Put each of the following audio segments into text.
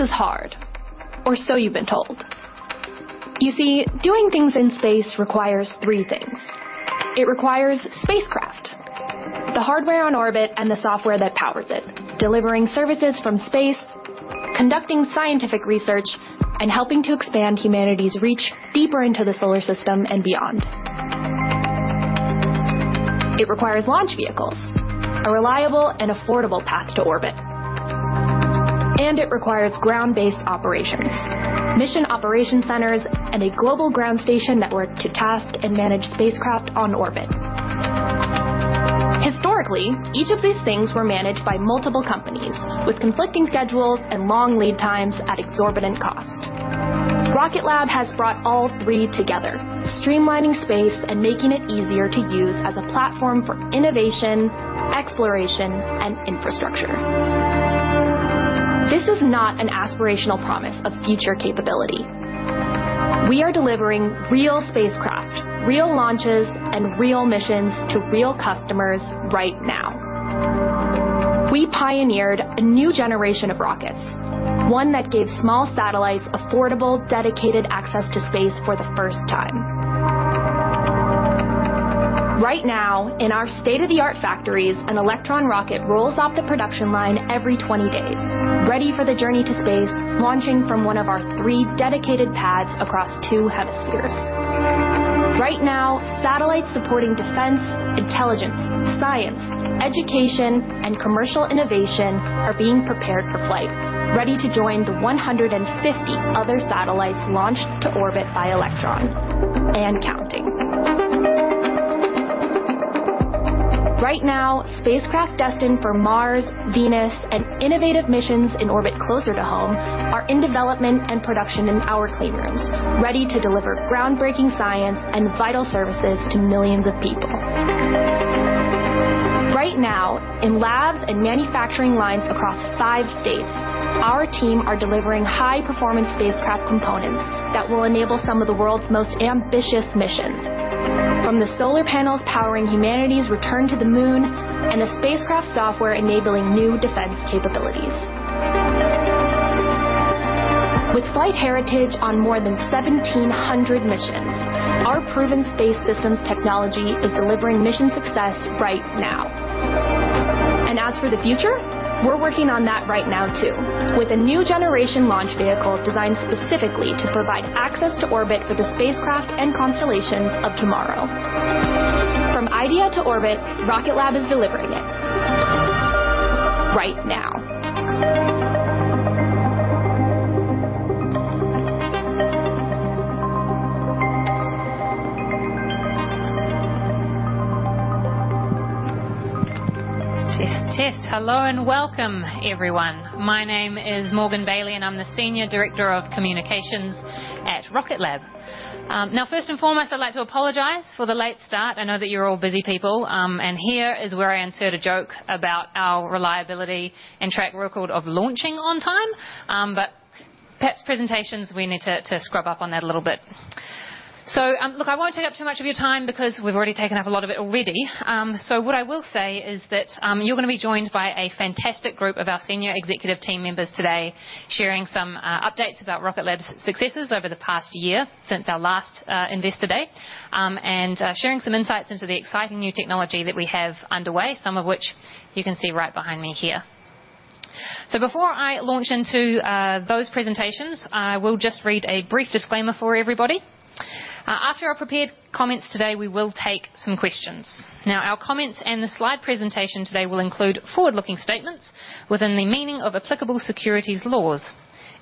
Space is hard, or so you've been told. You see, doing things in space requires three things. It requires spacecraft, the hardware on orbit and the software that powers it, delivering services from space, conducting scientific research, and helping to expand humanity's reach deeper into the solar system and beyond. It requires launch vehicles, a reliable and affordable path to orbit. It requires ground-based operations, mission operation centers, and a global ground station network to task and manage spacecraft on orbit. Historically, each of these things were managed by multiple companies with conflicting schedules and long lead times at exorbitant cost. Rocket Lab has brought all three together, streamlining space and making it easier to use as a platform for innovation, exploration, and infrastructure. This is not an aspirational promise of future capability. We are delivering real spacecraft, real launches, and real missions to real customers right now. We pioneered a new generation of rockets, one that gave small satellites affordable, dedicated access to space for the first time. Right now, in our state-of-the-art factories, an Electron rocket rolls off the production line every 20 days, ready for the journey to space, launching from one of our three dedicated pads across two hemispheres. Right now, satellites supporting defense, intelligence, science, education, and commercial innovation are being prepared for flight, ready to join the 150 other satellites launched to orbit by Electron, and counting. Right now, spacecraft destined for Mars, Venus, and innovative missions in orbit closer to home are in development and production in our clean rooms, ready to deliver groundbreaking science and vital services to millions of people. Right now, in labs and manufacturing lines across five states, our team are delivering high-performance spacecraft components that will enable some of the world's most ambitious missions, from the solar panels powering humanity's return to the Moon and the spacecraft software enabling new defense capabilities. With flight heritage on more than 1,700 missions, our proven space systems technology is delivering mission success right now. As for the future, we're working on that right now, too, with a new generation launch vehicle designed specifically to provide access to orbit for the spacecraft and constellations of tomorrow. From idea to orbit, Rocket Lab is delivering it right now. Test, test. Hello and welcome, everyone. My name is Morgan Bailey, and I'm the Senior Director of Communications at Rocket Lab. Now, first and foremost, I'd like to apologize for the late start. I know that you're all busy people. Here is where I insert a joke about our reliability and track record of launching on time. Perhaps presentations we need to scrub up on that a little bit. Look, I won't take up too much of your time because we've already taken up a lot of it already. What I will say is that, you're gonna be joined by a fantastic group of our senior executive team members today, sharing some updates about Rocket Lab's successes over the past year since our last Investor Day, and sharing some insights into the exciting new technology that we have underway, some of which you can see right behind me here. Before I launch into those presentations, I will just read a brief disclaimer for everybody. After our prepared comments today, we will take some questions. Now, our comments and the slide presentation today will include forward-looking statements within the meaning of applicable securities laws.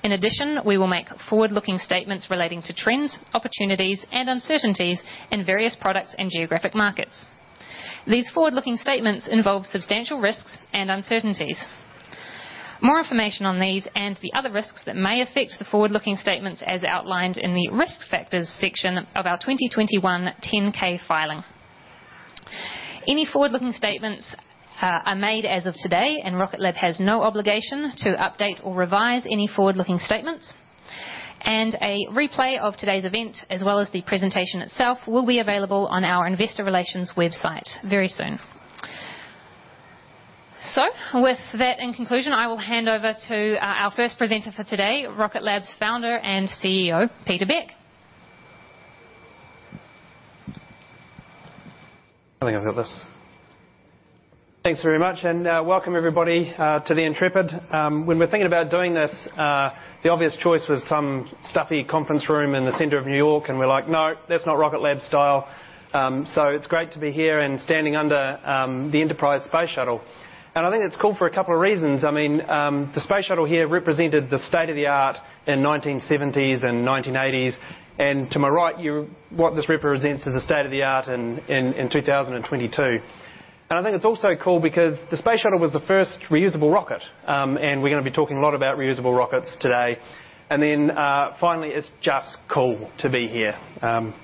In addition, we will make forward-looking statements relating to trends, opportunities, and uncertainties in various products and geographic markets. These forward-looking statements involve substantial risks and uncertainties. More information on these and the other risks that may affect the forward-looking statements as outlined in the Risk Factors section of our 2021 10-K filing. Any forward-looking statements are made as of today, and Rocket Lab has no obligation to update or revise any forward-looking statements. A replay of today's event, as well as the presentation itself, will be available on our investor relations website very soon. With that, in conclusion, I will hand over to our first presenter for today, Rocket Lab's founder and CEO, Peter Beck. I think I've got this. Thanks very much. Welcome everybody to the Intrepid. When we were thinking about doing this, the obvious choice was some stuffy conference room in the center of New York, and we're like, "No, that's not Rocket Lab style." So it's great to be here and standing under the Enterprise space shuttle. I think it's cool for a couple of reasons. I mean, the space shuttle here represented the state-of-the-art in the 1970s and 1980s. To my right, what this represents is the state-of-the-art in 2022. I think it's also cool because the space shuttle was the first reusable rocket. We're gonna be talking a lot about reusable rockets today. Finally, it's just cool to be here,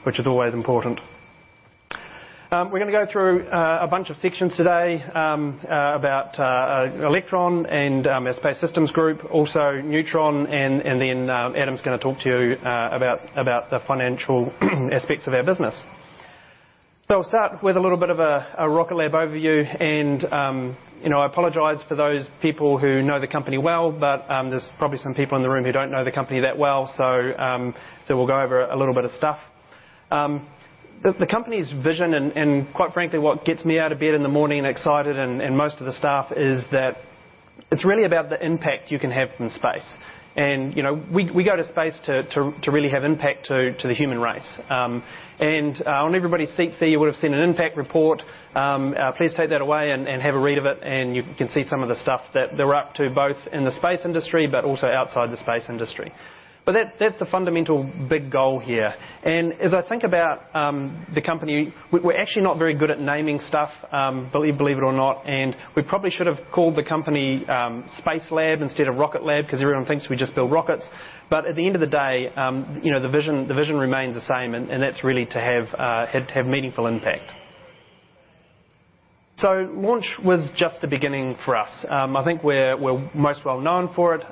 which is always important. We're gonna go through a bunch of sections today about Electron and our Space Systems Group, also Neutron, and then Adam's gonna talk to you about the financial aspects of our business. I'll start with a little bit of a Rocket Lab overview and you know, I apologize for those people who know the company well, but there's probably some people in the room who don't know the company that well. We'll go over a little bit of stuff. The company's vision and quite frankly, what gets me out of bed in the morning excited and most of the staff is that it's really about the impact you can have from space. You know, we go to space to really have impact to the human race. On everybody's seats there, you would've seen an impact report. Please take that away and have a read of it, and you can see some of the stuff that they're up to, both in the space industry but also outside the space industry. That's the fundamental big goal here. As I think about the company, we're actually not very good at naming stuff, believe it or not, and we probably should have called the company Space Lab instead of Rocket Lab because everyone thinks we just build rockets. At the end of the day, you know, the vision remains the same. That's really to have meaningful impact. Launch was just the beginning for us. I think we're most well known for it.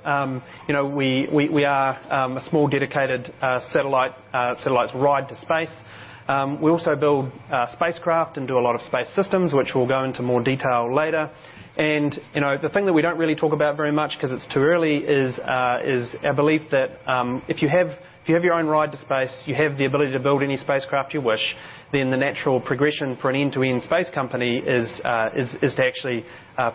You know, we are a small dedicated satellite rideshare to space. We also build spacecraft and do a lot of space systems, which we'll go into more detail later. You know, the thing that we don't really talk about very much 'cause it's too early is our belief that if you have your own ride to space, you have the ability to build any spacecraft you wish, then the natural progression for an end-to-end space company is to actually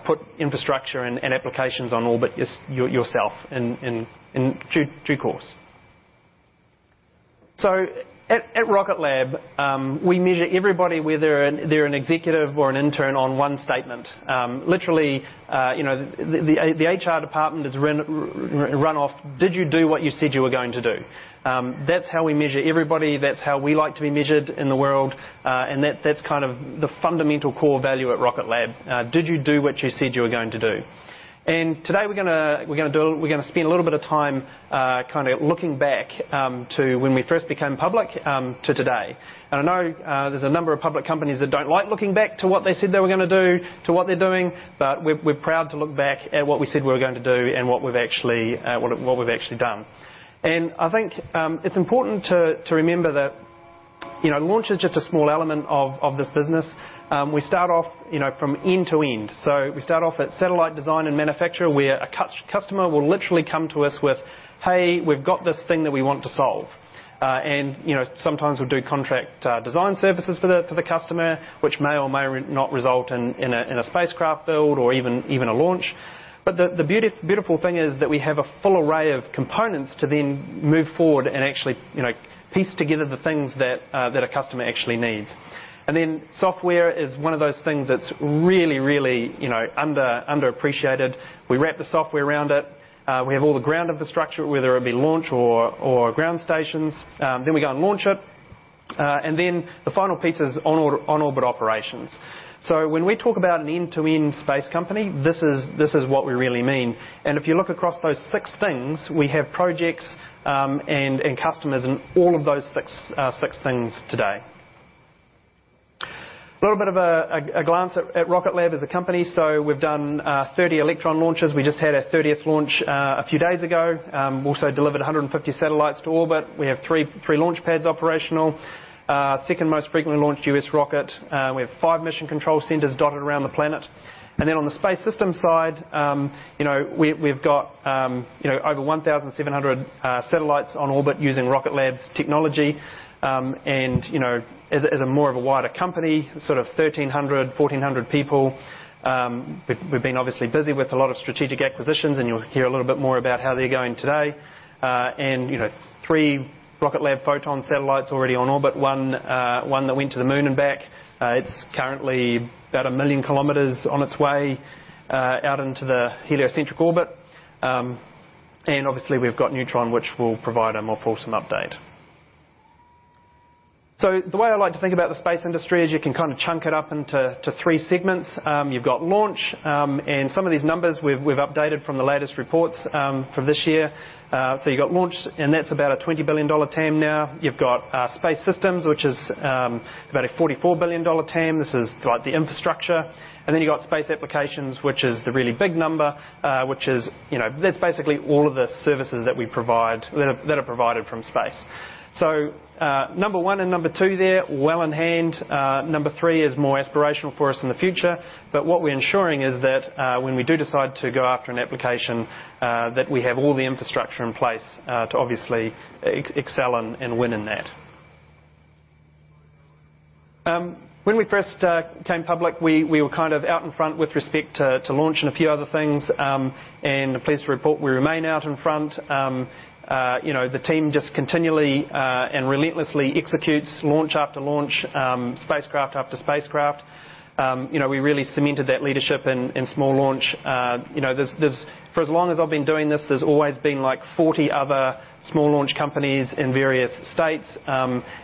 put infrastructure and applications on orbit yourself in due course. At Rocket Lab, we measure everybody, whether they're an executive or an intern, on one statement. Literally, you know, the HR department is run off, "Did you do what you said you were going to do?" That's how we measure everybody. That's how we like to be measured in the world. That's kind of the fundamental core value at Rocket Lab. Did you do what you said you were going to do? Today we're gonna spend a little bit of time kinda looking back to when we first became public to today. I know there's a number of public companies that don't like looking back to what they said they were gonna do to what they're doing. We're proud to look back at what we said we were going to do and what we've actually done. I think it's important to remember that, you know, launch is just a small element of this business. We start off, you know, from end to end. We start off at satellite design and manufacture, a customer will literally come to us with, "Hey, we've got this thing that we want to solve." You know, sometimes we'll do contract design services for the customer, which may or may not result in a spacecraft build or even a launch. The beautiful thing is that we have a full array of components to then move forward and actually, you know, piece together the things that a customer actually needs. Then software is one of those things that's really, you know, underappreciated. We wrap the software around it. We have all the ground infrastructure, whether it be launch or ground stations. Then we go and launch it. The final piece is on-orbit operations. When we talk about an end-to-end space company, this is what we really mean. If you look across those six things, we have projects and customers in all of those six things today. A little bit of a glance at Rocket Lab as a company. We've done 30 Electron launches. We just had our 30th launch a few days ago. Also delivered 150 satellites to orbit. We have three launch pads operational. Second-most frequently launched US rocket. We have 5 mission control centers dotted around the planet. On the space systems side, you know, we've got over 1,700 satellites on orbit using Rocket Lab's technology. You know, as more of a wider company, sort of 1,300, 1,400 people. We've been obviously busy with a lot of strategic acquisitions, and you'll hear a little bit more about how they're going today. Three Rocket Lab Photon satellites already on orbit. One that went to the Moon and back. It's currently about 1 million kilometers on its way out into the heliocentric orbit. Obviously we've got Neutron, which we'll provide a more fulsome update. The way I like to think about the space industry is you can kind of chunk it up into three segments. You've got launch, and some of these numbers we've updated from the latest reports from this year. You've got launch, and that's about a $20 billion TAM now. You've got space systems, which is about a $44 billion TAM. This is like the infrastructure. Then you've got space applications, which is the really big number, which is, you know, that's basically all of the services that we provide that are provided from space. Number one and number two there, well in hand. Number three is more aspirational for us in the future. What we're ensuring is that when we do decide to go after an application that we have all the infrastructure in place to obviously excel and win in that. When we first came public, we were kind of out in front with respect to launch and a few other things. I'm pleased to report we remain out in front. You know, the team just continually and relentlessly executes launch after launch, spacecraft after spacecraft. You know, we really cemented that leadership in small launch. You know, for as long as I've been doing this, there's always been like 40 other small launch companies in various states.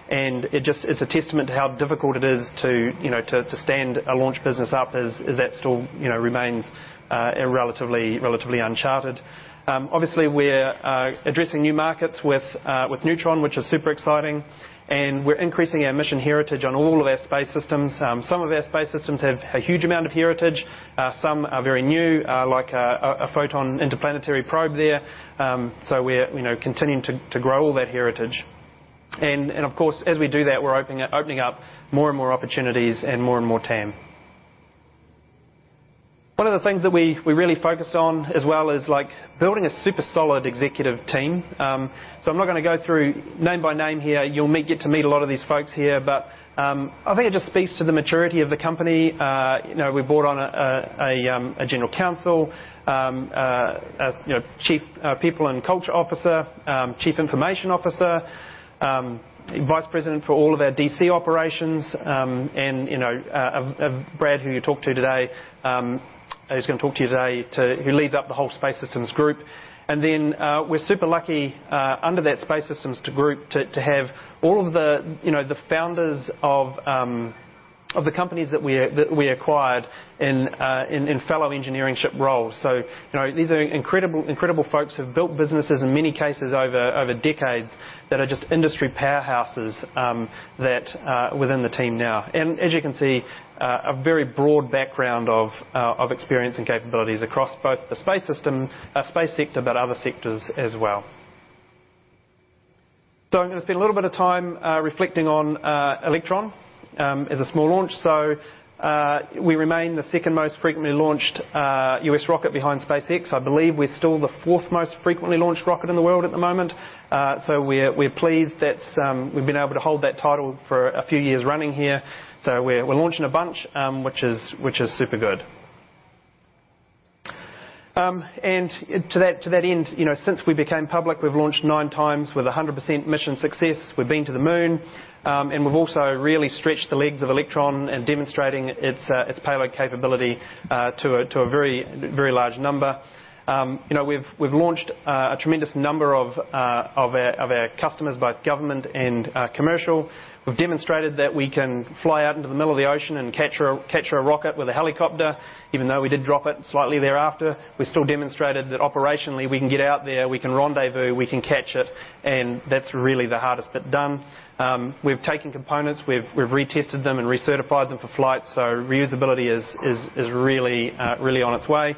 It's a testament to how difficult it is to, you know, to stand a launch business up as that still, you know, remains relatively uncharted. Obviously we're addressing new markets with Neutron, which is super exciting. We're increasing our mission heritage on all of our space systems. Some of our space systems have a huge amount of heritage. Some are very new, like a Photon interplanetary probe there. We're continuing to, you know, grow all that heritage. Of course, as we do that, we're opening up more and more opportunities and more and more TAM. One of the things that we really focus on as well is like building a super solid executive team. I'm not gonna go through name by name here. You'll get to meet a lot of these folks here. I think it just speaks to the maturity of the company. You know, we brought on a general counsel, a chief people and culture officer, chief information officer, vice president for all of our D.C. operations, and you know, Brad, who you talked to today, is gonna talk to you today. He leads up the whole Space Systems group. We're super lucky under that Space Systems group to have all of the, you know, the founders of the companies that we acquired in leadership roles. You know, these are incredible folks who've built businesses in many cases over decades that are just industry powerhouses that are within the team now. As you can see, a very broad background of experience and capabilities across both the space system, space sector, but other sectors as well. I'm gonna spend a little bit of time reflecting on Electron as a small launch. We remain the second most frequently launched U.S. rocket behind SpaceX. I believe we're still the fourth most frequently launched rocket in the world at the moment. We're pleased that we've been able to hold that title for a few years running here. We're launching a bunch, which is super good. To that end, you know, since we became public, we've launched nine times with 100% mission success. We've been to the moon, and we've also really stretched the legs of Electron in demonstrating its payload capability to a very large number. You know, we've launched a tremendous number of our customers, both government and commercial. We've demonstrated that we can fly out into the middle of the ocean and capture a rocket with a helicopter. Even though we did drop it slightly thereafter, we still demonstrated that operationally, we can get out there, we can rendezvous, we can catch it, and that's really the hardest bit done. We've taken components, we've retested them and recertified them for flight, so reusability is really on its way.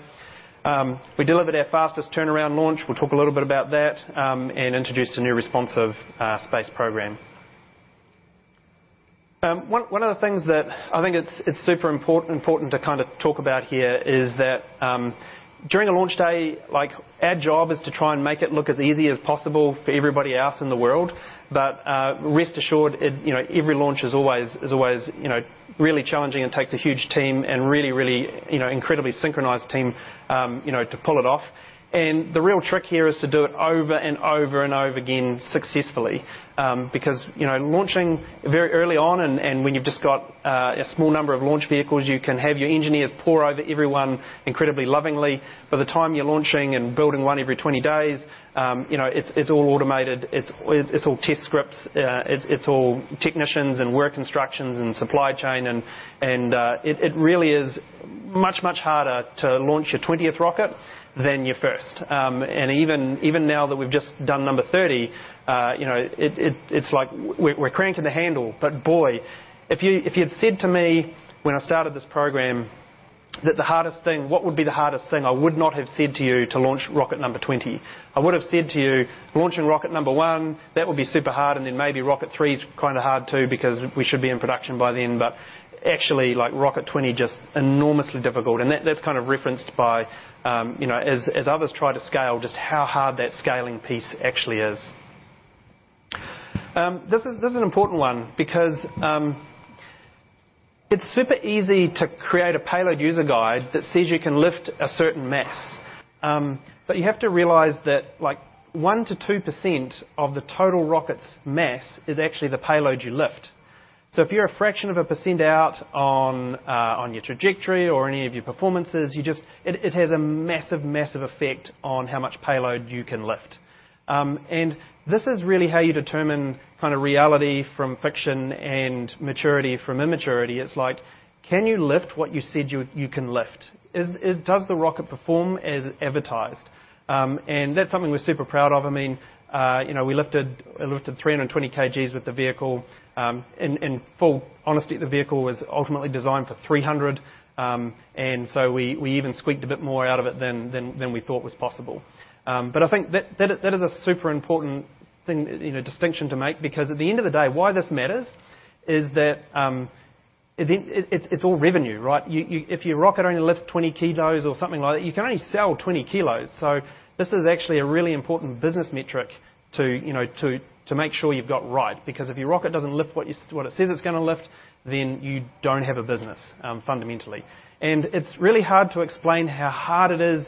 We delivered our fastest turnaround launch. We'll talk a little bit about that, and introduced a new responsive space program. One of the things that I think it's super important to kinda talk about here is that, during a launch day, like our job is to try and make it look as easy as possible for everybody else in the world. But rest assured, you know, every launch is always really challenging and takes a huge team and really incredibly synchronized team, you know, to pull it off. The real trick here is to do it over and over and over again successfully. Because, you know, launching very early on and when you've just got a small number of launch vehicles, you can have your engineers pore over every one incredibly lovingly. By the time you're launching and building one every 20 days, you know, it's all automated, it's all test scripts, it's all technicians and work instructions and supply chain and it really is much harder to launch your 20th rocket than your first. Even now that we've just done number 30, you know, it's like we're cranking the handle. Boy, if you'd said to me when I started this program that the hardest thing, what would be the hardest thing, I would not have said to you to launch rocket number 20. I would have said to you, "Launching rocket number one, that would be super hard, and then maybe rocket three is kinda hard too, because we should be in production by then." Actually, like rocket 20, just enormously difficult. That's kind of referenced by, as others try to scale just how hard that scaling piece actually is. This is an important one because it's super easy to create a payload user guide that says you can lift a certain mass. You have to realize that like 1%-2% of the total rocket's mass is actually the payload you lift. If you're a fraction of a percent out on your trajectory or any of your performances, it has a massive effect on how much payload you can lift. This is really how you determine kinda reality from fiction and maturity from immaturity. It's like, can you lift what you said you can lift? Does the rocket perform as advertised? That's something we're super proud of. I mean, you know, we lifted 320 kgs with the vehicle. In full honesty, the vehicle was ultimately designed for 300, and so we even squeaked a bit more out of it than we thought was possible. I think that is a super important thing, you know, distinction to make because at the end of the day, why this matters is that, at the end it's all revenue, right? If your rocket only lifts 20 kilos or something like that, you can only sell 20 kilos. This is actually a really important business metric to, you know, to make sure you've got right. Because if your rocket doesn't lift what it says it's gonna lift, then you don't have a business, fundamentally. It's really hard to explain how hard it is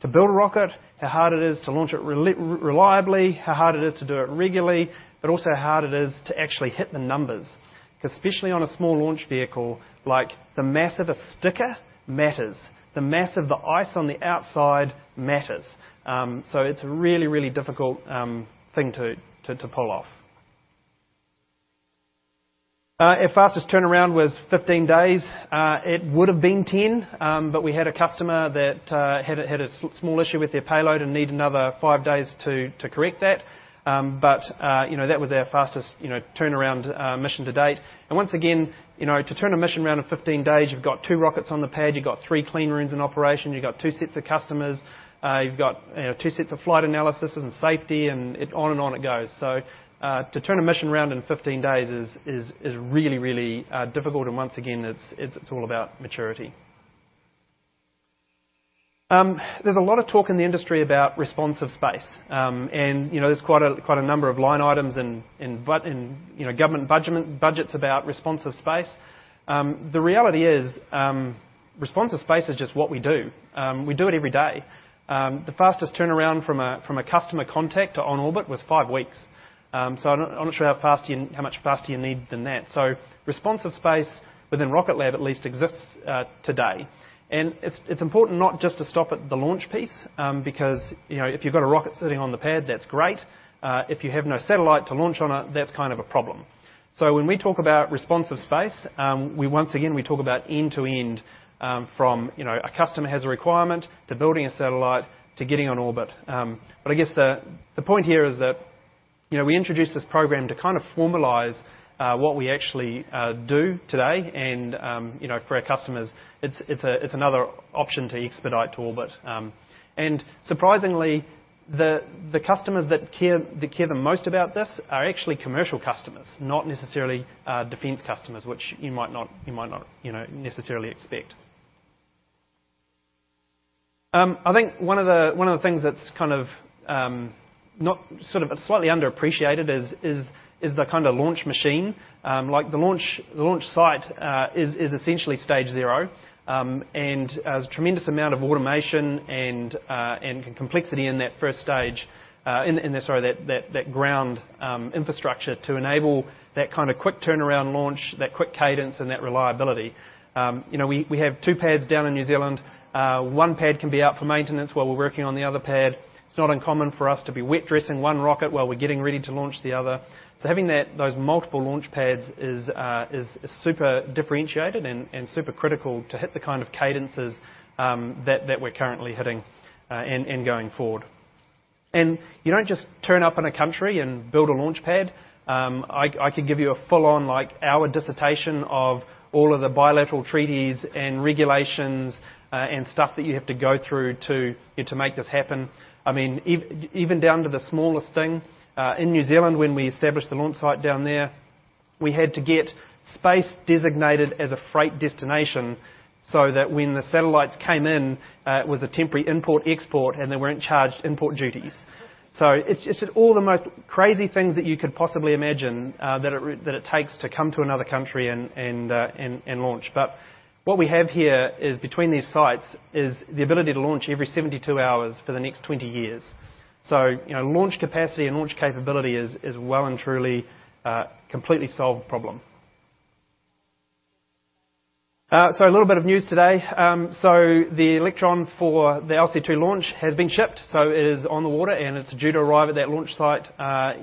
to build a rocket, how hard it is to launch it reliably, how hard it is to do it regularly, but also how hard it is to actually hit the numbers. 'Cause especially on a small launch vehicle, like the mass of a sticker matters. The mass of the ice on the outside matters. So it's a really, really difficult thing to pull off. Our fastest turnaround was 15 days. It would have been 10, but we had a customer that had a small issue with their payload and needed another five days to correct that. You know, that was our fastest turnaround mission to date. Once again, you know, to turn a mission around in 15 days, you've got two rockets on the pad, you've got three clean rooms in operation, you've got two sets of customers, you know, two sets of flight analysis and safety and it on and on it goes. To turn a mission around in 15 days is really difficult and once again, it's all about maturity. There's a lot of talk in the industry about responsive space. You know, there's quite a number of line items in government budgets about responsive space. The reality is, responsive space is just what we do. We do it every day. The fastest turnaround from a customer contact to on orbit was five weeks. I'm not sure how much faster you need than that. Responsive space within Rocket Lab at least exists today. It's important not just to stop at the launch piece, because you know, if you've got a rocket sitting on the pad, that's great. If you have no satellite to launch on it, that's kind of a problem. When we talk about responsive space, we once again we talk about end-to-end from you know a customer has a requirement to building a satellite to getting on orbit. I guess the point here is that you know we introduced this program to kind of formalize what we actually do today. You know for our customers it's another option to expedite to orbit. Surprisingly the customers that care the most about this are actually commercial customers not necessarily defense customers which you might not you know necessarily expect. I think one of the things that's kind of sort of slightly underappreciated is the kind of launch machine. Like the launch site is essentially stage zero. There's tremendous amount of automation and complexity in that first stage, in that ground infrastructure to enable that kinda quick turnaround launch, that quick cadence and that reliability. You know, we have two pads down in New Zealand. One pad can be out for maintenance while we're working on the other pad. It's not uncommon for us to be wet dressing one rocket while we're getting ready to launch the other. Having those multiple launch pads is super differentiated and super critical to hit the kind of cadences that we're currently hitting and going forward. You don't just turn up in a country and build a launch pad. I could give you a full-on like hour dissertation of all of the bilateral treaties and regulations, and stuff that you have to go through to make this happen. I mean, even down to the smallest thing. In New Zealand, when we established the launch site down there, we had to get space designated as a freight destination so that when the satellites came in, it was a temporary import/export, and they weren't charged import duties. It's all the most crazy things that you could possibly imagine, that it takes to come to another country and launch. What we have here is between these sites is the ability to launch every 72 hours for the next 20 years. You know, launch capacity and launch capability is well and truly a completely solved problem. A little bit of news today. The Electron for the LC-2 launch has been shipped, so it is on the water, and it's due to arrive at that launch site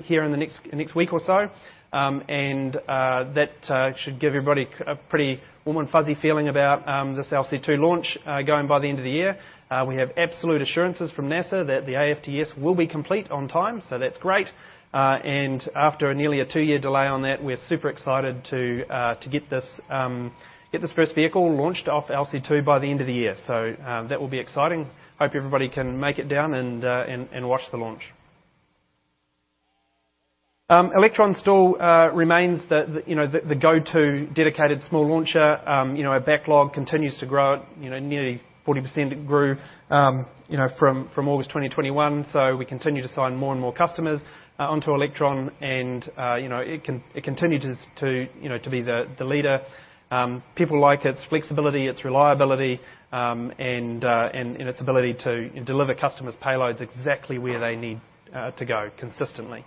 here in the next week or so. That should give everybody a pretty warm and fuzzy feeling about this LC-2 launch going by the end of the year. We have absolute assurances from NASA that the AFTS will be complete on time, so that's great. After nearly a two-year delay on that, we're super excited to get this first vehicle launched off LC-2 by the end of the year. That will be exciting. Hope everybody can make it down and watch the launch. Electron still remains the go-to dedicated small launcher. Our backlog continues to grow. Nearly 40% it grew from August 2021. We continue to sign more and more customers onto Electron and it continues to be the leader. People like its flexibility, its reliability, and its ability to deliver customers' payloads exactly where they need to go consistently.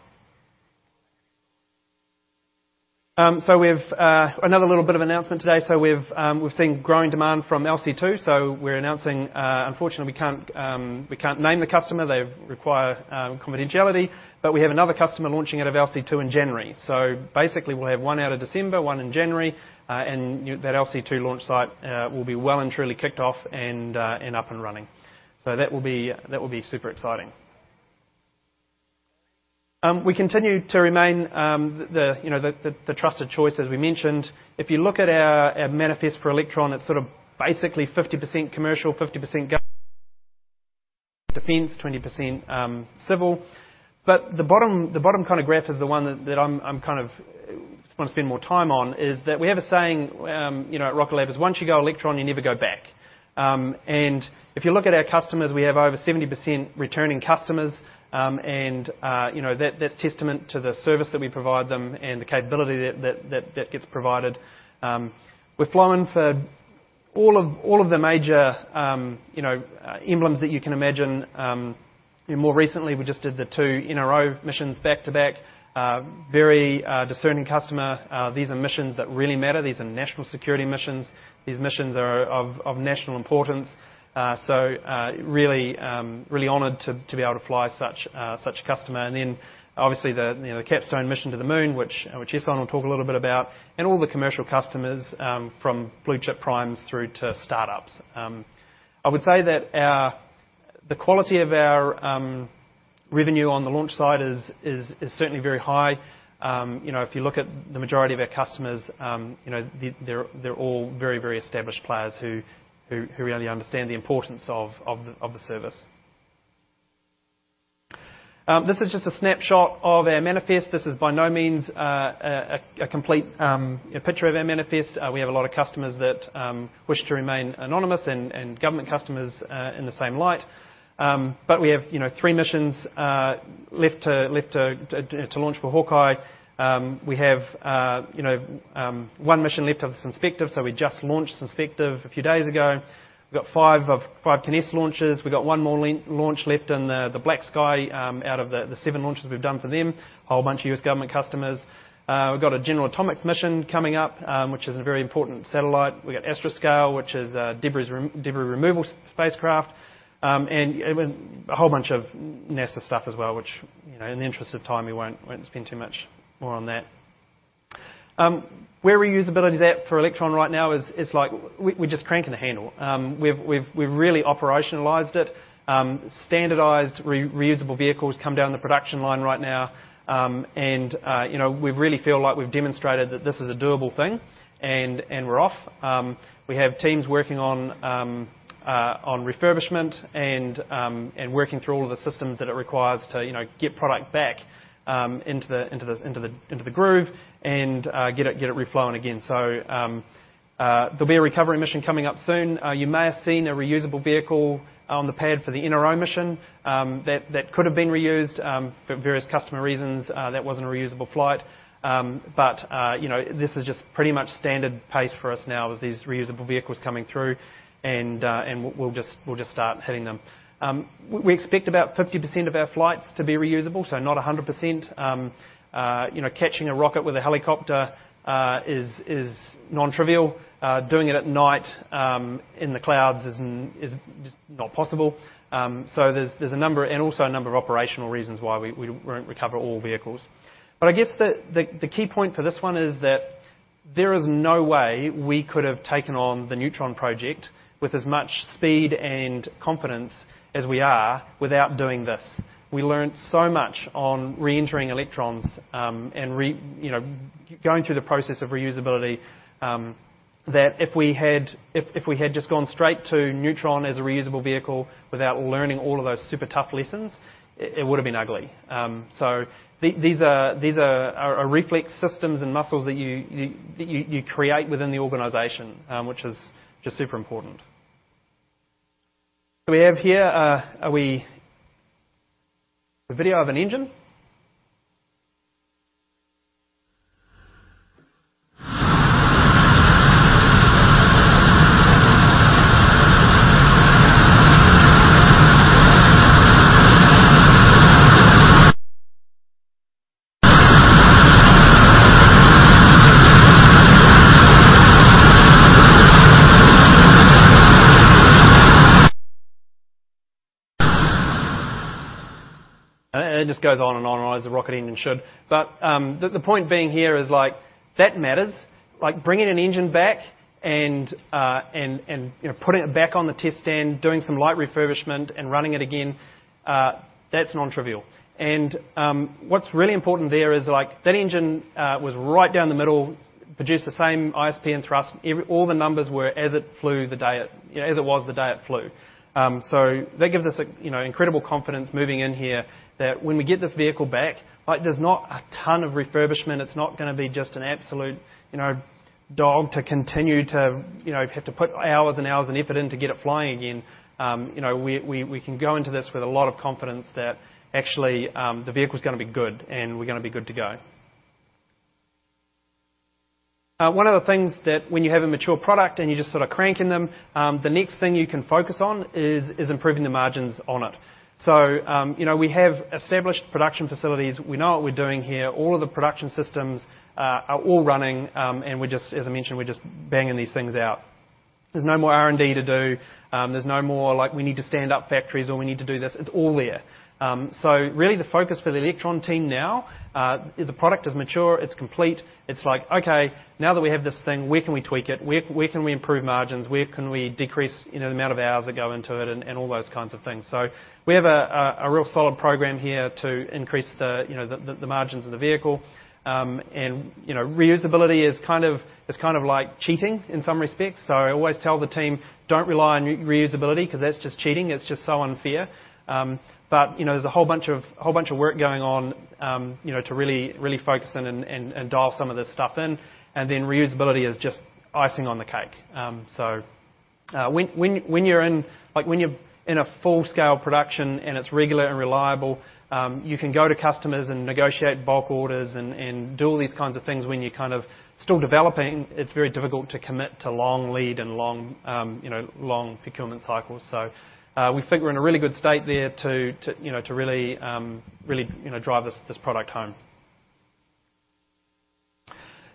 We have another little bit of announcement today. We've seen growing demand from LC-2. We're announcing, unfortunately, we can't name the customer. They require confidentiality, but we have another customer launching out of LC-2 in January. Basically, we'll have one out of December, one in January, and that LC-2 launch site will be well and truly kicked off and up and running. That will be super exciting. We continue to remain, you know, the trusted choice, as we mentioned. If you look at our manifest for Electron, it's sort of basically 50% commercial, 50% government defense, 20% civil. The bottom kind of graph is the one that I'm kind of wanna spend more time on, is that we have a saying at Rocket Lab is, "Once you go Electron, you never go back." If you look at our customers, we have over 70% returning customers. That that's testament to the service that we provide them and the capability that gets provided. We're flying for all of the major names that you can imagine. More recently, we just did the two NRO missions back to back. Very discerning customer. These are missions that really matter. These are national security missions. These missions are of national importance. Really honored to be able to fly such a customer. Obviously, you know, the CAPSTONE mission to the Moon, which Ehson will talk a little bit about, and all the commercial customers from blue-chip primes through to startups. I would say that the quality of our revenue on the launch side is certainly very high. You know, if you look at the majority of our customers, they're all very established players who really understand the importance of the service. This is just a snapshot of our manifest. This is by no means a complete picture of our manifest. We have a lot of customers that wish to remain anonymous and government customers in the same light. We have, you know, three missions left to launch for Hawkeye. We have, you know, one mission left of Synspective. We just launched Synspective a few days ago. We've got five of five Kinéis launches. We've got one more launch left in the BlackSky out of the seven launches we've done for them. A whole bunch of U.S. government customers. We've got a General Atomics mission coming up, which is a very important satellite. We got Astroscale, which is a debris removal spacecraft. A whole bunch of NASA stuff as well, which, you know, in the interest of time, we won't spend too much more on that. Where reusability's at for Electron right now is like we're just cranking the handle. We've really operationalized it. Standardized reusable vehicles come down the production line right now. You know, we really feel like we've demonstrated that this is a doable thing, and we're off. We have teams working on refurbishment and working through all of the systems that it requires to, you know, get product back into the groove and get it reflown again. There'll be a recovery mission coming up soon. You may have seen a reusable vehicle on the pad for the NRO mission that could have been reused for various customer reasons that wasn't a reusable flight. You know, this is just pretty much standard pace for us now with these reusable vehicles coming through and we'll just start hitting them. We expect about 50% of our flights to be reusable, so not 100%. You know, catching a rocket with a helicopter is nontrivial. Doing it at night in the clouds is just not possible. There's a number and also a number of operational reasons why we won't recover all vehicles. I guess the key point for this one is that there is no way we could have taken on the Neutron project with as much speed and confidence as we are without doing this. We learned so much on reentering Electrons and you know, going through the process of reusability, that if we had just gone straight to Neutron as a reusable vehicle without learning all of those super tough lessons, it would've been ugly. These are reflex systems and muscles that you create within the organization, which is just super important. We have here a video of an engine. It just goes on and on as a rocket engine should. The point being here is, like, that matters. Like, bringing an engine back and you know, putting it back on the test stand, doing some light refurbishment and running it again, that's nontrivial. What's really important there is, like, that engine was right down the middle, produced the same ISP and thrust. All the numbers were as it flew the day it, you know, as it was the day it flew. That gives us a, you know, incredible confidence moving in here that when we get this vehicle back, like, there's not a ton of refurbishment. It's not gonna be just an absolute, you know, dog to continue to, you know, have to put hours and hours and effort in to get it flying again. You know, we can go into this with a lot of confidence that actually, the vehicle's gonna be good, and we're gonna be good to go. One of the things that when you have a mature product and you're just sorta cranking them, the next thing you can focus on is improving the margins on it. You know, we have established production facilities. We know what we're doing here. All of the production systems are all running. As I mentioned, we're just banging these things out. There's no more R&D to do. There's no more, like, we need to stand up factories or we need to do this. It's all there. Really the focus for the Electron team now, the product is mature, it's complete. It's like, okay, now that we have this thing, where can we tweak it? Where can we improve margins? Where can we decrease, you know, the amount of hours that go into it? All those kinds of things. We have a real solid program here to increase you know, the margins of the vehicle. You know, reusability is kind of like cheating in some respects. I always tell the team, "Don't rely on reusability 'cause that's just cheating. It's just so unfair." You know, there's a whole bunch of work going on, you know, to really focus and dial some of this stuff in. Reusability is just icing on the cake. When you're in, like, a full-scale production and it's regular and reliable, you can go to customers and negotiate bulk orders and do all these kinds of things. When you're kind of still developing, it's very difficult to commit to long lead and long, you know, long procurement cycles. We think we're in a really good state there to, you know, to really, you know, drive this product home.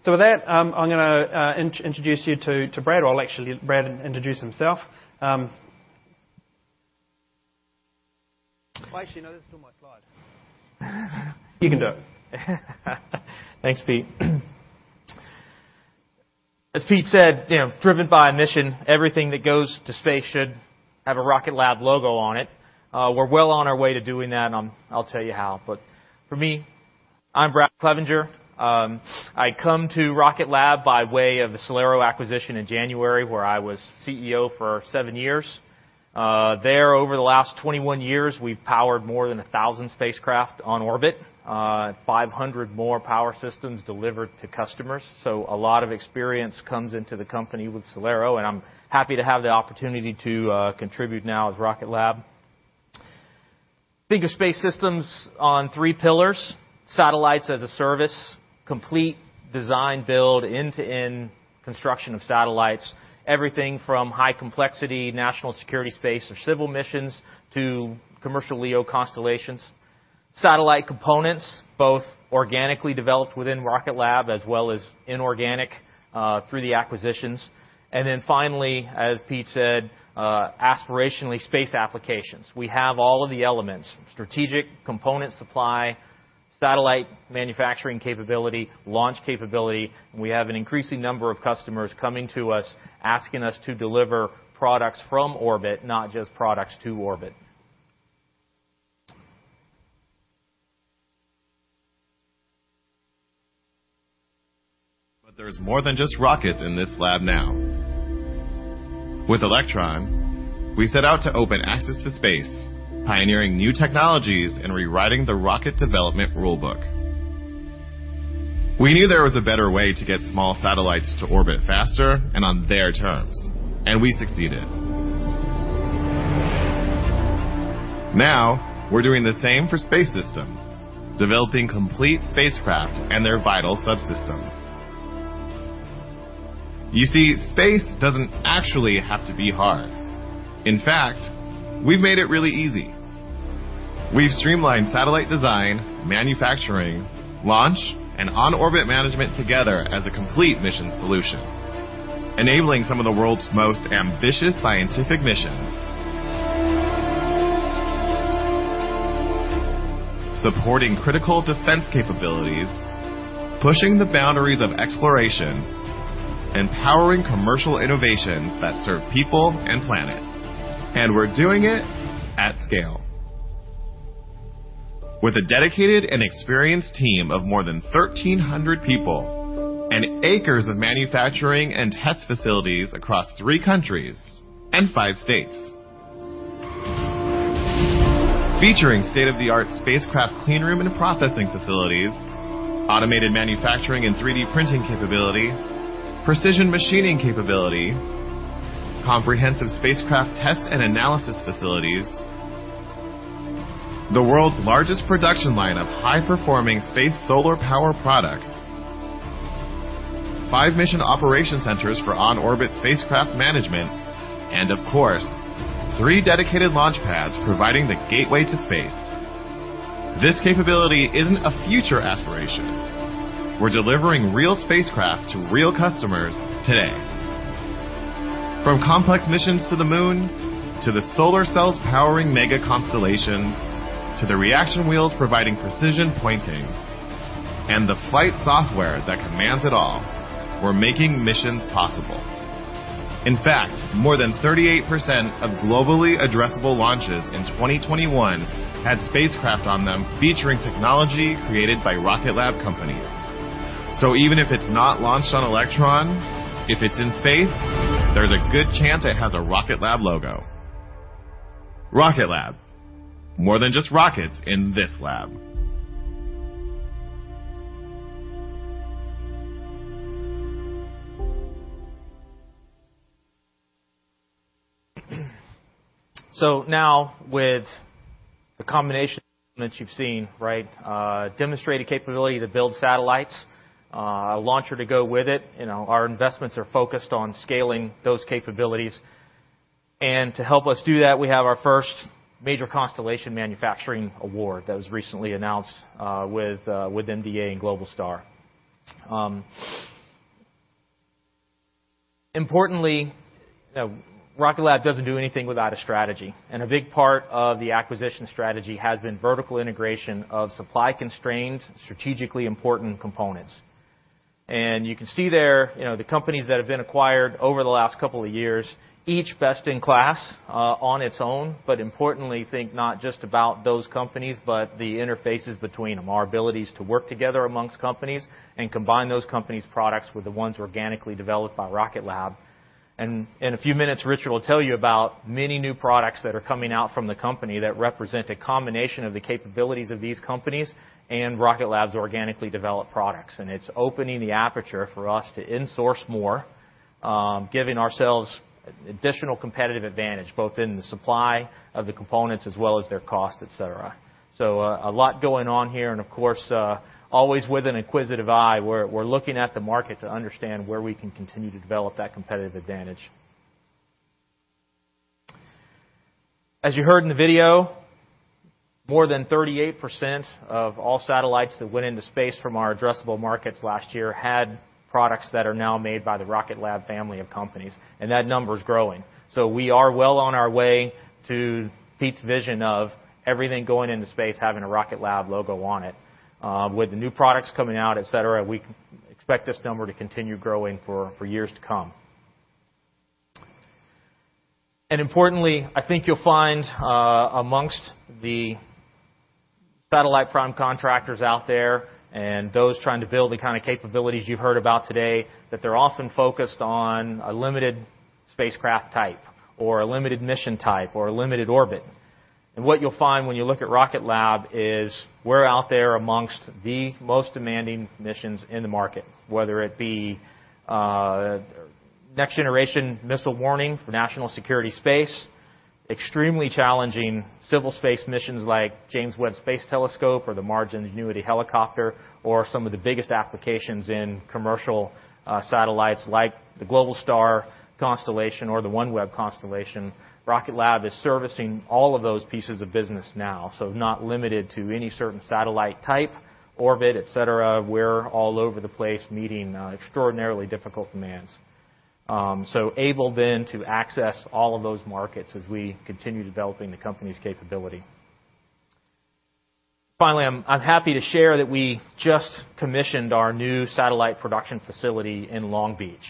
With that, I'm gonna introduce you to Brad, or I'll actually let Brad introduce himself. I actually know this is still my slide. You can do it. Thanks, Pete. As Pete said, you know, driven by a mission, everything that goes to space should have a Rocket Lab logo on it. We're well on our way to doing that, and I'll tell you how. But for me, I'm Brad Clevenger. I come to Rocket Lab by way of the SolAero acquisition in January, where I was CEO for seven years. There over the last 21 years, we've powered more than 1,000 spacecraft on orbit, 500 more power systems delivered to customers. So a lot of experience comes into the company with SolAero, and I'm happy to have the opportunity to contribute now with Rocket Lab. Think of space systems on three pillars, satellites as a service, complete design build end-to-end construction of satellites, everything from high complexity, national security space or civil missions to commercial LEO constellations. Satellite components, both organically developed within Rocket Lab as well as inorganic through the acquisitions. Then finally, as Peter said, aspirationally space applications. We have all of the elements, strategic component supply, satellite manufacturing capability, launch capability. We have an increasing number of customers coming to us, asking us to deliver products from orbit, not just products to orbit. There's more than just rockets in this lab now. With Electron, we set out to open access to space, pioneering new technologies and rewriting the rocket development rule book. We knew there was a better way to get small satellites to orbit faster and on their terms, and we succeeded. Now, we're doing the same for Space Systems, developing complete spacecraft and their vital subsystems. You see, space doesn't actually have to be hard. In fact, we've made it really easy. We've streamlined satellite design, manufacturing, launch, and on-orbit management together as a complete mission solution, enabling some of the world's most ambitious scientific missions. Supporting critical defense capabilities, pushing the boundaries of exploration, and powering commercial innovations that serve people and planet. We're doing it at scale. With a dedicated and experienced team of more than 1,300 people and acres of manufacturing and test facilities across three countries and five states. Featuring state-of-the-art spacecraft clean room and processing facilities, automated manufacturing and 3D printing capability, precision machining capability, comprehensive spacecraft test and analysis facilities, the world's largest production line of high-performing space solar power products, five mission operation centers for on-orbit spacecraft management, and of course, three dedicated launch pads providing the gateway to space. This capability isn't a future aspiration. We're delivering real spacecraft to real customers today. From complex missions to the moon, to the solar cells powering mega constellations, to the reaction wheels providing precision pointing, and the flight software that commands it all, we're making missions possible. In fact, more than 38% of globally addressable launches in 2021 had spacecraft on them featuring technology created by Rocket Lab companies. Even if it's not launched on Electron, if it's in space, there's a good chance it has a Rocket Lab logo. Rocket Lab, more than just rockets in this lab. Now with the combination that you've seen, right, demonstrated capability to build satellites, a launcher to go with it. You know, our investments are focused on scaling those capabilities. To help us do that, we have our first major constellation manufacturing award that was recently announced, with MDA and Globalstar. Importantly, Rocket Lab doesn't do anything without a strategy, and a big part of the acquisition strategy has been vertical integration of supply constraints, strategically important components. You can see there, you know, the companies that have been acquired over the last couple of years, each best in class, on its own. Importantly, think not just about those companies, but the interfaces between them, our abilities to work together amongst companies and combine those companies' products with the ones organically developed by Rocket Lab. In a few minutes, Richard will tell you about many new products that are coming out from the company that represent a combination of the capabilities of these companies and Rocket Lab's organically developed products. It's opening the aperture for us to insource more, giving ourselves additional competitive advantage, both in the supply of the components as well as their cost, et cetera. A lot going on here, and of course, always with an inquisitive eye, we're looking at the market to understand where we can continue to develop that competitive advantage. As you heard in the video, more than 38% of all satellites that went into space from our addressable markets last year had products that are now made by the Rocket Lab family of companies, and that number is growing. We are well on our way to Pete's vision of everything going into space, having a Rocket Lab logo on it. With the new products coming out, et cetera, we expect this number to continue growing for years to come. Importantly, I think you'll find, among the satellite prime contractors out there and those trying to build the kind of capabilities you've heard about today, that they're often focused on a limited spacecraft type or a limited mission type or a limited orbit. What you'll find when you look at Rocket Lab is we're out there amongst the most demanding missions in the market, whether it be next generation missile warning for national security space, extremely challenging civil space missions like James Webb Space Telescope or the Mars Ingenuity helicopter, or some of the biggest applications in commercial satellites like the Globalstar constellation or the OneWeb constellation. Rocket Lab is servicing all of those pieces of business now, so not limited to any certain satellite type, orbit, et cetera. We're all over the place meeting extraordinarily difficult demands. So able then to access all of those markets as we continue developing the company's capability. Finally, I'm happy to share that we just commissioned our new satellite production facility in Long Beach.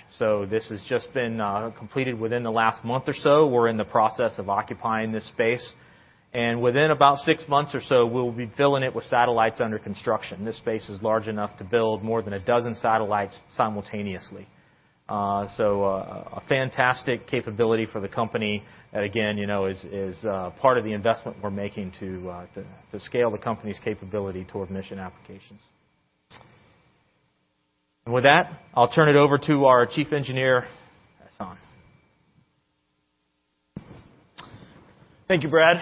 This has just been completed within the last month or so. We're in the process of occupying this space. Within about six months or so, we'll be filling it with satellites under construction. This space is large enough to build more than a dozen satellites simultaneously. A fantastic capability for the company. Again, you know, is part of the investment we're making to scale the company's capability toward mission applications. With that, I'll turn it over to our Chief Engineer, Ehson. Thank you, Brad.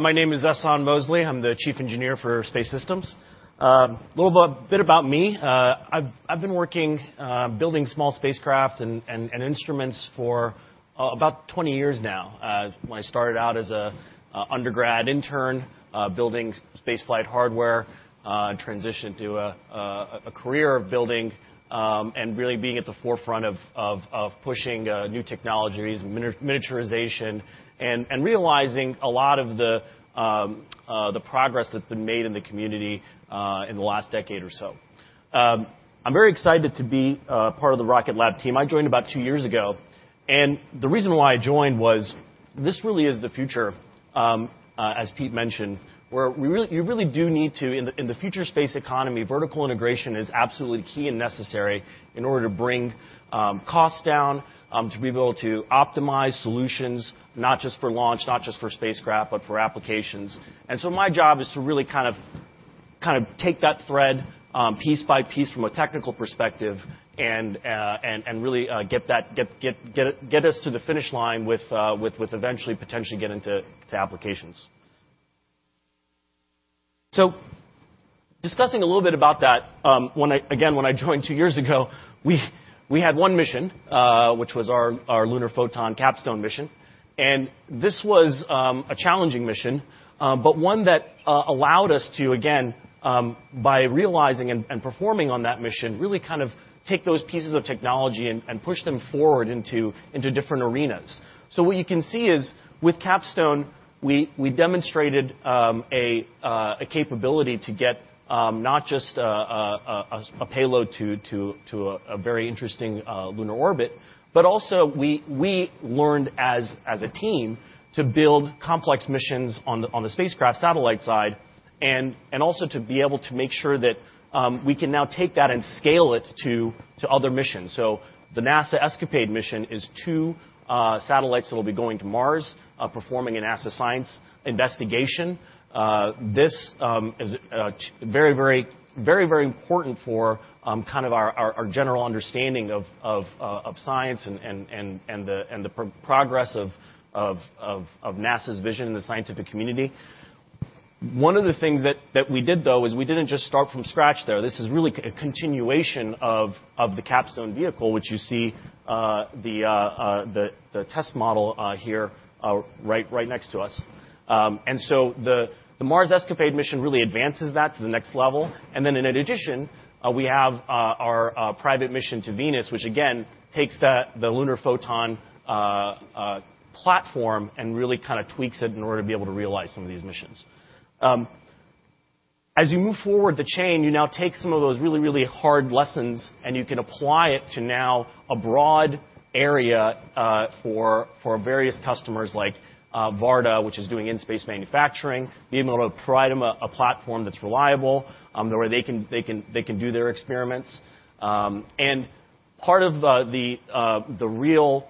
My name is Ehson Mosleh. I'm the chief engineer for Space Systems. A little bit about me. I've been working building small spacecraft and instruments for about 20 years now, when I started out as a undergrad intern building space flight hardware, transitioned to a career of building and really being at the forefront of pushing new technologies, miniaturization and realizing a lot of the progress that's been made in the community in the last decade or so. I'm very excited to be part of the Rocket Lab team. I joined about two years ago, and the reason why I joined was this really is the future, as Pete mentioned, where you really do need to. In the future space economy, vertical integration is absolutely key and necessary in order to bring costs down to be able to optimize solutions not just for launch, not just for spacecraft, but for applications. My job is to really kind of take that thread piece by piece from a technical perspective and really get us to the finish line with eventually potentially getting to applications. Discussing a little bit about that, again, when I joined two years ago, we had one mission, which was our Lunar Photon CAPSTONE mission, and this was a challenging mission, but one that allowed us to, again, by realizing and performing on that mission, really kind of take those pieces of technology and push them forward into different arenas. What you can see is with CAPSTONE, we demonstrated a capability to get not just a payload to a very interesting lunar orbit, but also we learned as a team to build complex missions on the spacecraft satellite side and also to be able to make sure that we can now take that and scale it to other missions. The NASA ESCAPADE mission is two satellites that will be going to Mars performing a NASA science investigation. This is very important for kind of our general understanding of science and the progress of NASA's vision in the scientific community. One of the things that we did though, is we didn't just start from scratch there. This is really continuation of the CAPSTONE vehicle, which you see, the test model here, right next to us. The Mars ESCAPADE mission really advances that to the next level. In addition, we have our private mission to Venus, which again takes the Lunar Photon platform and really kind of tweaks it in order to be able to realize some of these missions. As you move forward the chain, you now take some of those really hard lessons and you can apply it to now a broad area, for various customers like Varda, which is doing in-space manufacturing, being able to provide them a platform that's reliable, where they can do their experiments. Part of the real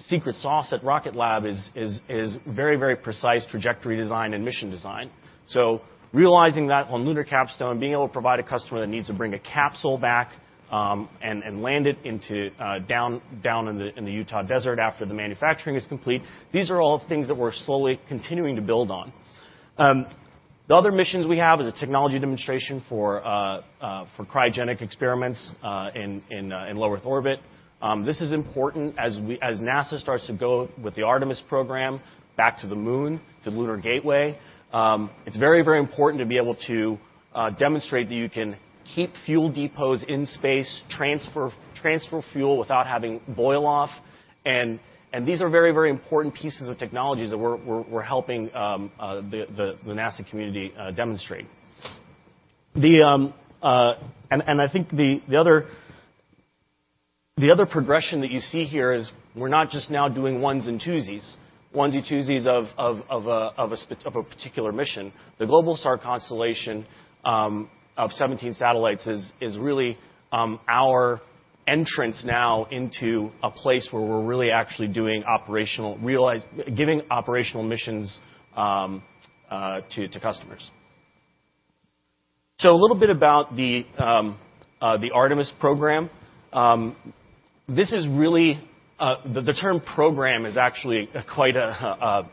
secret sauce at Rocket Lab is very precise trajectory design and mission design. Realizing that on Lunar CAPSTONE, being able to provide a customer that needs to bring a capsule back, and land it into down in the Utah desert after the manufacturing is complete, these are all things that we're slowly continuing to build on. The other missions we have is a technology demonstration for cryogenic experiments in low Earth orbit. This is important as NASA starts to go with the Artemis program back to the Moon, to Lunar Gateway. It's very, very important to be able to demonstrate that you can keep fuel depots in space, transfer fuel without having boil off. These are very, very important pieces of technologies that we're helping the NASA community demonstrate. The other progression that you see here is we're not just now doing onesies and twosies of a particular mission. The Globalstar constellation of 17 satellites is really our entrance now into a place where we're really actually giving operational missions to customers. A little bit about the Artemis program. This is really the term program is actually quite a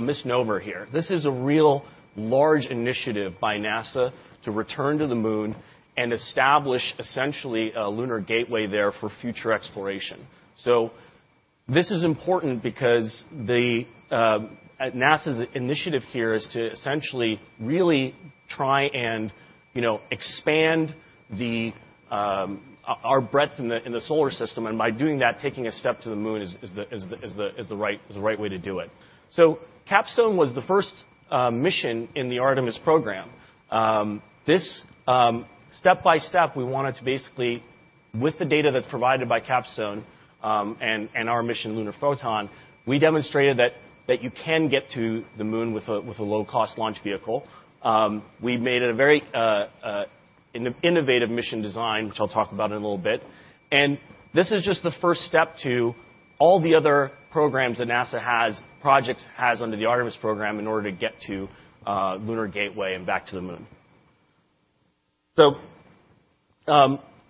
misnomer here. This is a really large initiative by NASA to return to the Moon and establish essentially a Lunar Gateway there for future exploration. This is important because NASA's initiative here is to essentially really try and, you know, expand our breadth in the Solar System, and by doing that, taking a step to the Moon is the right way to do it. CAPSTONE was the first mission in the Artemis program. This step-by-step, we wanted to basically, with the data that's provided by CAPSTONE, and our mission, Lunar Photon, we demonstrated that you can get to the Moon with a low-cost launch vehicle. We made a very innovative mission design, which I'll talk about in a little bit. This is just the first step to all the other programs that NASA has, projects it has under the Artemis program in order to get to Lunar Gateway and back to the Moon.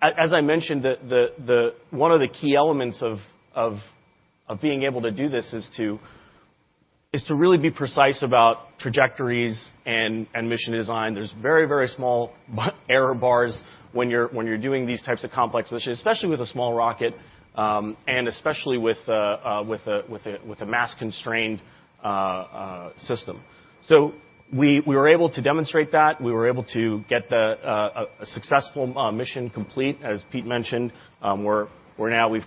As I mentioned, the one of the key elements of being able to do this is to really be precise about trajectories and mission design. There's very small error bars when you're doing these types of complex missions, especially with a small rocket, and especially with a mass-constrained system. We were able to demonstrate that. We were able to get a successful mission complete. As Pete mentioned,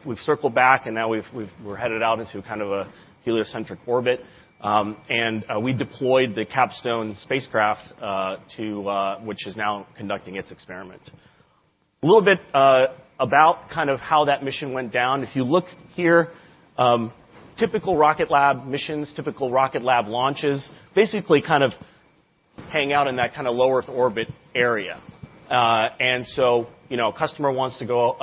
we've circled back, and now we're headed out into kind of a heliocentric orbit. We deployed the CAPSTONE spacecraft, which is now conducting its experiment. A little bit about kind of how that mission went down. If you look here, typical Rocket Lab missions, typical Rocket Lab launches, basically kind of hang out in that kind of low-Earth orbit area. You know, a customer wants to go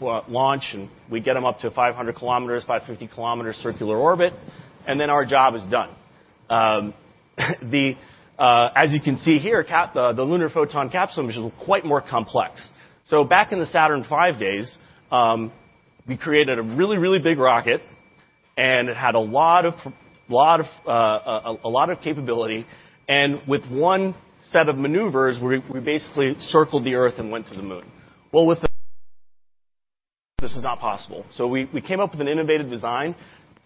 for a launch, and we get them up to 500 kilometers, 550-kilometer circular orbit, and then our job is done. As you can see here, the Lunar Photon CAPSTONE mission was quite more complex. Back in the Saturn V days, we created a really big rocket, and it had a lot of capability, and with one set of maneuvers, we basically circled the Earth and went to the Moon. Well, with this, it's not possible. We came up with an innovative design.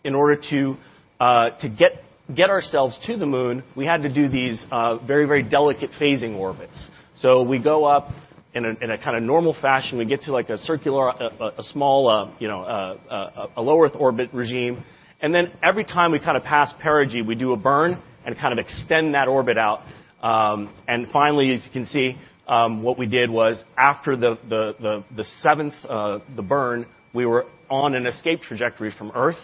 In order to get ourselves to the Moon, we had to do these very delicate phasing orbits. We go up in a kinda normal fashion. We get to like a circular, small low Earth orbit regime, and then every time we kind of pass perigee, we do a burn and kind of extend that orbit out. Finally, as you can see, what we did was after the seventh burn, we were on an escape trajectory from Earth.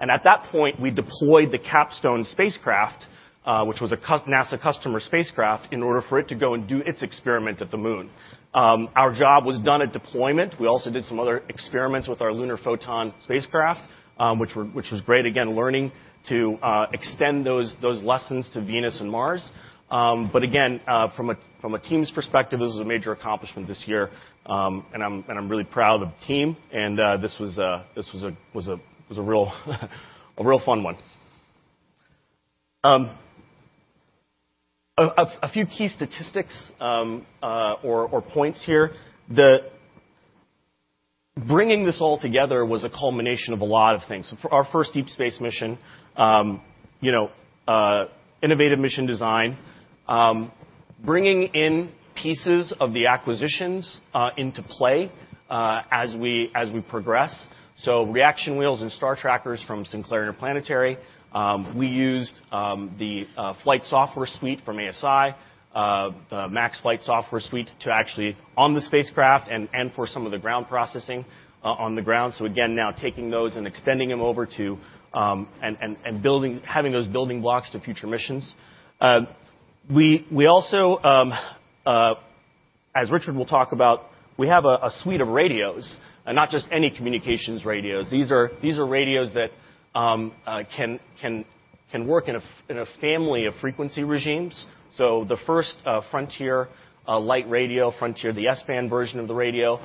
At that point, we deployed the CAPSTONE spacecraft, which was a NASA customer spacecraft, in order for it to go and do its experiment at the Moon. Our job was done at deployment. We also did some other experiments with our Lunar Photon spacecraft, which was great, again, learning to extend those lessons to Venus and Mars. From a team's perspective, this was a major accomplishment this year, and I'm really proud of the team, and this was a real fun one. A few key statistics or points here. Bringing this all together was a culmination of a lot of things. Our first deep space mission, you know, innovative mission design, bringing in pieces of the acquisitions into play, as we progress. Reaction wheels and star trackers from Sinclair and Planetary. We used the flight software suite from ASI, the MAX flight software suite to actually on the spacecraft and for some of the ground processing on the ground. Again, now taking those and extending them over to having those building blocks to future missions. We also, as Richard will talk about, we have a suite of radios, and not just any communications radios. These are radios that can work in a family of frequency regimes. The first Frontier-S, the S-band version of the radio,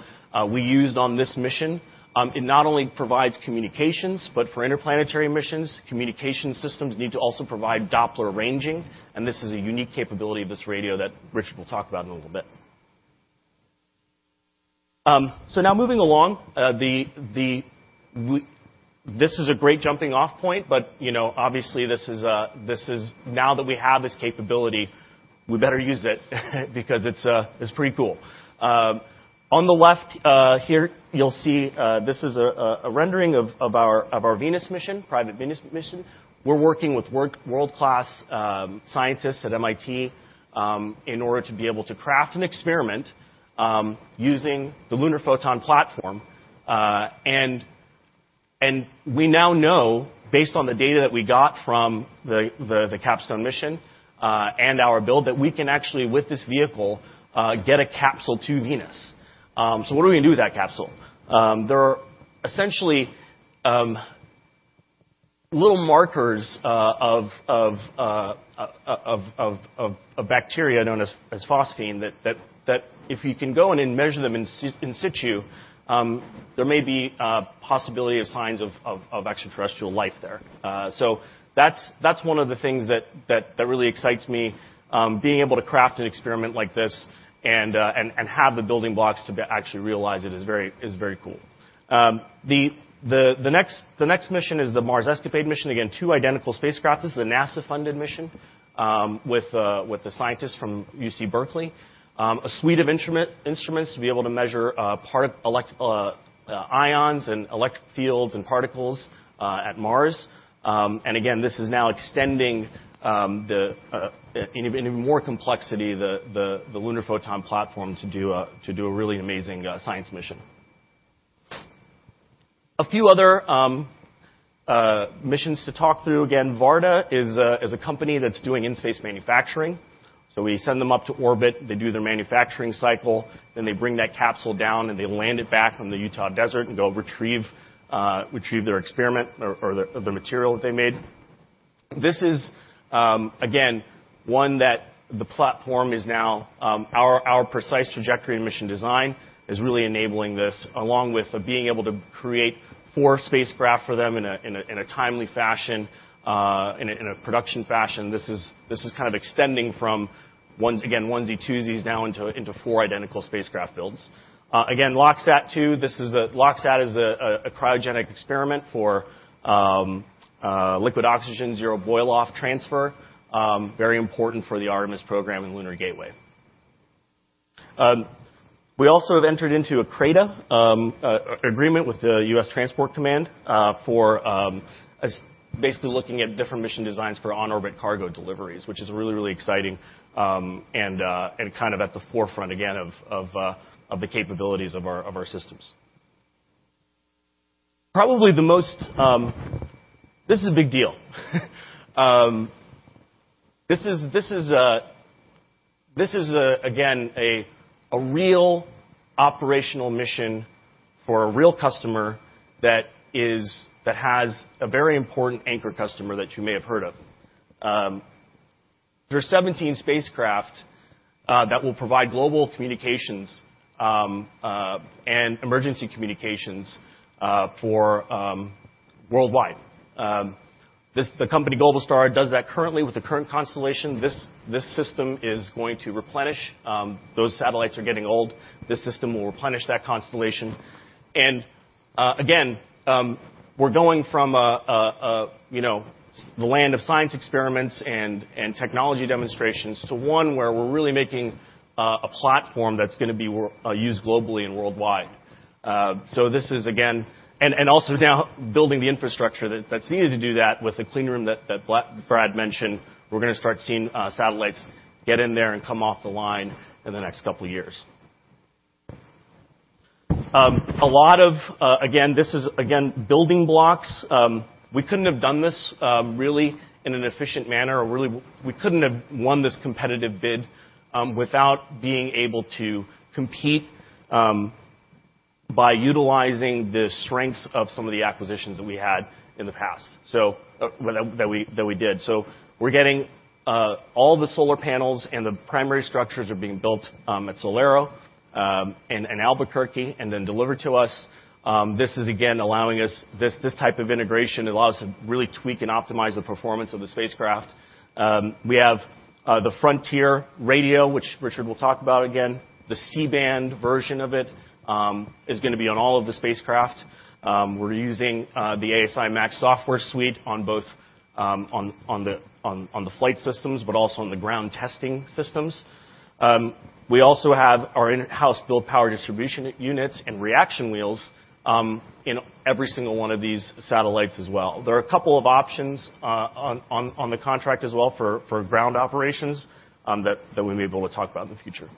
we used on this mission. It not only provides communications, but for interplanetary missions, communication systems need to also provide Doppler ranging, and this is a unique capability of this radio that Richard will talk about in a little bit. Now moving along, this is a great jumping-off point, but you know, obviously, this is. Now that we have this capability, we better use it because it's pretty cool. On the left, here, you'll see this is a rendering of our private Venus mission. We're working with world-class scientists at MIT in order to be able to craft an experiment using the Lunar Photon platform. We now know based on the data that we got from the CAPSTONE mission and our build that we can actually with this vehicle get a capsule to Venus. What are we gonna do with that capsule? There are essentially little markers of a bacteria known as phosphine that if you can go in and measure them in situ, there may be possibility of signs of extraterrestrial life there. That's one of the things that really excites me. Being able to craft an experiment like this and have the building blocks to actually realize it is very cool. The next mission is the Mars ESCAPADE mission. Again, two identical spacecraft. This is a NASA-funded mission with the scientists from UC Berkeley. A suite of instruments to be able to measure electrons, ions and electric fields and particles at Mars. This is now extending in more complexity the Lunar Photon platform to do a really amazing science mission. A few other missions to talk through. Again, Varda is a company that's doing in-space manufacturing. We send them up to orbit, they do their manufacturing cycle, then they bring that capsule down, and they land it back on the Utah desert and go retrieve their experiment or the material that they made. This is again one that the platform is now our precise trajectory and mission design is really enabling this, along with being able to create four spacecraft for them in a timely fashion in a production fashion. This is kind of extending from once again, onesie, twosies, now into four identical spacecraft builds. Again, LOXSAT is a cryogenic experiment for liquid oxygen, zero boil off transfer. Very important for the Artemis program and Lunar Gateway. We also have entered into a CRADA, an agreement with the U.S. Transportation Command, for basically looking at different mission designs for on-orbit cargo deliveries, which is really exciting, and kind of at the forefront again, of the capabilities of our systems. Probably the most. This is a big deal. This is again a real operational mission for a real customer that has a very important anchor customer that you may have heard of. There are 17 spacecraft that will provide global communications and emergency communications for worldwide. The company Globalstar does that currently with the current constellation. This system is going to replenish. Those satellites are getting old. This system will replenish that constellation. We're going from the land of science experiments and technology demonstrations to one where we're really making a platform that's gonna be used globally and worldwide. This is again. Also now building the infrastructure that's needed to do that with the clean room that Brad mentioned. We're gonna start seeing satellites get in there and come off the line in the next couple years. A lot of this is building blocks. We couldn't have done this really in an efficient manner or really we couldn't have won this competitive bid without being able to compete by utilizing the strengths of some of the acquisitions that we had in the past, well, that we did. We're getting all the solar panels and the primary structures are being built at SolAero in Albuquerque and then delivered to us. This is again allowing us this type of integration. It allows us to really tweak and optimize the performance of the spacecraft. We have the Frontier radio, which Richard will talk about again. The C-band version of it is gonna be on all of the spacecraft. We're using the ASI MAX software suite on both the flight systems, but also on the ground testing systems. We also have our in-house built power distribution units and reaction wheels in every single one of these satellites as well. There are a couple of options on the contract as well for ground operations that we'll be able to talk about in the future.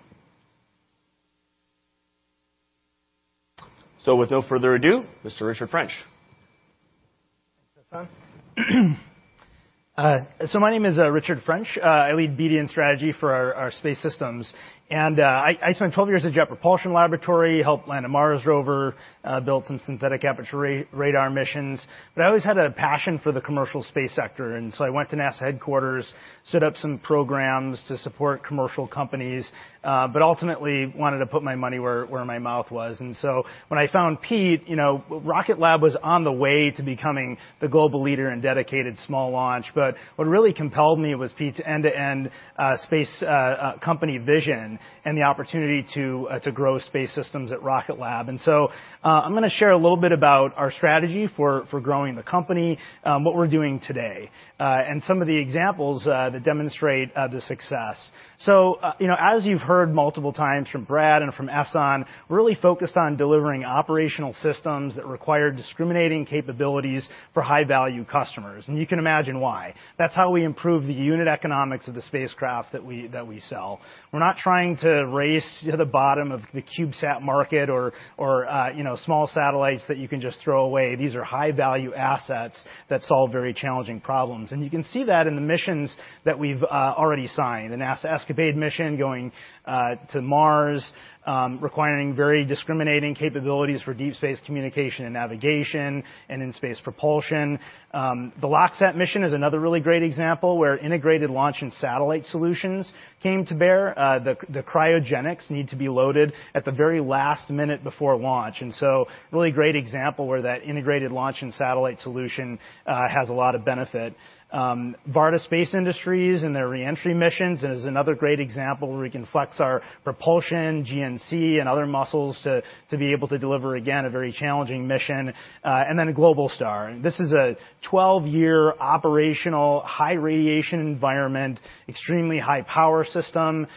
With no further ado, Mr. Richard French. Thanks, Ehson. My name is Richard French. I lead BD and strategy for our Space Systems. I spent 12 years at Jet Propulsion Laboratory, helped land a Mars rover, built some synthetic aperture radar missions. I always had a passion for the commercial space sector, and so I went to NASA Headquarters, set up some programs to support commercial companies, but ultimately wanted to put my money where my mouth was. When I found Pete, you know, Rocket Lab was on the way to becoming the global leader in dedicated small launch. What really compelled me was Pete's end-to-end space company vision and the opportunity to grow Space Systems at Rocket Lab. I'm gonna share a little bit about our strategy for growing the company, what we're doing today, and some of the examples that demonstrate the success. You know, as you've heard multiple times from Brad and from Ehson, we're really focused on delivering operational systems that require discriminating capabilities for high-value customers, and you can imagine why. That's how we improve the unit economics of the spacecraft that we sell. We're not trying to race to the bottom of the CubeSat market or, you know, small satellites that you can just throw away. These are high-value assets that solve very challenging problems. You can see that in the missions that we've already signed. The NASA ESCAPADE mission going to Mars, requiring very discriminating capabilities for deep space communication and navigation and in space propulsion. The LOXSAT mission is another really great example where integrated launch and satellite solutions came to bear. The cryogenics need to be loaded at the very last minute before launch. Really great example where that integrated launch and satellite solution has a lot of benefit. Varda Space Industries and their reentry missions is another great example where we can flex our propulsion, GNC, and other muscles to be able to deliver, again, a very challenging mission. Globalstar. This is a 12-year operational, high-radiation environment, extremely high-power system,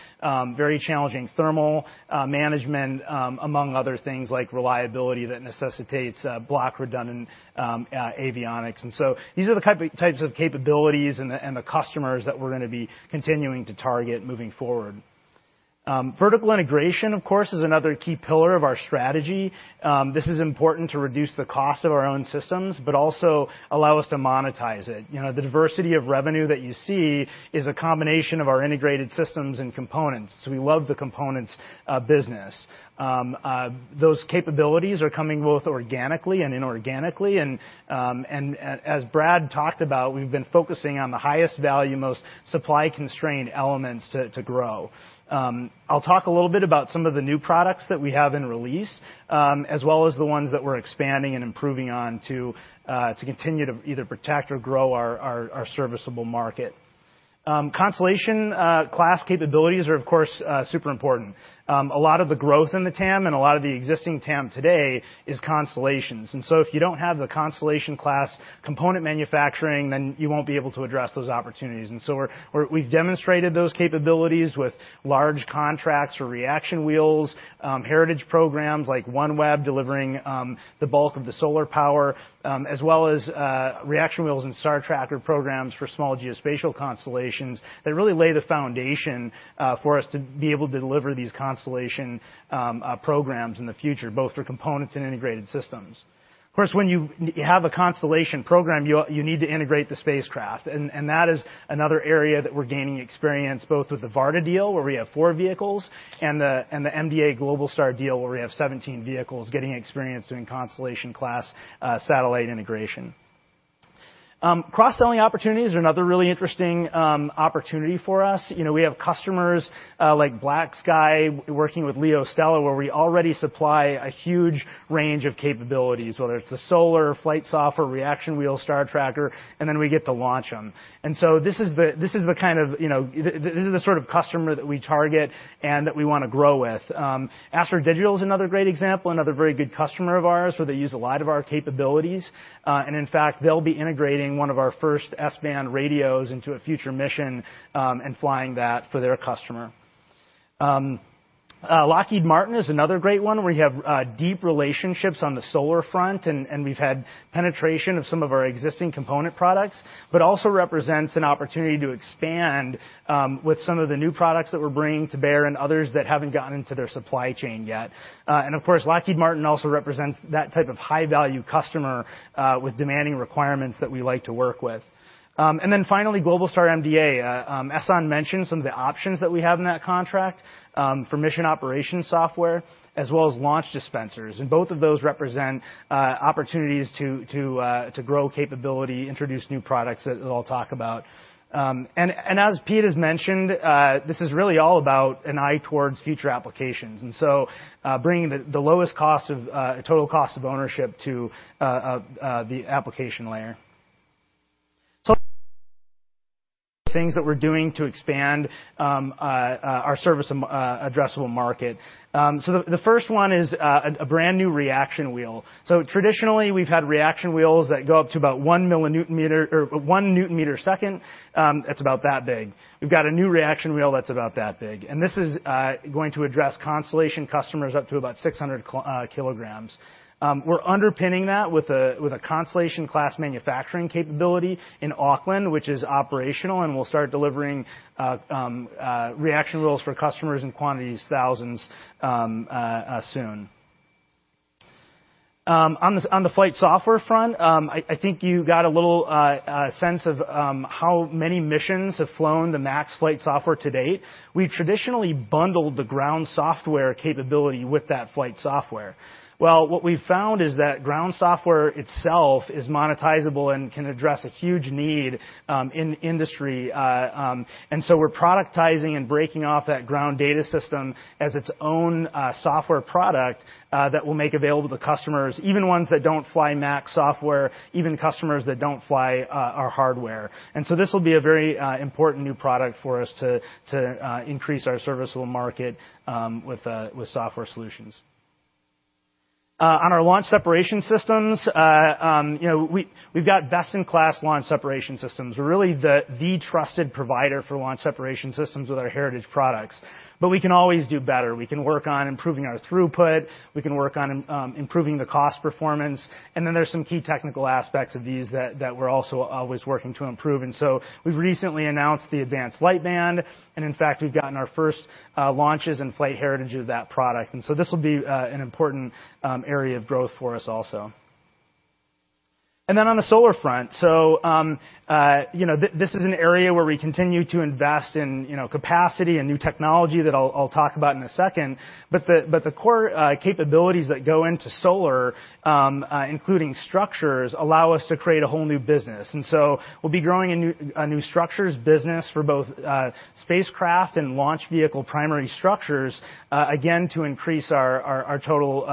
very challenging thermal management, among other things like reliability that necessitates block redundant avionics. These are the types of capabilities and the customers that we're gonna be continuing to target moving forward. Vertical integration, of course, is another key pillar of our strategy. This is important to reduce the cost of our own systems but also allow us to monetize it. You know, the diversity of revenue that you see is a combination of our integrated systems and components. We love the components business. Those capabilities are coming both organically and inorganically. As Brad talked about, we've been focusing on the highest value, most supply-constrained elements to grow. I'll talk a little bit about some of the new products that we have in release, as well as the ones that we're expanding and improving on to continue to either protect or grow our serviceable market. Constellation class capabilities are, of course, super important. A lot of the growth in the TAM and a lot of the existing TAM today is constellations. If you don't have the constellation class component manufacturing, then you won't be able to address those opportunities. We've demonstrated those capabilities with large contracts for reaction wheels, heritage programs like OneWeb, delivering the bulk of the solar power, as well as reaction wheels and star tracker programs for small geospatial constellations that really lay the foundation for us to be able to deliver these constellation programs in the future, both for components and integrated systems. Of course, when you have a constellation program, you need to integrate the spacecraft. That is another area that we're gaining experience, both with the Varda deal, where we have four vehicles, and the MDA Globalstar deal, where we have 17 vehicles, getting experience doing constellation class satellite integration. Cross-selling opportunities are another really interesting opportunity for us. You know, we have customers like BlackSky, working with LeoStella, where we already supply a huge range of capabilities, whether it's the solar, flight software, reaction wheel, star tracker, and then we get to launch them. This is the kind of, you know, sort of customer that we target and that we wanna grow with. Astro Digital is another great example, another very good customer of ours, where they use a lot of our capabilities. In fact, they'll be integrating one of our first S-band radios into a future mission, and flying that for their customer. Lockheed Martin is another great one where we have deep relationships on the solar front, and we've had penetration of some of our existing component products, but also represents an opportunity to expand with some of the new products that we're bringing to bear and others that haven't gotten into their supply chain yet. Of course, Lockheed Martin also represents that type of high-value customer with demanding requirements that we like to work with. Finally, Globalstar and MDA. Ehson mentioned some of the options that we have in that contract for mission operations software, as well as launch dispensers, and both of those represent opportunities to grow capability, introduce new products that I'll talk about. As Pete has mentioned, this is really all about an eye toward future applications, bringing the lowest total cost of ownership to the application layer. Things that we're doing to expand our serviceable addressable market. The first one is a brand-new reaction wheel. Traditionally, we've had reaction wheels that go up to about one milliNewton-meter or one Newton-meter-second. It's about that big. We've got a new reaction wheel that's about that big. This is going to address constellation customers up to about 600 kg. We're underpinning that with a constellation class manufacturing capability in Auckland, which is operational, and we'll start delivering reaction wheels for customers in quantities thousands soon. On the flight software front, I think you got a little sense of how many missions have flown the MAX flight software to date. We traditionally bundled the ground software capability with that flight software. Well, what we've found is that ground software itself is monetizable and can address a huge need in industry. We're productizing and breaking off that ground data system as its own software product that we'll make available to customers, even ones that don't fly MAX software, even customers that don't fly our hardware. This will be a very important new product for us to increase our serviceable market with software solutions. On our launch separation systems, you know, we've got best-in-class launch separation systems. We're really the trusted provider for launch separation systems with our heritage products. But we can always do better. We can work on improving our throughput. We can work on improving the cost performance. Then there's some key technical aspects of these that we're also always working to improve. We've recently announced the Advanced Lightband, and in fact, we've gotten our first launches and flight heritage of that product. This will be an important area of growth for us also. On the solar front, you know, this is an area where we continue to invest in, you know, capacity and new technology that I'll talk about in a second. The core capabilities that go into solar, including structures, allow us to create a whole new business. We'll be growing a new structures business for both spacecraft and launch vehicle primary structures, again, to increase our total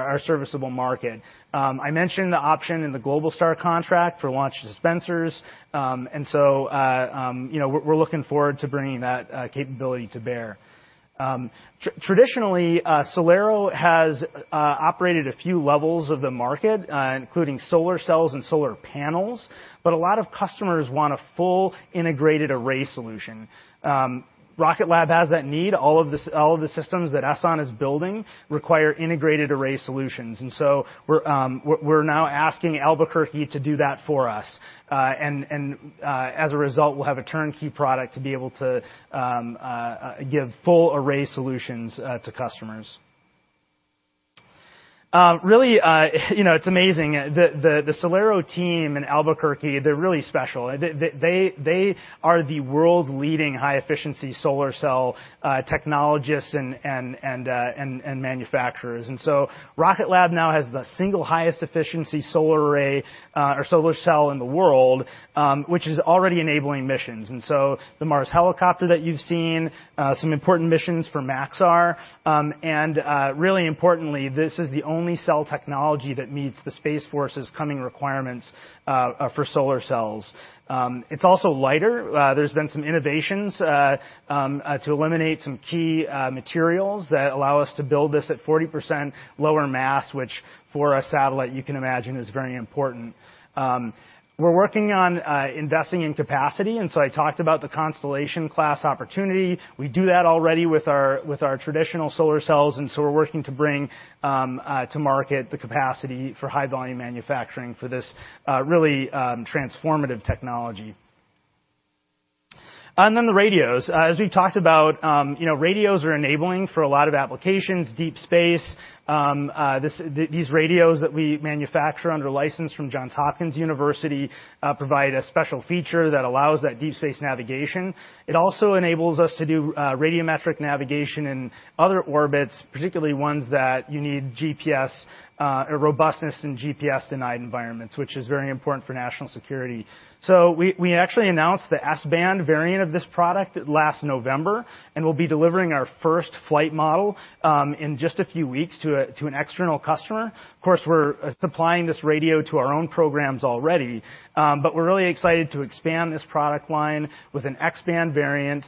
addressable market. I mentioned the option in the Globalstar contract for launch dispensers. You know, we're looking forward to bringing that capability to bear. Traditionally, SolAero has operated a few levels of the market, including solar cells and solar panels, but a lot of customers want a full integrated array solution. Rocket Lab has that need. All of the systems that Ehson is building require integrated array solutions. We're now asking Albuquerque to do that for us. As a result, we'll have a turnkey product to be able to give full array solutions to customers. Really, you know, it's amazing. The SolAero team in Albuquerque, they're really special. They are the world's leading high-efficiency solar cell technologists and manufacturers. Rocket Lab now has the single highest efficiency solar array or solar cell in the world, which is already enabling missions. The Mars helicopter that you've seen, some important missions for Maxar, and really importantly, this is the only cell technology that meets the Space Force's coming requirements for solar cells. It's also lighter. There's been some innovations to eliminate some key materials that allow us to build this at 40% lower mass, which for a satellite you can imagine is very important. We're working on investing in capacity, and so I talked about the constellation class opportunity. We do that already with our traditional solar cells, and so we're working to bring to market the capacity for high-volume manufacturing for this really transformative technology. Then the radios. As we've talked about, you know, radios are enabling for a lot of applications, deep space. These radios that we manufacture under license from Johns Hopkins University provide a special feature that allows that deep space navigation. It also enables us to do radiometric navigation in other orbits, particularly ones that you need GPS or robustness in GPS-denied environments, which is very important for national security. We actually announced the S-band variant of this product last November, and we'll be delivering our first flight model in just a few weeks to an external customer. Of course, we're supplying this radio to our own programs already, but we're really excited to expand this product line with an X-band variant.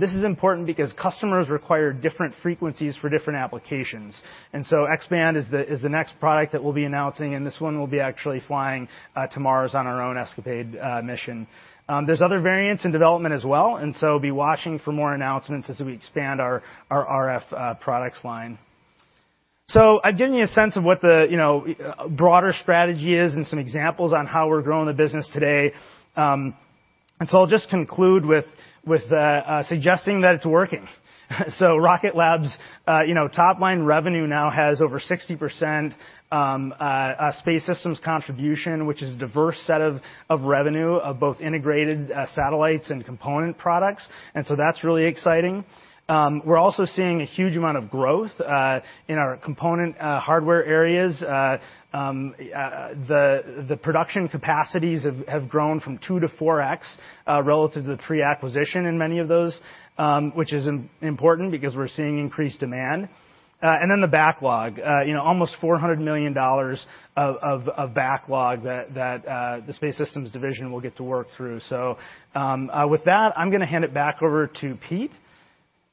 This is important because customers require different frequencies for different applications. X-band is the next product that we'll be announcing, and this one will actually be flying to Mars on our own ESCAPADE mission. There's other variants in development as well, be watching for more announcements as we expand our RF products line. I've given you a sense of what the you know broader strategy is and some examples on how we're growing the business today. I'll just conclude with suggesting that it's working. Rocket Lab's you know top-line revenue now has over 60% Space Systems contribution, which is a diverse set of revenue of both integrated satellites and component products. That's really exciting. We're also seeing a huge amount of growth in our component hardware areas. The production capacities have grown from 2x to 4x relative to the pre-acquisition in many of those, which is important because we're seeing increased demand. The backlog. You know, almost $400 million of backlog that the Space Systems division will get to work through. With that, I'm gonna hand it back over to Pete,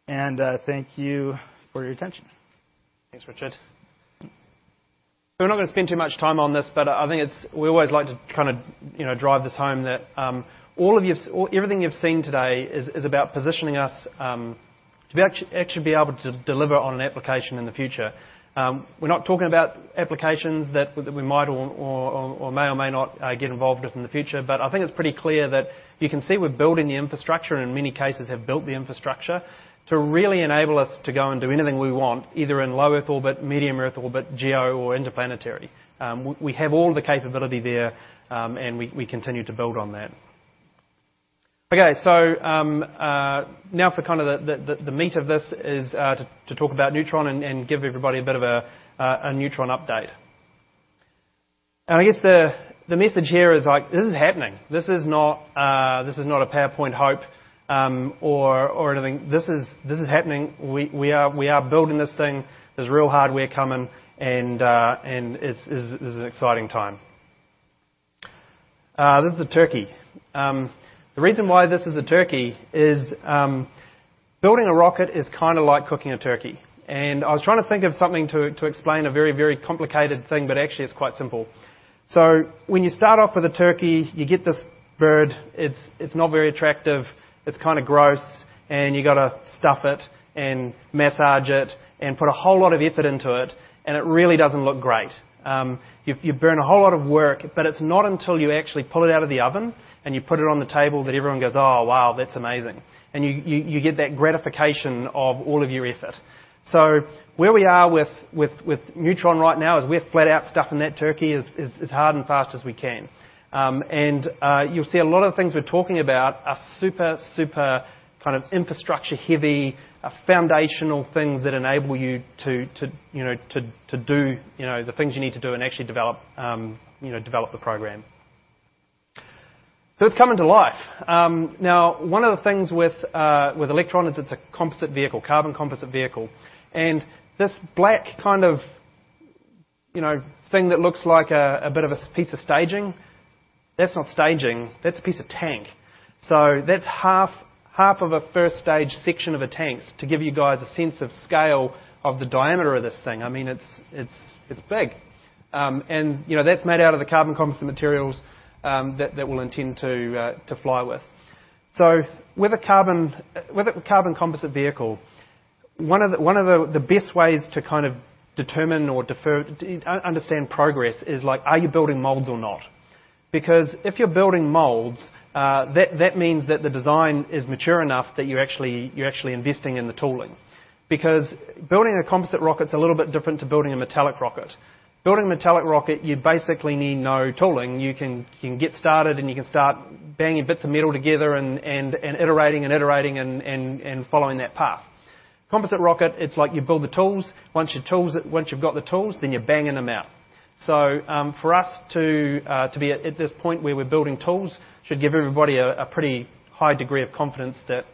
and thank you for your attention. Thanks, Richard. We're not gonna spend too much time on this, but I think we always like to kind of, you know, drive this home that everything you've seen today is about positioning us to actually be able to deliver on an application in the future. We're not talking about applications that we might or may or may not get involved with in the future. I think it's pretty clear that you can see we're building the infrastructure, and in many cases have built the infrastructure to really enable us to go and do anything we want, either in low Earth orbit, medium Earth orbit, Geo or interplanetary. We have all the capability there, and we continue to build on that. Okay. Now for kind of the meat of this is to talk about Neutron and give everybody a bit of a Neutron update. I guess the message here is, like, this is happening. This is not a PowerPoint hope or anything. This is happening. We are building this thing. There's real hardware coming and this is an exciting time. This is a turkey. The reason why this is a turkey is building a rocket is kinda like cooking a turkey. I was trying to think of something to explain a very complicated thing, but actually it's quite simple. When you start off with a turkey, you get this bird, it's not very attractive, it's kinda gross, and you gotta stuff it and massage it and put a whole lot of effort into it, and it really doesn't look great. You've burned a whole lot of work, but it's not until you actually pull it out of the oven and you put it on the table that everyone goes, "Oh, wow, that's amazing." You get that gratification of all of your effort. Where we are with Neutron right now is we're flat out stuffing that turkey as hard and fast as we can. You'll see a lot of the things we're talking about are super kind of infrastructure heavy, are foundational things that enable you to, you know, to do, you know, the things you need to do and actually develop, you know, develop the program. It's coming to life. Now, one of the things with Electron is it's a composite vehicle, carbon composite vehicle. This black kind of, you know, thing that looks like a bit of a piece of staging, that's not staging, that's a piece of tank. That's half of a first stage section of a tank. To give you guys a sense of scale of the diameter of this thing, I mean, it's big. You know, that's made out of the carbon composite materials that we'll intend to fly with. With a carbon composite vehicle, one of the best ways to kind of determine or understand progress is like, are you building molds or not? Because if you're building molds, that means that the design is mature enough that you're actually investing in the tooling. Because building a composite rocket's a little bit different to building a metallic rocket. Building a metallic rocket, you basically need no tooling. You can get started, and you can start banging bits of metal together and iterating and following that path. Composite rocket, it's like you build the tools. Once you've got the tools, then you're banging them out. For us to be at this point where we're building tools should give everybody a pretty high degree of confidence that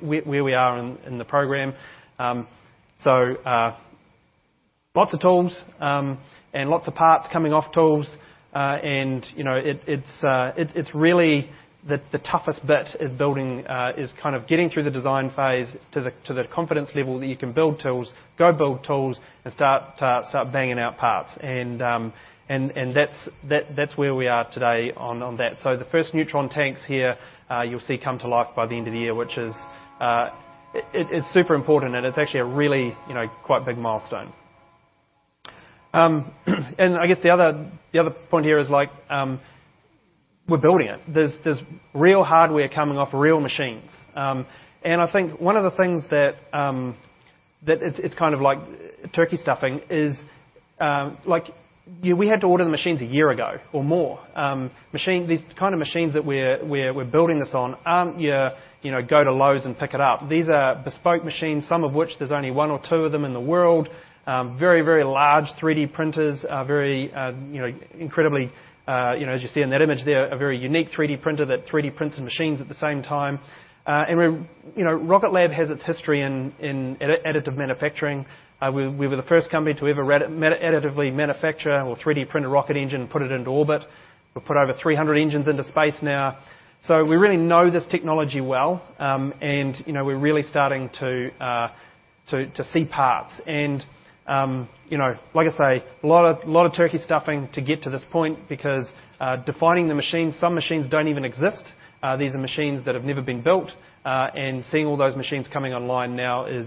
where we are in the program. Lots of tools, and lots of parts coming off tools, and you know, it's really the toughest bit is kind of getting through the design phase to the confidence level that you can build tools, go build tools, and start banging out parts. That's where we are today on that. The first Neutron tanks here, you'll see come to life by the end of the year, which is, it's super important, and it's actually a really, you know, quite big milestone. I guess the other point here is like, we're building it. There's real hardware coming off real machines. I think one of the things that it's kind of like turkey stuffing is, like, we had to order the machines a year ago or more. These kind of machines that we're building this on aren't your, you know, go to Lowe's and pick it up. These are bespoke machines, some of which there's only one or two of them in the world. Very large 3D printers. Very, you know, incredibly, you know, as you see in that image there, a very unique 3D printer that 3D prints the machines at the same time. You know, Rocket Lab has its history in additive manufacturing. We were the first company to ever additively manufacture or 3D-print a rocket engine and put it into orbit. We've put over 300 engines into space now. So we really know this technology well, and, you know, we're really starting to see parts. You know, like I say, a lot of turkey stuffing to get to this point because designing the machines, some machines don't even exist. These are machines that have never been built, and seeing all those machines coming online now is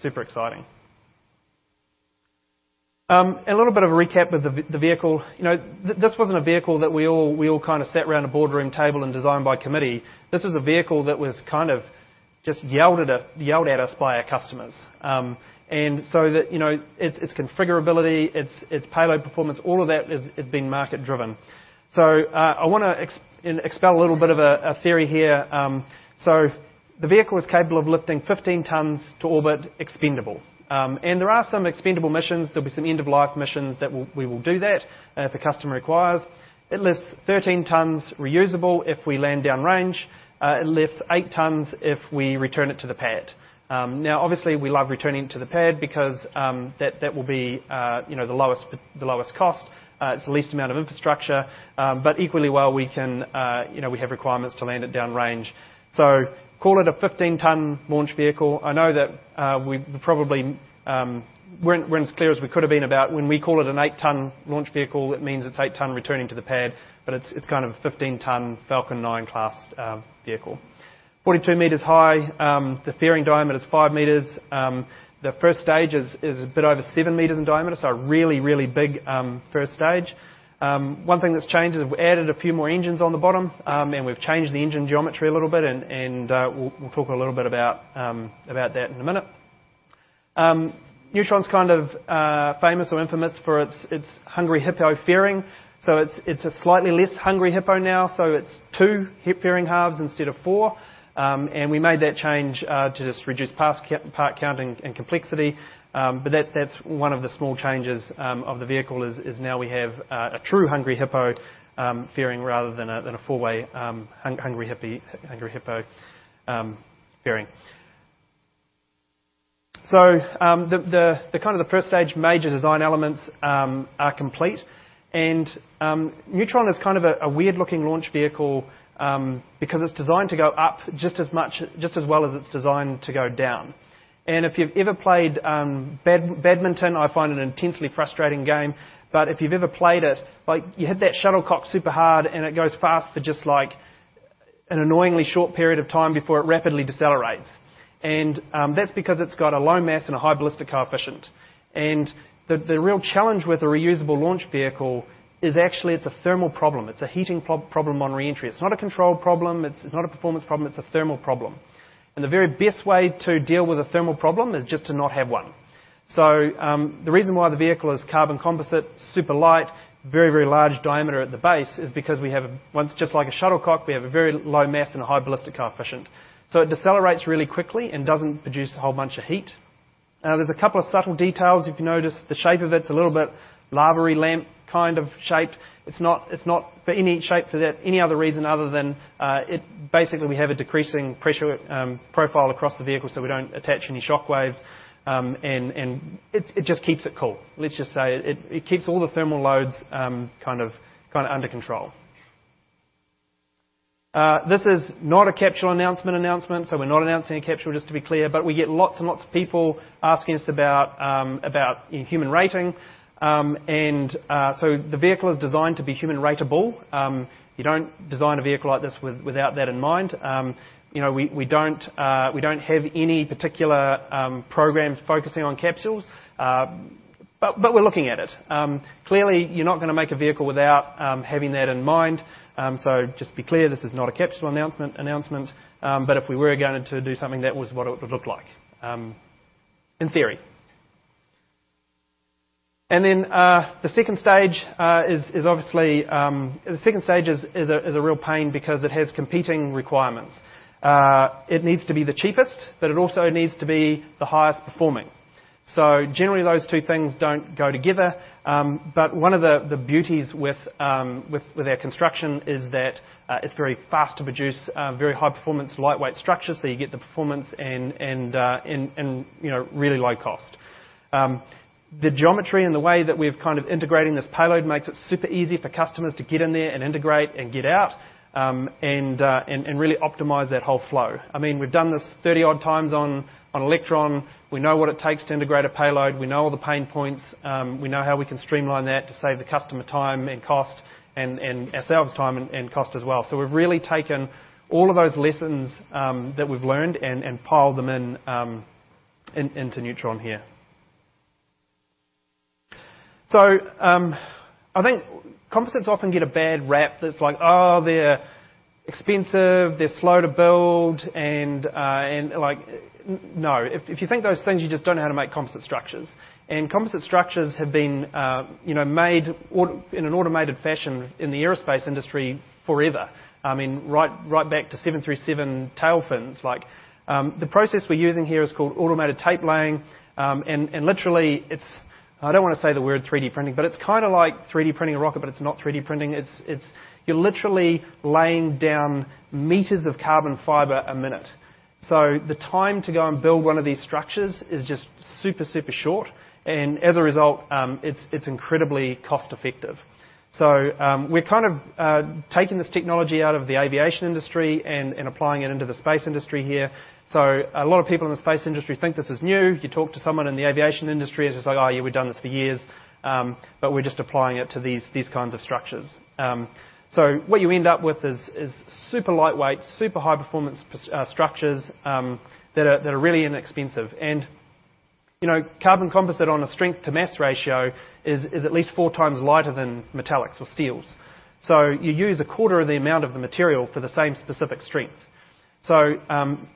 super exciting. A little bit of a recap of the vehicle. You know, this wasn't a vehicle that we all kinda sat around a boardroom table and designed by committee. This was a vehicle that was kind of just yelled at us by our customers. You know, its configurability, its payload performance, all of that has been market driven. I wanna expel a little bit of a theory here. The vehicle is capable of lifting 15 tons to orbit expendable. There are some expendable missions. There'll be some end-of-life missions that we'll do that if a customer requires. It lifts 13 tons reusable if we land downrange. It lifts 8 tons if we return it to the pad. Now obviously, we love returning to the pad because that will be, you know, the lowest cost. It's the least amount of infrastructure. Equally well, we can, you know, we have requirements to land it downrange. Call it a 15-ton launch vehicle. I know that we probably weren't as clear as we could have been about when we call it an 8-ton launch vehicle, it means it's 8-ton returning to the pad, but it's kind of a 15-ton Falcon 9 class vehicle. 42 meters high. The fairing diameter is 5 meters. The first stage is a bit over 7 meters in diameter, so a really big first stage. One thing that's changed is we've added a few more engines on the bottom, and we've changed the engine geometry a little bit, and we'll talk a little bit about that in a minute. Neutron's kind of famous or infamous for its hungry hippo fairing. It's a slightly less hungry hippo now, so it's two hippo fairing halves instead of four. We made that change to just reduce parts count and complexity. That's one of the small changes of the vehicle. Now we have a true hungry hippo fairing rather than a four-way hungry hippo fairing. The kind of first stage major design elements are complete. Neutron is kind of a weird-looking launch vehicle, because it's designed to go up just as much, just as well as it's designed to go down. If you've ever played badminton, I find it an intensely frustrating game. If you've ever played it, like you hit that shuttlecock super hard, and it goes fast for just like an annoyingly short period of time before it rapidly decelerates. That's because it's got a low mass and a high ballistic coefficient. The real challenge with a reusable launch vehicle is actually it's a thermal problem. It's a heating problem on re-entry. It's not a control problem, it's not a performance problem, it's a thermal problem. The very best way to deal with a thermal problem is just to not have one. The reason why the vehicle is carbon composite, super light, very, very large diameter at the base is because we have, once just like a shuttlecock, we have a very low mass and a high ballistic coefficient. It decelerates really quickly and doesn't produce a whole bunch of heat. There's a couple of subtle details. If you notice the shape of it's a little bit lava lamp kind of shaped. It's not for any other reason other than it basically we have a decreasing pressure profile across the vehicle, so we don't attach any shock waves. And it just keeps it cool. Let's just say it keeps all the thermal loads kind of under control. This is not a capsule announcement, so we're not announcing a capsule, just to be clear. We get lots and lots of people asking us about human rating. The vehicle is designed to be human-rated. You don't design a vehicle like this without that in mind. You know, we don't have any particular programs focusing on capsules, but we're looking at it. Clearly you're not gonna make a vehicle without having that in mind. Just to be clear, this is not a capsule announcement. If we were going to do something, that was what it would look like in theory. The second stage is obviously a real pain because it has competing requirements. It needs to be the cheapest, but it also needs to be the highest performing. Generally, those two things don't go together. One of the beauties with our construction is that it's very fast to produce a very high performance, lightweight structure, so you get the performance and, you know, really low cost. The geometry and the way that we've kind of integrating this payload makes it super easy for customers to get in there and integrate and get out and really optimize that whole flow. I mean, we've done this 30-odd times on Electron. We know what it takes to integrate a payload. We know all the pain points. We know how we can streamline that to save the customer time and cost and ourselves time and cost as well. We've really taken all of those lessons that we've learned and piled them into Neutron here. I think composites often get a bad rep that's like, "Oh, they're expensive, they're slow to build," and like, no. If you think those things, you just don't know how to make composite structures. Composite structures have been, you know, made in an automated fashion in the aerospace industry forever. I mean, right back to 737 tail fins. Like, the process we're using here is called automated tape laying. Literally it's I don't wanna say the word 3D printing, but it's kinda like 3D printing a rocket, but it's not 3D printing. You're literally laying down meters of carbon fiber a minute. The time to go and build one of these structures is just super short, and as a result, it's incredibly cost-effective. We're kind of taking this technology out of the aviation industry and applying it into the space industry here. A lot of people in the space industry think this is new. You talk to someone in the aviation industry, it's just like, "Oh, yeah, we've done this for years," but we're just applying it to these kinds of structures. What you end up with is super lightweight, super high performance structures that are really inexpensive. You know, carbon composite on a strength to mass ratio is at least four times lighter than metallics or steels. So you use a quarter of the amount of the material for the same specific strength. So,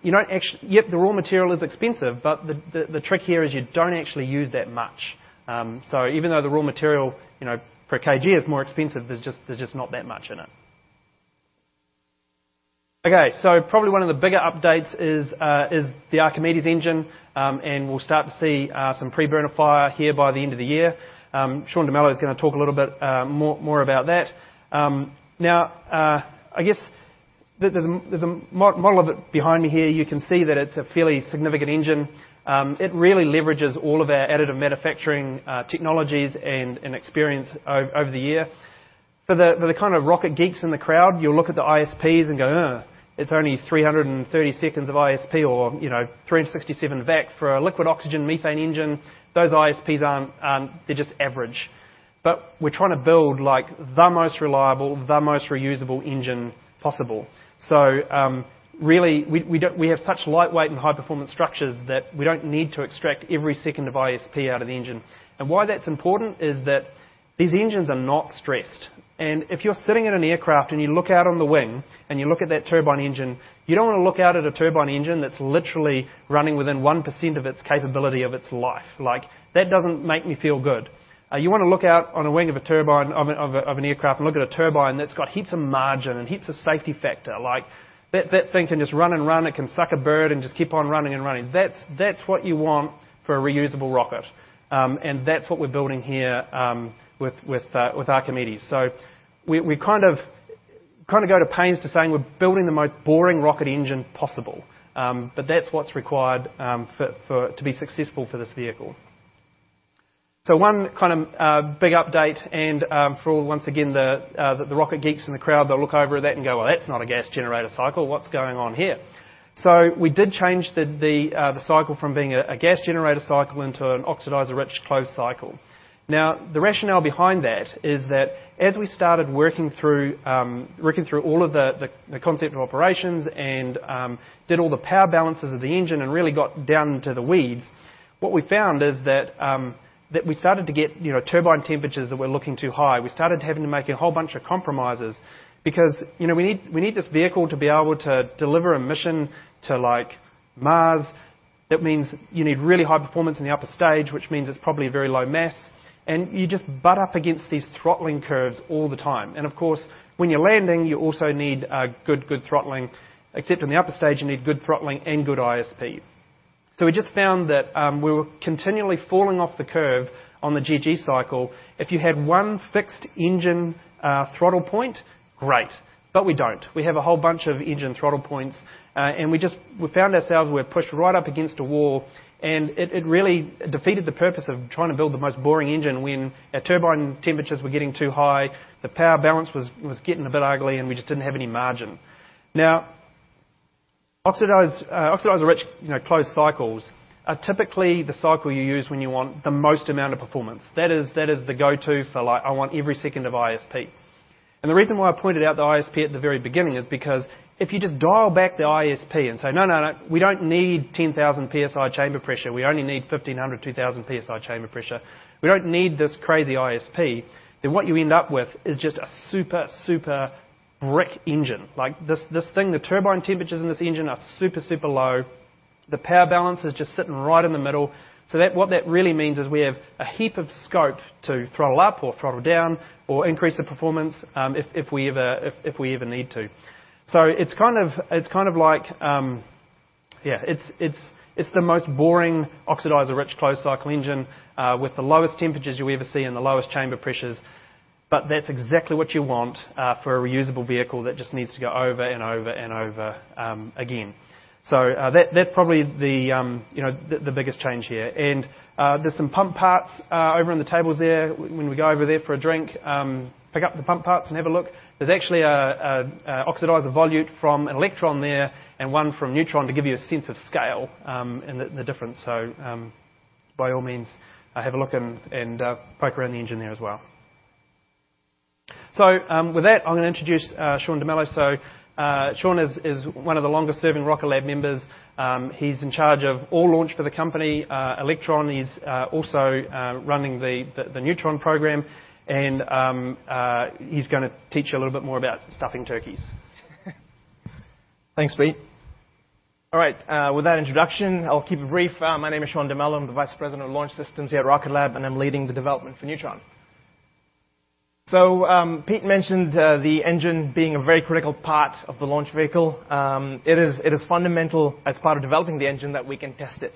yep, the raw material is expensive, but the trick here is you don't actually use that much. So even though the raw material, you know, per kg is more expensive, there's just not that much in it. Okay, so probably one of the bigger updates is the Archimedes engine. And we'll start to see some preburner here by the end of the year. Shaun D'Mello is gonna talk a little bit more about that. Now, I guess there's a model of it behind me here. You can see that it's a fairly significant engine. It really leverages all of our additive manufacturing technologies and experience over the year. For the kind of rocket geeks in the crowd, you'll look at the ISPs and go, "Eh, it's only 330 seconds of ISP" or, you know, "367 VAC." For a liquid oxygen methane engine, those ISPs aren't, they're just average. We're trying to build like the most reliable, the most reusable engine possible. So, really, we have such lightweight and high-performance structures that we don't need to extract every second of ISP out of the engine. Why that's important is that these engines are not stressed. If you're sitting in an aircraft and you look out on the wing and you look at that turbine engine, you don't wanna look out at a turbine engine that's literally running within 1% of its capability of its life. Like, that doesn't make me feel good. You wanna look out on a wing of a turbine of an aircraft and look at a turbine that's got heaps of margin and heaps of safety factor. Like that thing can just run and run. It can suck a bird and just keep on running and running. That's what you want for a reusable rocket. That's what we're building here with Archimedes. We kind of go to pains to say we're building the most boring rocket engine possible. That's what's required to be successful for this vehicle. One kind of big update and, for all, once again, the rocket geeks in the crowd, they'll look over at that and go, "Well, that's not a gas generator cycle. What's going on here?" We did change the cycle from being a gas generator cycle into an oxidizer-rich closed cycle. Now, the rationale behind that is that as we started working through all of the concept of operations and did all the power balances of the engine and really got down into the weeds, what we found is that we started to get, you know, turbine temperatures that were looking too high. We started having to make a whole bunch of compromises because, you know, we need this vehicle to be able to deliver a mission to, like, Mars. That means you need really high performance in the upper stage, which means it's probably a very low mass, and you just butt up against these throttling curves all the time. Of course, when you're landing, you also need good throttling, except in the upper stage, you need good throttling and good ISP. We just found that we were continually falling off the curve on the GG cycle. If you had one fixed engine throttle point, great. We don't. We have a whole bunch of engine throttle points, and we found ourselves, we're pushed right up against a wall, and it really defeated the purpose of trying to build the most boring engine when our turbine temperatures were getting too high, the power balance was getting a bit ugly, and we just didn't have any margin. Now, oxidizer-rich closed cycles are typically the cycle you use when you want the most amount of performance. That is the go-to for, like, I want every second of ISP. The reason why I pointed out the ISP at the very beginning is because if you just dial back the ISP and say, "No, no, we don't need 10,000 PSI chamber pressure. We only need 1,500, 2,000 PSI chamber pressure. We don't need this crazy ISP, then what you end up with is just a super brick engine. Like this thing, the turbine temperatures in this engine are super low. The power balance is just sitting right in the middle. What that really means is we have a heap of scope to throttle up or throttle down or increase the performance, if we ever need to. It's kind of like, yeah, it's the most boring oxidizer-rich closed cycle engine with the lowest temperatures you'll ever see and the lowest chamber pressures. But that's exactly what you want for a reusable vehicle that just needs to go over and over and over again. That's probably you know the biggest change here. There's some pump parts over on the tables there. When you go over there for a drink, pick up the pump parts and have a look. There's actually an oxidizer volute from an Electron there and one from Neutron to give you a sense of scale and the difference. By all means, have a look and poke around the engine there as well. With that, I'm gonna introduce Shaun D'Mello. Shaun is one of the longest-serving Rocket Lab members. He's in charge of all launch for the company, Electron. He's also running the Neutron program and he's gonna teach you a little bit more about stuffing turkeys. Thanks, Pete. All right, with that introduction, I'll keep it brief. My name is Shaun D'Mello. I'm the Vice President of Launch Systems here at Rocket Lab, and I'm leading the development for Neutron. Pete mentioned the engine being a very critical part of the launch vehicle. It is fundamental as part of developing the engine that we can test it.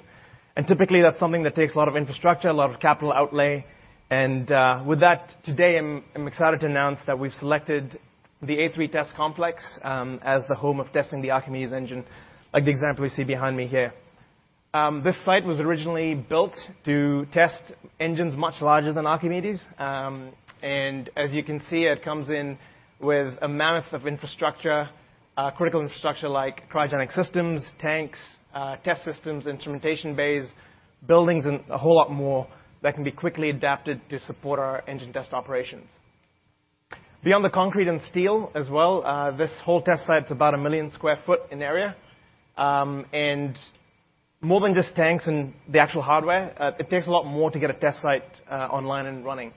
Typically, that's something that takes a lot of infrastructure, a lot of capital outlay, and with that, today I'm excited to announce that we've selected the A3 test complex as the home of testing the Archimedes engine, like the example you see behind me here. This site was originally built to test engines much larger than Archimedes. As you can see, it comes in with a mammoth of infrastructure, critical infrastructure like cryogenic systems, tanks, test systems, instrumentation bays, buildings, and a whole lot more that can be quickly adapted to support our engine test operations. Beyond the concrete and steel as well, this whole test site's about 1 million sq ft in area. More than just tanks and the actual hardware, it takes a lot more to get a test site online and running.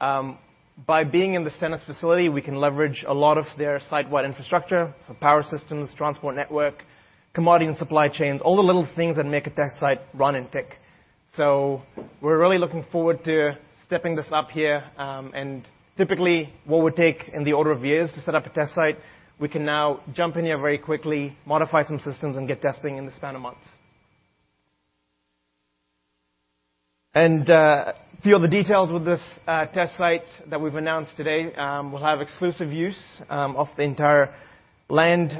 By being in this Stennis facility, we can leverage a lot of their site-wide infrastructure. Power systems, transport network, commodity and supply chains, all the little things that make a test site run and tick. We're really looking forward to stepping this up here. Typically what would take in the order of years to set up a test site, we can now jump in here very quickly, modify some systems, and get testing in the span of months. A few of the details with this test site that we've announced today. We'll have exclusive use of the entire land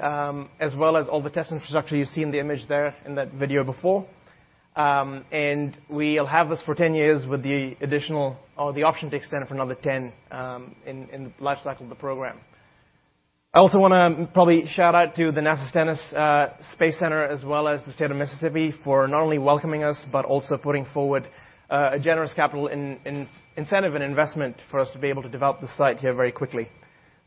as well as all the test infrastructure you see in the image there in that video before. We'll have this for 10 years with the additional or the option to extend it for another 10 in the lifecycle of the program. I also wanna probably shout out to the NASA Stennis Space Center as well as the State of Mississippi for not only welcoming us, but also putting forward a generous capital incentive and investment for us to be able to develop the site here very quickly.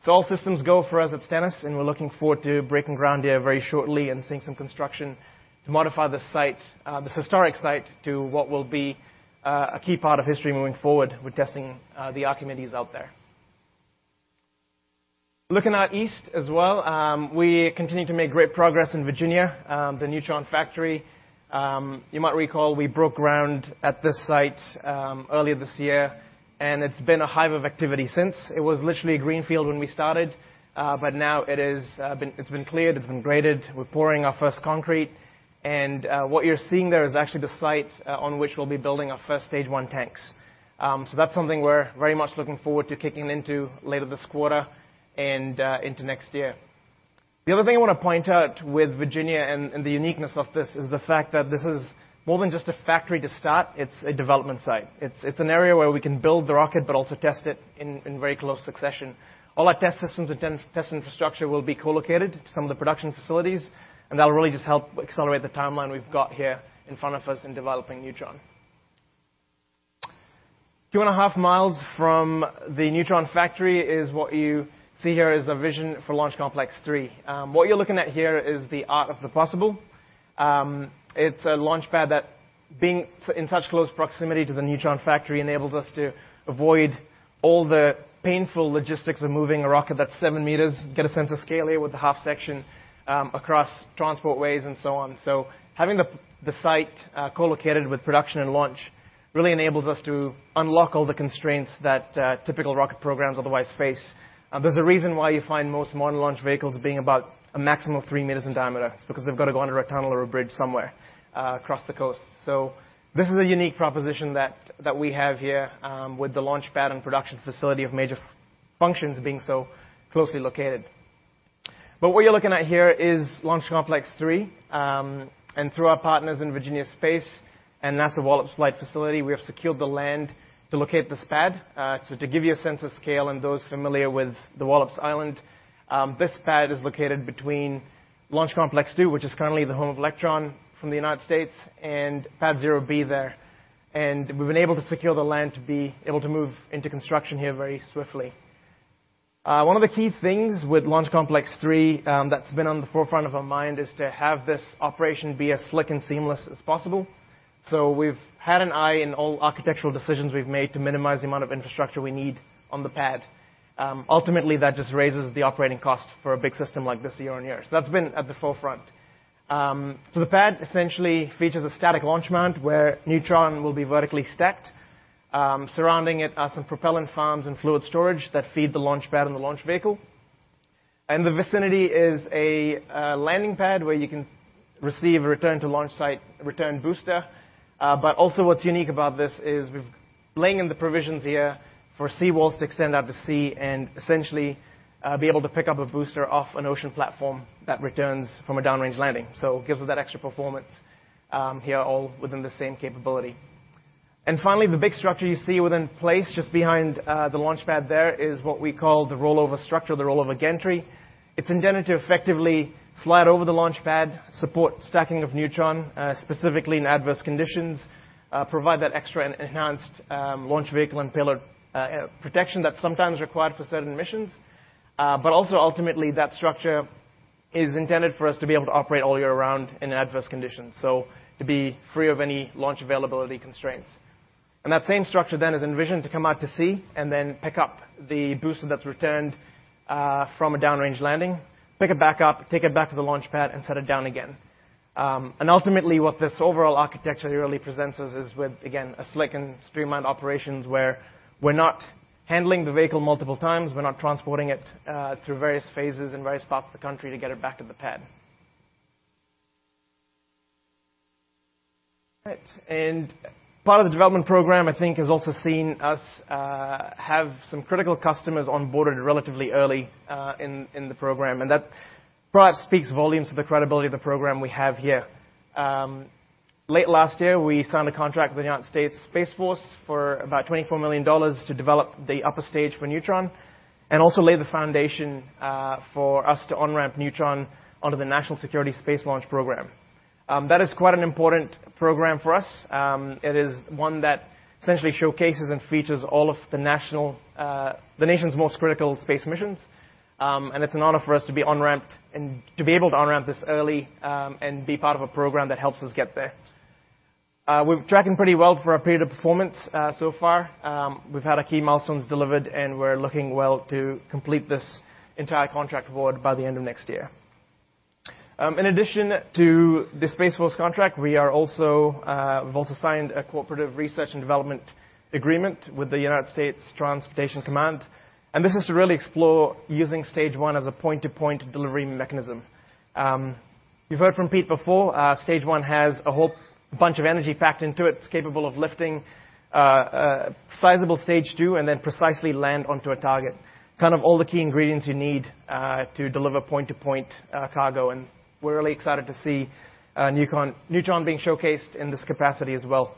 All systems go for us at Stennis, and we're looking forward to breaking ground here very shortly and seeing some construction to modify this site, this historic site to what will be a key part of history moving forward with testing the Archimedes out there. Looking out east as well, we continue to make great progress in Virginia, the Neutron factory. You might recall we broke ground at this site earlier this year, and it's been a hive of activity since. It was literally a greenfield when we started, but now it's been cleared, it's been graded. We're pouring our first concrete. What you're seeing there is actually the site on which we'll be building our first stage one tanks. So that's something we're very much looking forward to kicking into later this quarter and into next year. The other thing I wanna point out with Virginia and the uniqueness of this is the fact that this is more than just a factory to start. It's a development site. It's an area where we can build the rocket but also test it in very close succession. All our test systems and test infrastructure will be co-located to some of the production facilities, and that'll really just help accelerate the timeline we've got here in front of us in developing Neutron. 2.5 miles from the Neutron factory is what you see here, the vision for Launch Complex 3. What you're looking at here is the art of the possible. It's a launch pad in such close proximity to the Neutron factory enables us to avoid all the painful logistics of moving a rocket that's 7 meters, get a sense of scale here with the half section, across transport ways and so on. Having the site co-located with production and launch really enables us to unlock all the constraints that typical rocket programs otherwise face. There's a reason why you find most modern launch vehicles being about a maximum of 3 meters in diameter. It's because they've got to go under a tunnel or a bridge somewhere, across the coast. This is a unique proposition that we have here, with the launchpad and production facility of major functions being so closely located. What you're looking at here is Launch Complex 3. Through our partners in Virginia Space and NASA Wallops Flight Facility, we have secured the land to locate this pad. To give you a sense of scale and those familiar with the Wallops Island, this pad is located between Launch Complex 2, which is currently the home of Electron from the United States and Pad 0B there. We've been able to secure the land to be able to move into construction here very swiftly. One of the key things with Launch Complex 3, that's been on the forefront of our mind is to have this operation be as slick and seamless as possible. We've had an eye on all architectural decisions we've made to minimize the amount of infrastructure we need on the pad. Ultimately, that just raises the operating cost for a big system like this year on year. That's been at the forefront. The pad essentially features a static launch mount where Neutron will be vertically stacked. Surrounding it are some propellant farms and fluid storage that feed the launch pad and the launch vehicle. The vicinity is a landing pad where you can receive a return to launch site booster. What's unique about this is laying in the provisions here for seawalls to extend out to sea and essentially be able to pick up a booster off an ocean platform that returns from a downrange landing. It gives us that extra performance, here, all within the same capability. Finally, the big structure you see in place just behind the launch pad there is what we call the rollover structure, the rollover gantry. It's intended to effectively slide over the launch pad, support stacking of Neutron, specifically in adverse conditions, provide that extra and enhanced launch vehicle and payload protection that's sometimes required for certain missions. Ultimately that structure is intended for us to be able to operate all year round in adverse conditions, to be free of any launch availability constraints. That same structure then is envisioned to come out to sea and then pick up the booster that's returned from a downrange landing, pick it back up, take it back to the launch pad and set it down again. Ultimately what this overall architecture really presents us is with again a slick and streamlined operations where we're not handling the vehicle multiple times, we're not transporting it through various phases and various parts of the country to get it back to the pad. Right. Part of the development program, I think, has also seen us have some critical customers onboarded relatively early in the program. That perhaps speaks volumes to the credibility of the program we have here. Late last year, we signed a contract with the United States Space Force for about $24 million to develop the upper stage for Neutron and also lay the foundation for us to on-ramp Neutron onto the National Security Space Launch Program. That is quite an important program for us. It is one that essentially showcases and features all of the nation's most critical space missions. It's an honor for us to be on-ramped and to be able to on-ramp this early and be part of a program that helps us get there. We're tracking pretty well for our period of performance so far. We've had our key milestones delivered, and we're looking well to complete this entire contract award by the end of next year. In addition to the Space Force contract, we've also signed a cooperative research and development agreement with the United States Transportation Command. This is to really explore using stage one as a point-to-point delivery mechanism. You've heard from Pete before, stage one has a whole bunch of energy packed into it. It's capable of lifting sizable stage two and then precisely land onto a target. Kind of all the key ingredients you need to deliver point-to-point cargo. We're really excited to see Neutron being showcased in this capacity as well.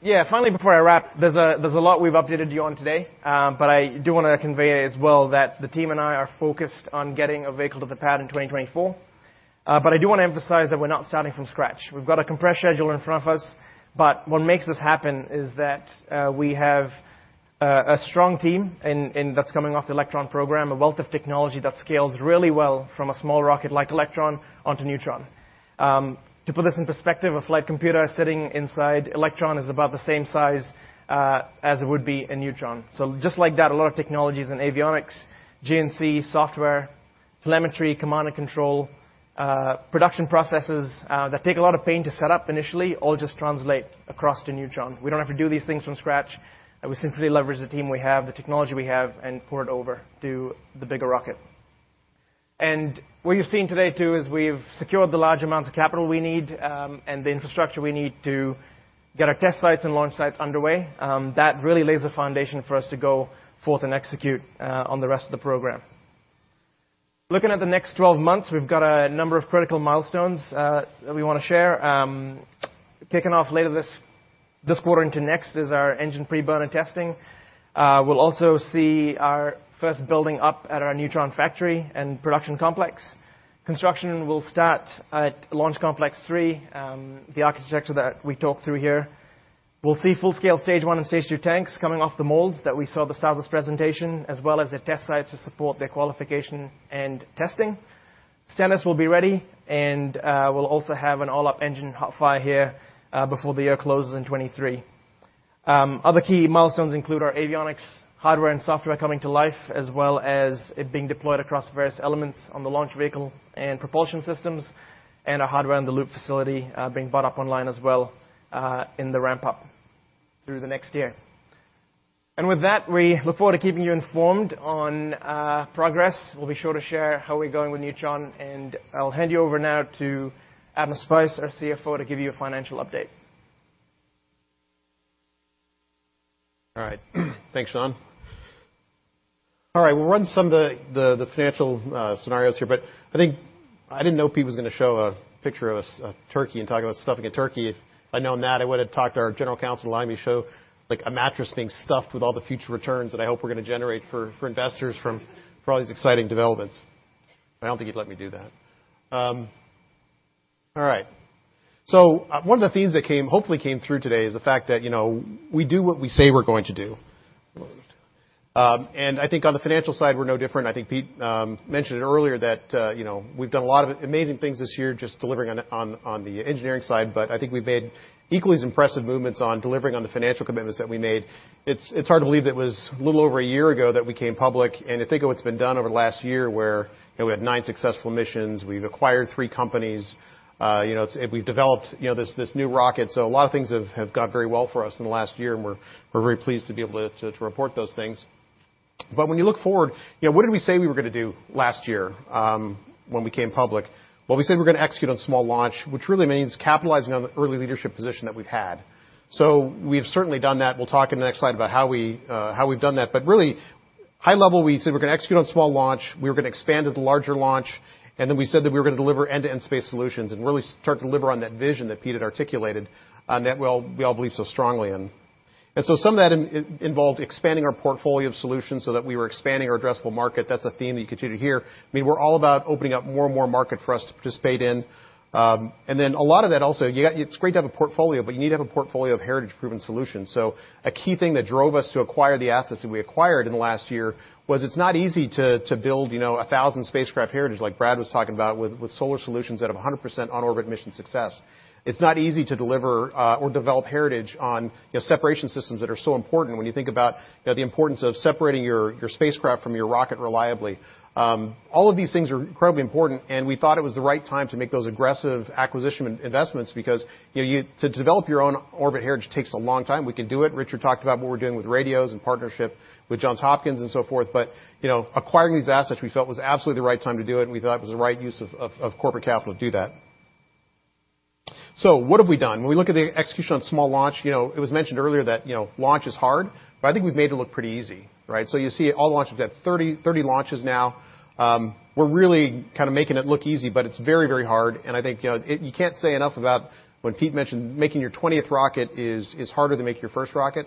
Yeah, finally, before I wrap, there's a lot we've updated you on today, but I do wanna convey as well that the team and I are focused on getting a vehicle to the pad in 2024. I do wanna emphasize that we're not starting from scratch. We've got a compressed schedule in front of us, what makes this happen is that we have a strong team and that's coming off the Electron program, a wealth of technology that scales really well from a small rocket-like Electron onto Neutron. To put this in perspective, a flight computer sitting inside Electron is about the same size as it would be in Neutron. Just like that, a lot of technologies and avionics, GNC, software, telemetry, command and control, production processes that take a lot of pain to set up initially, all just translate across to Neutron. We don't have to do these things from scratch. We simply leverage the team we have, the technology we have, and port over to the bigger rocket. What you've seen today, too, is we've secured the large amounts of capital we need, and the infrastructure we need to get our test sites and launch sites underway. That really lays the foundation for us to go forth and execute on the rest of the program. Looking at the next 12 months, we've got a number of critical milestones that we wanna share. Kicking off later this quarter into next is our engine pre-burner testing. We'll also see our first building up at our Neutron factory and production complex. Construction will start at Launch Complex 3, the architecture that we talked through here. We'll see full-scale stage 1 and stage 2 tanks coming off the molds that we saw at the start of this presentation, as well as the test sites to support their qualification and testing. STEMS will be ready, and we'll also have an all-up engine hot fire here before the year closes in 2023. Other key milestones include our avionics, hardware, and software coming to life, as well as it being deployed across various elements on the launch vehicle and propulsion systems, and our hardware in the loop facility being brought online as well in the ramp up through the next year. With that, we look forward to keeping you informed on progress. We'll be sure to share how we're going with Neutron, and I'll hand you over now to Adam Spice, our CFO, to give you a financial update. All right. Thanks, Shaun. All right, we'll run some of the financial scenarios here, but I think I didn't know Pete was gonna show a picture of a turkey and talk about stuffing a turkey. If I'd known that, I would've talked to our general counsel to allow me to show, like, a mattress being stuffed with all the future returns that I hope we're gonna generate for investors from all these exciting developments. I don't think he'd let me do that. All right. One of the themes that hopefully came through today is the fact that, you know, we do what we say we're going to do. I think on the financial side, we're no different. I think Peter mentioned it earlier that, you know, we've done a lot of amazing things this year just delivering on the engineering side, but I think we've made equally as impressive movements on delivering on the financial commitments that we made. It's hard to believe that it was a little over a year ago that we came public, and to think of what's been done over the last year where, you know, we had nine successful missions, we've acquired three companies, you know, and we've developed, you know, this new rocket. A lot of things have gone very well for us in the last year, and we're very pleased to be able to report those things. When you look forward, you know, what did we say we were gonna do last year, when we came public? Well, we said we're gonna execute on small launch, which really means capitalizing on the early leadership position that we've had. We've certainly done that. We'll talk in the next slide about how we've done that. Really, high level, we said we're gonna execute on small launch, we were gonna expand to the larger launch, and then we said that we were gonna deliver end-to-end space solutions and really start to deliver on that vision that Pete had articulated, that we all believe so strongly in. Some of that involved expanding our portfolio of solutions so that we were expanding our addressable market. That's a theme that you continue to hear. I mean, we're all about opening up more and more market for us to participate in. A lot of that also. It's great to have a portfolio, but you need to have a portfolio of heritage-proven solutions. A key thing that drove us to acquire the assets that we acquired in the last year was it's not easy to build, you know, 1,000 spacecraft heritage like Brad was talking about with solar solutions that have 100% on-orbit mission success. It's not easy to deliver or develop heritage on, you know, separation systems that are so important when you think about, you know, the importance of separating your spacecraft from your rocket reliably. All of these things are incredibly important, and we thought it was the right time to make those aggressive acquisition investments because, you know, to develop your own orbit heritage takes a long time. We can do it. Richard talked about what we're doing with radios in partnership with Johns Hopkins and so forth. You know, acquiring these assets, we felt, was absolutely the right time to do it, and we thought it was the right use of corporate capital to do that. What have we done? When we look at the execution on small launch, you know, it was mentioned earlier that, you know, launch is hard, but I think we've made it look pretty easy, right? You see all the launches. We've had 30 launches now. We're really kinda making it look easy, but it's very, very hard, and I think, you know, you can't say enough about when Pete mentioned making your 20th rocket is harder than making your first rocket.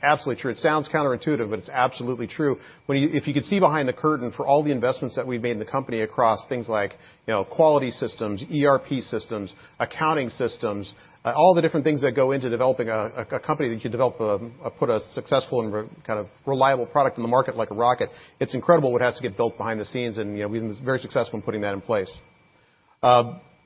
Absolutely true. It sounds counterintuitive, but it's absolutely true. If you could see behind the curtain for all the investments that we've made in the company across things like, you know, quality systems, ERP systems, accounting systems, all the different things that go into developing a company that can put a successful and reliable product in the market like a rocket, it's incredible what has to get built behind the scenes, and, you know, we've been very successful in putting that in place.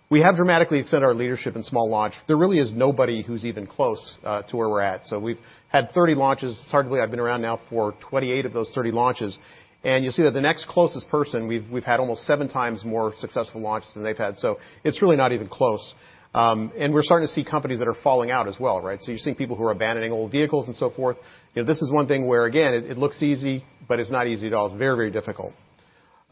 We have dramatically extended our leadership in small launch. There really is nobody who's even close to where we're at. We've had 30 launches. It's hard to believe I've been around now for 28 of those 30 launches, and you'll see that the next closest person, we've had almost seven times more successful launches than they've had. It's really not even close. We're starting to see companies that are falling out as well, right? You're seeing people who are abandoning old vehicles and so forth. You know, this is one thing where, again, it looks easy, but it's not easy at all. It's very, very difficult.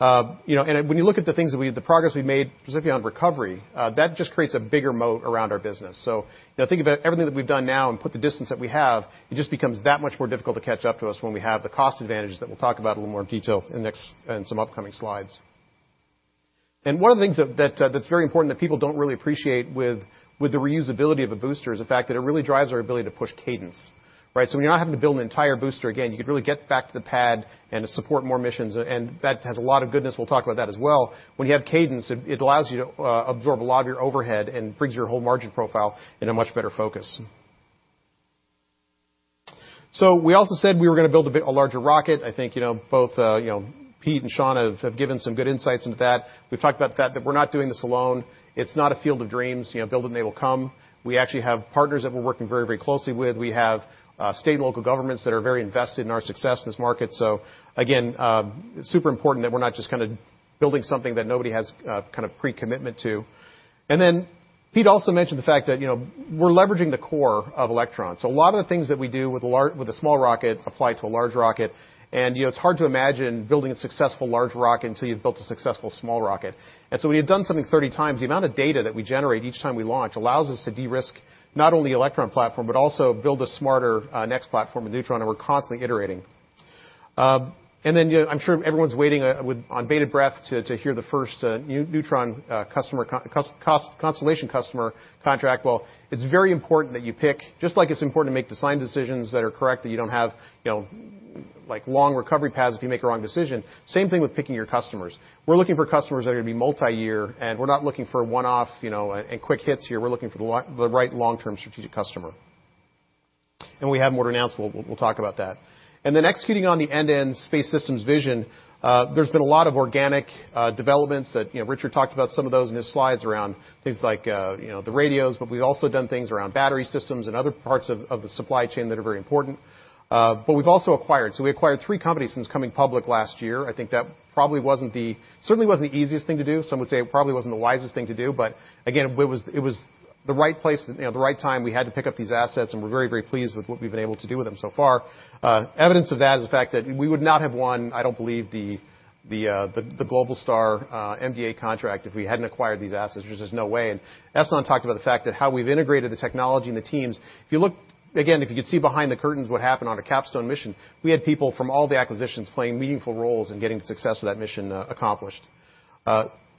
You know, when you look at the progress we've made, specifically on recovery, that just creates a bigger moat around our business. You know, think about everything that we've done now and put the distance that we have. It just becomes that much more difficult to catch up to us when we have the cost advantages that we'll talk about a little more in detail in the next, some upcoming slides. One of the things that's very important that people don't really appreciate with the reusability of a booster is the fact that it really drives our ability to push cadence, right? When you're not having to build an entire booster again, you could really get back to the pad and to support more missions. That has a lot of goodness. We'll talk about that as well. When you have cadence, it allows you to absorb a lot of your overhead and brings your whole margin profile in a much better focus. We also said we were gonna build a bit a larger rocket. I think, you know, both, you know, Pete and Shaun have given some good insights into that. We've talked about the fact that we're not doing this alone. It's not a field of dreams, you know, build and they will come. We actually have partners that we're working very, very closely with. We have state and local governments that are very invested in our success in this market. Again, super important that we're not just kinda building something that nobody has kind of pre-commitment to. Then Pete also mentioned the fact that, you know, we're leveraging the core of Electron. A lot of the things that we do with a small rocket apply to a large rocket. You know, it's hard to imagine building a successful large rocket until you've built a successful small rocket. We had done something 30 times. The amount of data that we generate each time we launch allows us to de-risk not only Electron platform, but also build a smarter next platform with Neutron, and we're constantly iterating. You know, I'm sure everyone's waiting with bated breath to hear the first Neutron constellation customer contract. Well, it's very important that you pick, just like it's important to make design decisions that are correct, that you don't have, you know, like long recovery paths if you make a wrong decision. Same thing with picking your customers. We're looking for customers that are gonna be multi-year, and we're not looking for a one-off, you know, and quick hits here. We're looking for the right long-term strategic customer. We have more to announce. We'll talk about that. Then executing on the end-to-end Space Systems vision, there's been a lot of organic developments that, you know, Richard talked about some of those in his slides around things like, you know, the radios, but we've also done things around battery systems and other parts of the supply chain that are very important. But we've also acquired. We acquired three companies since coming public last year. I think that certainly wasn't the wisest thing to do, but again, it was the right place, you know, the right time. We had to pick up these assets, and we're very, very pleased with what we've been able to do with them so far. Evidence of that is the fact that we would not have won, I don't believe the Globalstar and MDA contract if we hadn't acquired these assets. There's just no way. Ehson Mosleh talked about the fact that how we've integrated the technology and the teams. Again, if you could see behind the curtains what happened on a CAPSTONE mission, we had people from all the acquisitions playing meaningful roles in getting the success of that mission accomplished.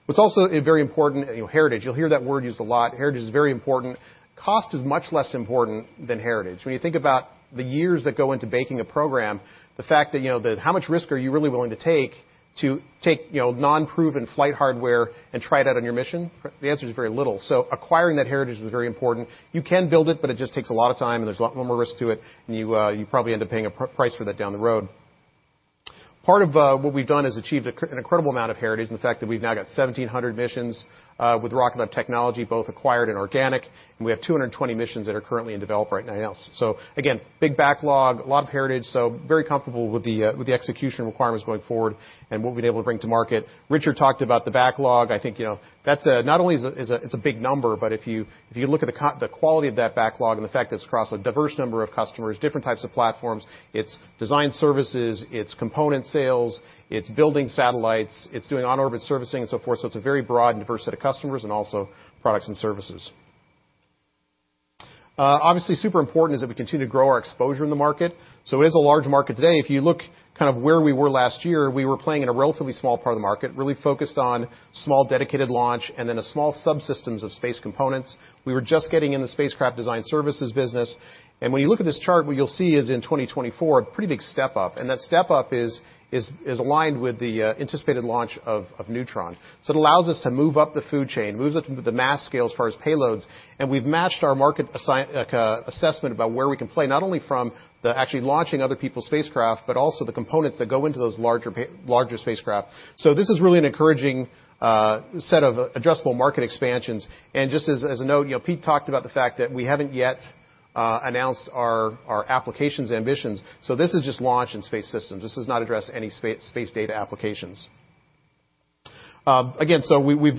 What's also very important, you know, heritage. You'll hear that word used a lot. Heritage is very important. Cost is much less important than heritage. When you think about the years that go into baking a program, the fact that, you know, how much risk are you really willing to take, you know, non-proven flight hardware and try it out on your mission, the answer is very little. Acquiring that heritage was very important. You can build it, but it just takes a lot of time, and there's a lot more risk to it, and you probably end up paying a price for that down the road. Part of what we've done is achieved an incredible amount of heritage, and the fact that we've now got 1,700 missions with Rocket Lab technology, both acquired and organic, and we have 220 missions that are currently in development right now. Again, big backlog, a lot of heritage, very comfortable with the execution requirements going forward and what we've been able to bring to market. Richard talked about the backlog. I think, you know, that's not only a big number, but if you look at the quality of that backlog and the fact that it's across a diverse number of customers, different types of platforms. It's design services, it's component sales, it's building satellites, it's doing on-orbit servicing and so forth. It's a very broad and diverse set of customers and also products and services. Obviously super important is that we continue to grow our exposure in the market. It is a large market today. If you look kind of where we were last year, we were playing in a relatively small part of the market, really focused on small dedicated launch and then a small subsystems of space components. We were just getting in the spacecraft design services business. When you look at this chart, what you'll see is in 2024, a pretty big step up, and that step up is aligned with the anticipated launch of Neutron. It allows us to move up the food chain, moves up the mass scale as far as payloads, and we've matched our market assessment about where we can play, not only from the actually launching other people's spacecraft, but also the components that go into those larger spacecraft. This is really an encouraging set of addressable market expansions. Just as a note, you know, Pete talked about the fact that we haven't yet announced our applications ambitions. This is just launch and space systems. This does not address any space data applications. Again,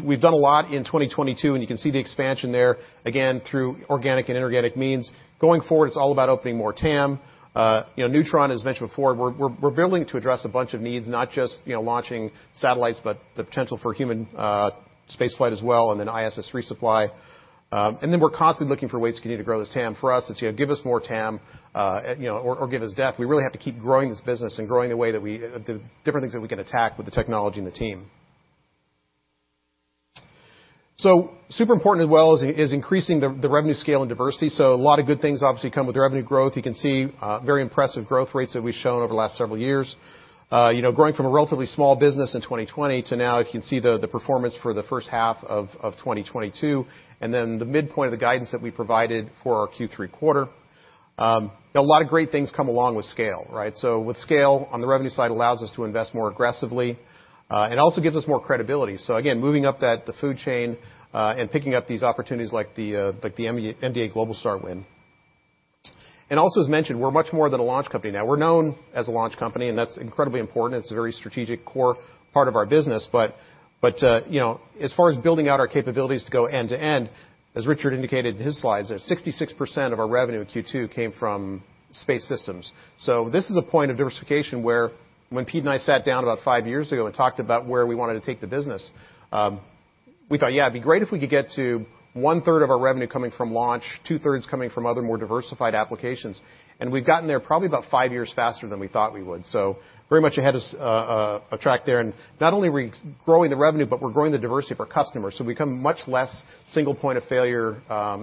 we've done a lot in 2022, and you can see the expansion there, again, through organic and inorganic means. Going forward, it's all about opening more TAM. You know, Neutron, as mentioned before, we're building to address a bunch of needs, not just, you know, launching satellites, but the potential for human spaceflight as well, and then ISS resupply. We're constantly looking for ways to continue to grow this TAM. For us, it's, you know, give us more TAM, you know, or give us depth. We really have to keep growing this business and growing the way that we the different things that we can attack with the technology and the team. Super important as well is increasing the revenue scale and diversity. A lot of good things obviously come with revenue growth. You can see very impressive growth rates that we've shown over the last several years. You know, growing from a relatively small business in 2020 to now if you can see the performance for the first half of 2022, and then the midpoint of the guidance that we provided for our Q3 quarter. A lot of great things come along with scale, right? With scale on the revenue side allows us to invest more aggressively and also gives us more credibility. Again, moving up the food chain and picking up these opportunities like the MDA Globalstar win. Also as mentioned, we're much more than a launch company now. We're known as a launch company, and that's incredibly important. It's a very strategic core part of our business. You know, as far as building out our capabilities to go end to end, as Richard indicated in his slides, 66% of our revenue in Q2 came from Space Systems. This is a point of diversification where when Pete and I sat down about five years ago and talked about where we wanted to take the business, we thought, yeah, it'd be great if we could get to 1/3 of our revenue coming from launch, 2/3 coming from other more diversified applications. We've gotten there probably about five years faster than we thought we would. Very much ahead of schedule, and not only are we growing the revenue, but we're growing the diversity of our customers, so become much less single point of failure,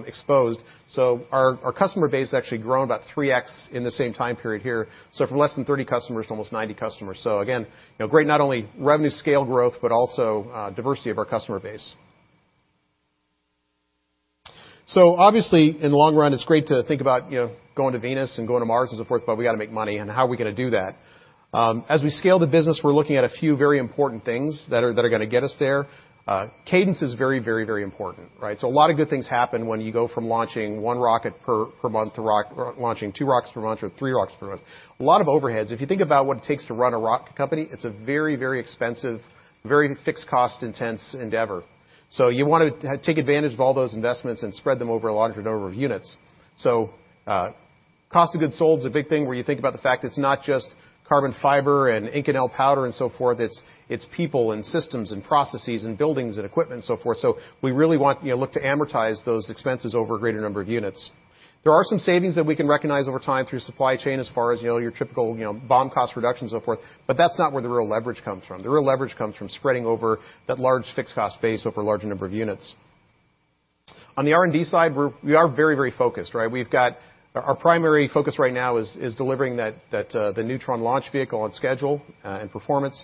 exposed. Our customer base has actually grown about 3x in the same time period here. From less than 30 customers to almost 90 customers. Again, you know, great not only revenue scale growth, but also, diversity of our customer base. Obviously, in the long run, it's great to think about, you know, going to Venus and going to Mars and so forth, but we got to make money and how are we gonna do that. As we scale the business, we're looking at a few very important things that are gonna get us there. Cadence is very important, right? A lot of good things happen when you go from launching one rocket per month to launching two rockets per month or three rockets per month. A lot of overheads. If you think about what it takes to run a rocket company, it's a very expensive, fixed cost intense endeavor. You wanna take advantage of all those investments and spread them over a larger number of units. Cost of goods sold is a big thing where you think about the fact it's not just carbon fiber and Inconel powder and so forth, it's people and systems and processes and buildings and equipment and so forth. We really want, you know, look to amortize those expenses over a greater number of units. There are some savings that we can recognize over time through supply chain as far as, you know, your typical, you know, BOM cost reduction, so forth. That's not where the real leverage comes from. The real leverage comes from spreading over that large fixed cost base over a larger number of units. On the R&D side, we are very, very focused, right? Our primary focus right now is delivering the Neutron launch vehicle on schedule and performance.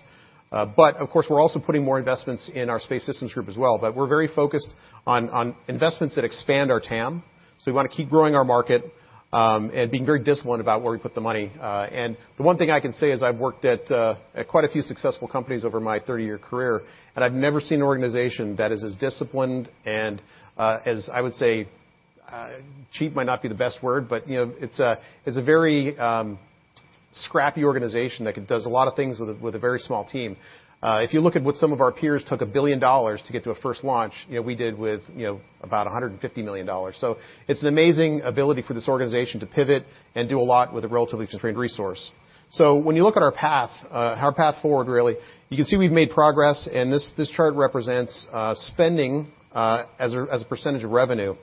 Of course, we're also putting more investments in our Space Systems group as well. We're very focused on investments that expand our TAM. We wanna keep growing our market and being very disciplined about where we put the money. The one thing I can say is I've worked at quite a few successful companies over my 30-year career, and I've never seen an organization that is as disciplined and as I would say, cheap might not be the best word, but, you know, it's a, it's a very scrappy organization that does a lot of things with a very small team. If you look at what some of our peers took $1 billion to get to a first launch, you know, we did with, you know, about $150 million. It's an amazing ability for this organization to pivot and do a lot with a relatively constrained resource. When you look at our path forward, really, you can see we've made progress, and this chart represents spending as a percentage of revenue.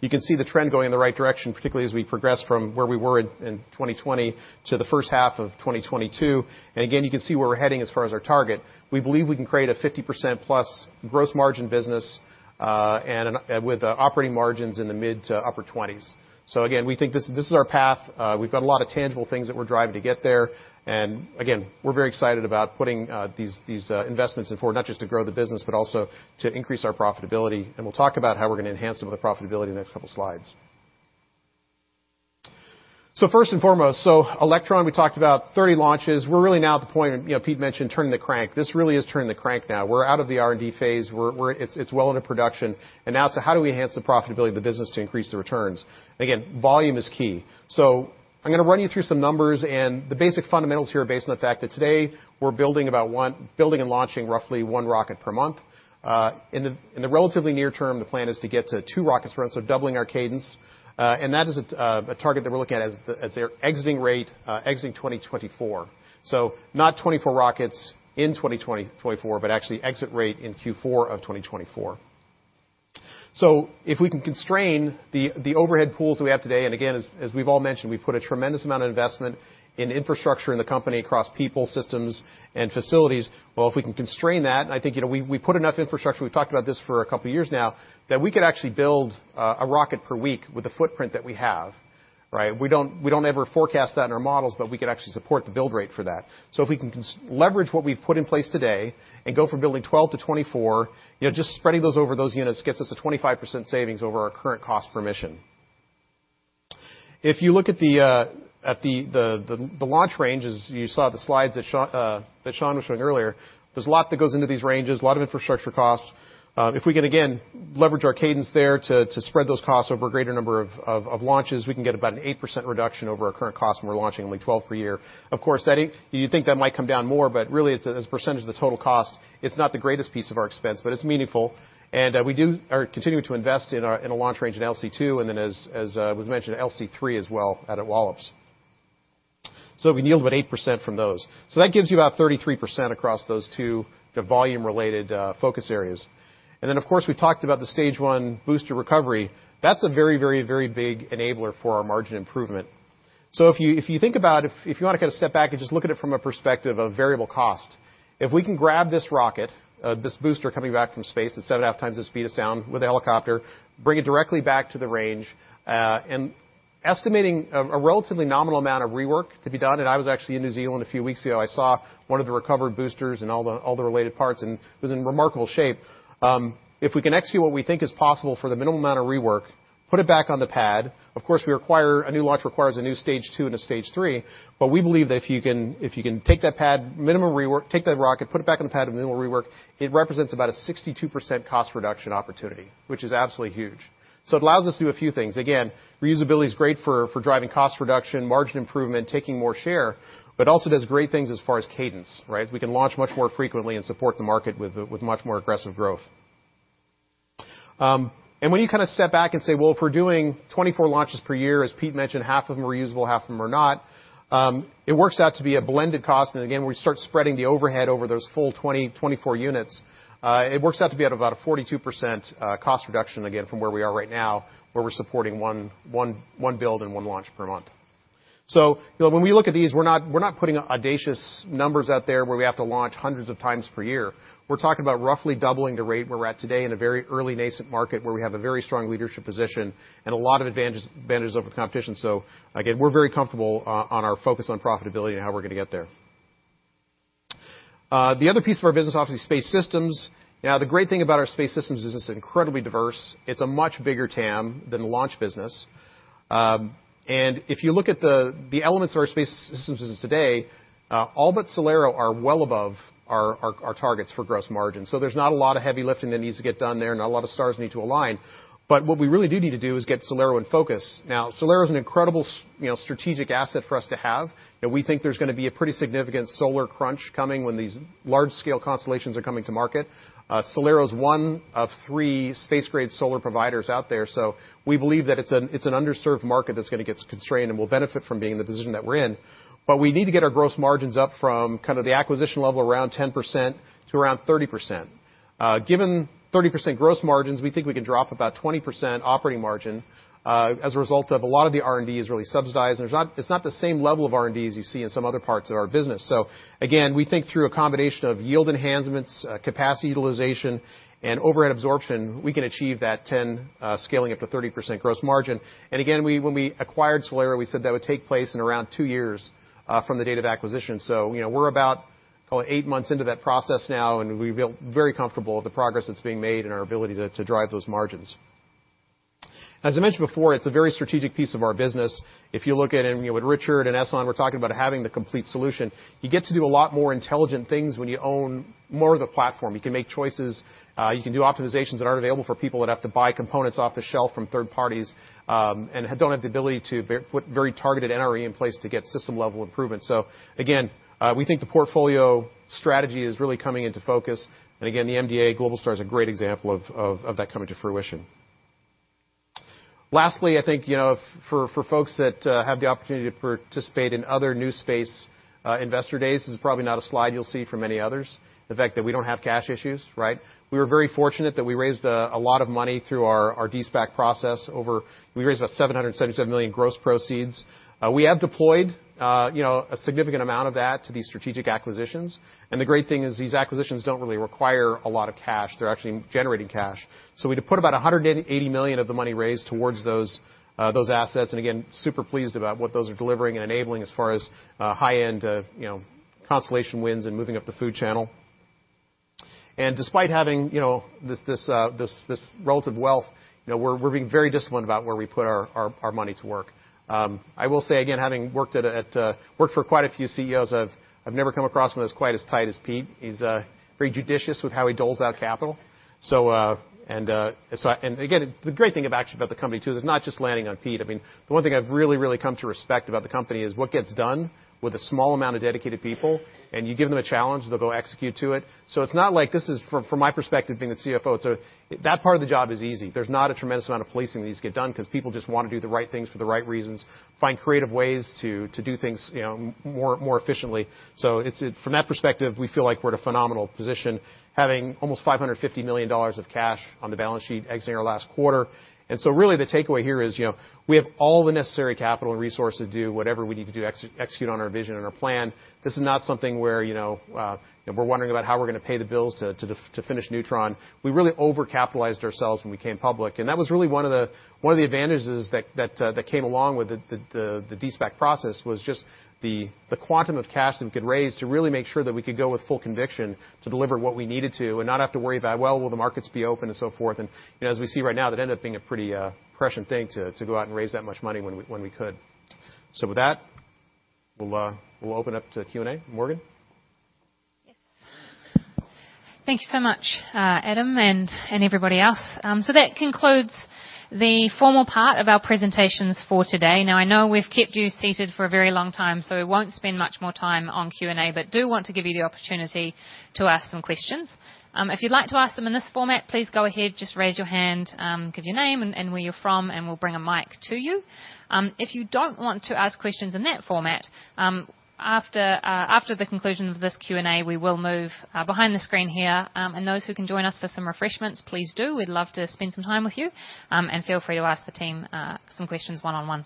You can see the trend going in the right direction, particularly as we progress from where we were in 2020 to the first half of 2022. You can see where we're heading as far as our target. We believe we can create a 50%+ gross margin business, and with operating margins in the mid- to upper-20%. We think this is our path. We've got a lot of tangible things that we're driving to get there. We're very excited about putting these investments forward, not just to grow the business, but also to increase our profitability. We'll talk about how we're gonna enhance some of the profitability in the next couple slides. First and foremost, Electron, we talked about 30 launches. We're really now at the point, you know, Pete mentioned turning the crank. This really is turning the crank now. We're out of the R&D phase, it's well into production. Now to how do we enhance the profitability of the business to increase the returns? Again, volume is key. I'm gonna run you through some numbers, and the basic fundamentals here are based on the fact that today we're building and launching roughly one rocket per month. In the relatively near term, the plan is to get to two rockets, right? So doubling our cadence. That is a target that we're looking at as the exit rate exiting 2024. Not 24 rockets in 2020-2024, but actually exit rate in Q4 of 2024. If we can constrain the overhead pools that we have today, and again, we've all mentioned, we put a tremendous amount of investment in infrastructure in the company across people, systems, and facilities. Well, if we can constrain that, and I think, you know, we put enough infrastructure, we've talked about this for a couple years now, that we could actually build a rocket per week with the footprint that we have, right? We don't ever forecast that in our models, but we could actually support the build rate for that. If we can leverage what we've put in place today and go from building 12 to 24, you know, just spreading those over those units gets us a 25% savings over our current cost per mission. If you look at the launch ranges, you saw the slides that Shaun was showing earlier. There's a lot that goes into these ranges, a lot of infrastructure costs. If we can again leverage our cadence there to spread those costs over a greater number of launches, we can get about an 8% reduction over our current cost when we're launching only 12 per year. Of course, you think that might come down more, but really it's a percentage of the total cost. It's not the greatest piece of our expense, but it's meaningful. We do or continue to invest in a launch range in LC-2, and then as was mentioned, LC-3 as well out at Wallops. We can yield about 8% from those. That gives you about 33% across those two volume-related focus areas. Of course, we talked about the stage one booster recovery. That's a very big enabler for our margin improvement. If you think about it, if you wanna kind of step back and just look at it from a perspective of variable cost, if we can grab this rocket, this booster coming back from space at 7.5x the speed of sound with a helicopter, bring it directly back to the range, and estimating a relatively nominal amount of rework to be done. I was actually in New Zealand a few weeks ago. I saw one of the recovered boosters and all the related parts, and it was in remarkable shape. If we can execute what we think is possible for the minimum amount of rework, put it back on the pad. Of course, a new launch requires a new stage two and a stage three. We believe that if you can take that pad, minimum rework, take that rocket, put it back on the pad with minimal rework, it represents about a 62% cost reduction opportunity, which is absolutely huge. It allows us to do a few things. Again, reusability is great for driving cost reduction, margin improvement, taking more share, but also does great things as far as cadence, right? We can launch much more frequently and support the market with much more aggressive growth. When you kind of step back and say, well, if we're doing 24 launches per year, as Pete mentioned, half of them are reusable, half of them are not, it works out to be a blended cost. Again, when you start spreading the overhead over those full 24 units, it works out to be at about a 42% cost reduction again from where we are right now, where we're supporting one build and one launch per month. You know, when we look at these, we're not putting audacious numbers out there where we have to launch hundreds of times per year. We're talking about roughly doubling the rate we're at today in a very early nascent market where we have a very strong leadership position and a lot of advantages over the competition. Again, we're very comfortable on our focus on profitability and how we're gonna get there. The other piece of our business, obviously Space Systems. Now, the great thing about our Space Systems is it's incredibly diverse. It's a much bigger TAM than the launch business. If you look at the elements of our Space Systems business today, all but SolAero are well above our targets for gross margin. There's not a lot of heavy lifting that needs to get done there, not a lot of stars need to align. What we really do need to do is get SolAero in focus. Now, SolAero is an incredible you know, strategic asset for us to have, and we think there's gonna be a pretty significant solar crunch coming when these large-scale constellations are coming to market. SolAero is one of three space-grade solar providers out there. We believe that it's an underserved market that's gonna get constrained and will benefit from being in the position that we're in. But we need to get our gross margins up from kind of the acquisition level around 10% to around 30%. Given 30% gross margins, we think we can drop about 20% operating margin, as a result of a lot of the R&D is really subsidized, and it's not the same level of R&D as you see in some other parts of our business. Again, we think through a combination of yield enhancements, capacity utilization, and overhead absorption, we can achieve that 10, scaling up to 30% gross margin. Again, when we acquired SolAero, we said that would take place in around two years from the date of acquisition. You know, we're about, call it, eight months into that process now, and we feel very comfortable with the progress that's being made and our ability to drive those margins. As I mentioned before, it's a very strategic piece of our business. If you look at it, and, you know, with Richard and Ehson, we're talking about having the complete solution. You get to do a lot more intelligent things when you own more of the platform. You can make choices, you can do optimizations that aren't available for people that have to buy components off the shelf from third parties, and don't have the ability to put very targeted NRE in place to get system-level improvements. We think the portfolio strategy is really coming into focus. The MDA Globalstar is a great example of that coming to fruition. Lastly, I think, you know, for folks that have the opportunity to participate in other new space investor days, this is probably not a slide you'll see from any others, the fact that we don't have cash issues, right? We were very fortunate that we raised a lot of money through our de-SPAC process over. We raised about $777 million gross proceeds. We have deployed, you know, a significant amount of that to these strategic acquisitions. The great thing is these acquisitions don't really require a lot of cash. They're actually generating cash. We deployed about $180 million of the money raised towards those assets. Again, super pleased about what those are delivering and enabling as far as high-end, you know, constellation wins and moving up the food chain. Despite having, you know, this relative wealth, you know, we're being very disciplined about where we put our money to work. I will say again, having worked for quite a few CEOs, I've never come across one that's quite as tight as Pete. He's very judicious with how he doles out capital. The great thing about actually about the company too is it's not just landing on Pete. I mean, the one thing I've really come to respect about the company is what gets done with a small amount of dedicated people, and you give them a challenge, they'll go execute to it. It's not like this is from my perspective being the CFO; it's that part of the job is easy. There's not a tremendous amount of policing that needs to get done because people just wanna do the right things for the right reasons, find creative ways to do things, you know, more efficiently. From that perspective, we feel like we're at a phenomenal position, having almost $550 million of cash on the balance sheet exiting our last quarter. Really the takeaway here is, you know, we have all the necessary capital and resource to do whatever we need to do execute on our vision and our plan. This is not something where, you know, we're wondering about how we're gonna pay the bills to finish Neutron. We really over-capitalized ourselves when we came public, and that was really one of the advantages that came along with the de-SPAC process was just the quantum of cash that we could raise to really make sure that we could go with full conviction to deliver what we needed to and not have to worry about, well, will the markets be open and so forth. You know, as we see right now, that ended up being a pretty prescient thing to go out and raise that much money when we could. With that, we'll open up to Q&A. Morgan? Yes. Thank you so much, Adam, and everybody else. That concludes the formal part of our presentations for today. Now, I know we've kept you seated for a very long time, so we won't spend much more time on Q&A, but do want to give you the opportunity to ask some questions. If you'd like to ask them in this format, please go ahead, just raise your hand, give your name and where you're from, and we'll bring a mic to you. If you don't want to ask questions in that format, after the conclusion of this Q&A, we will move behind the screen here. Those who can join us for some refreshments, please do. We'd love to spend some time with you. Feel free to ask the team some questions one-on-one.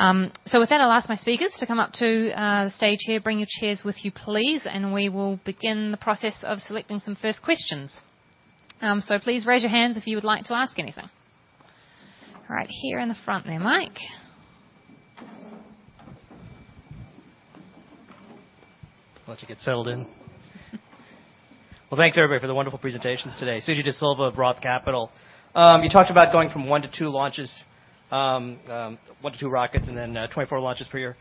With that, I'll ask my speakers to come up to the stage here. Bring your chairs with you, please, and we will begin the process of selecting some first questions. Please raise your hands if you would like to ask anything. All right, here in the front there, Mike. About to get settled in. Well, thanks everybody for the wonderful presentations today. Suji Desilva, Roth Capital. You talked about going from one to two launches, one to two rockets and then 24 launches per year.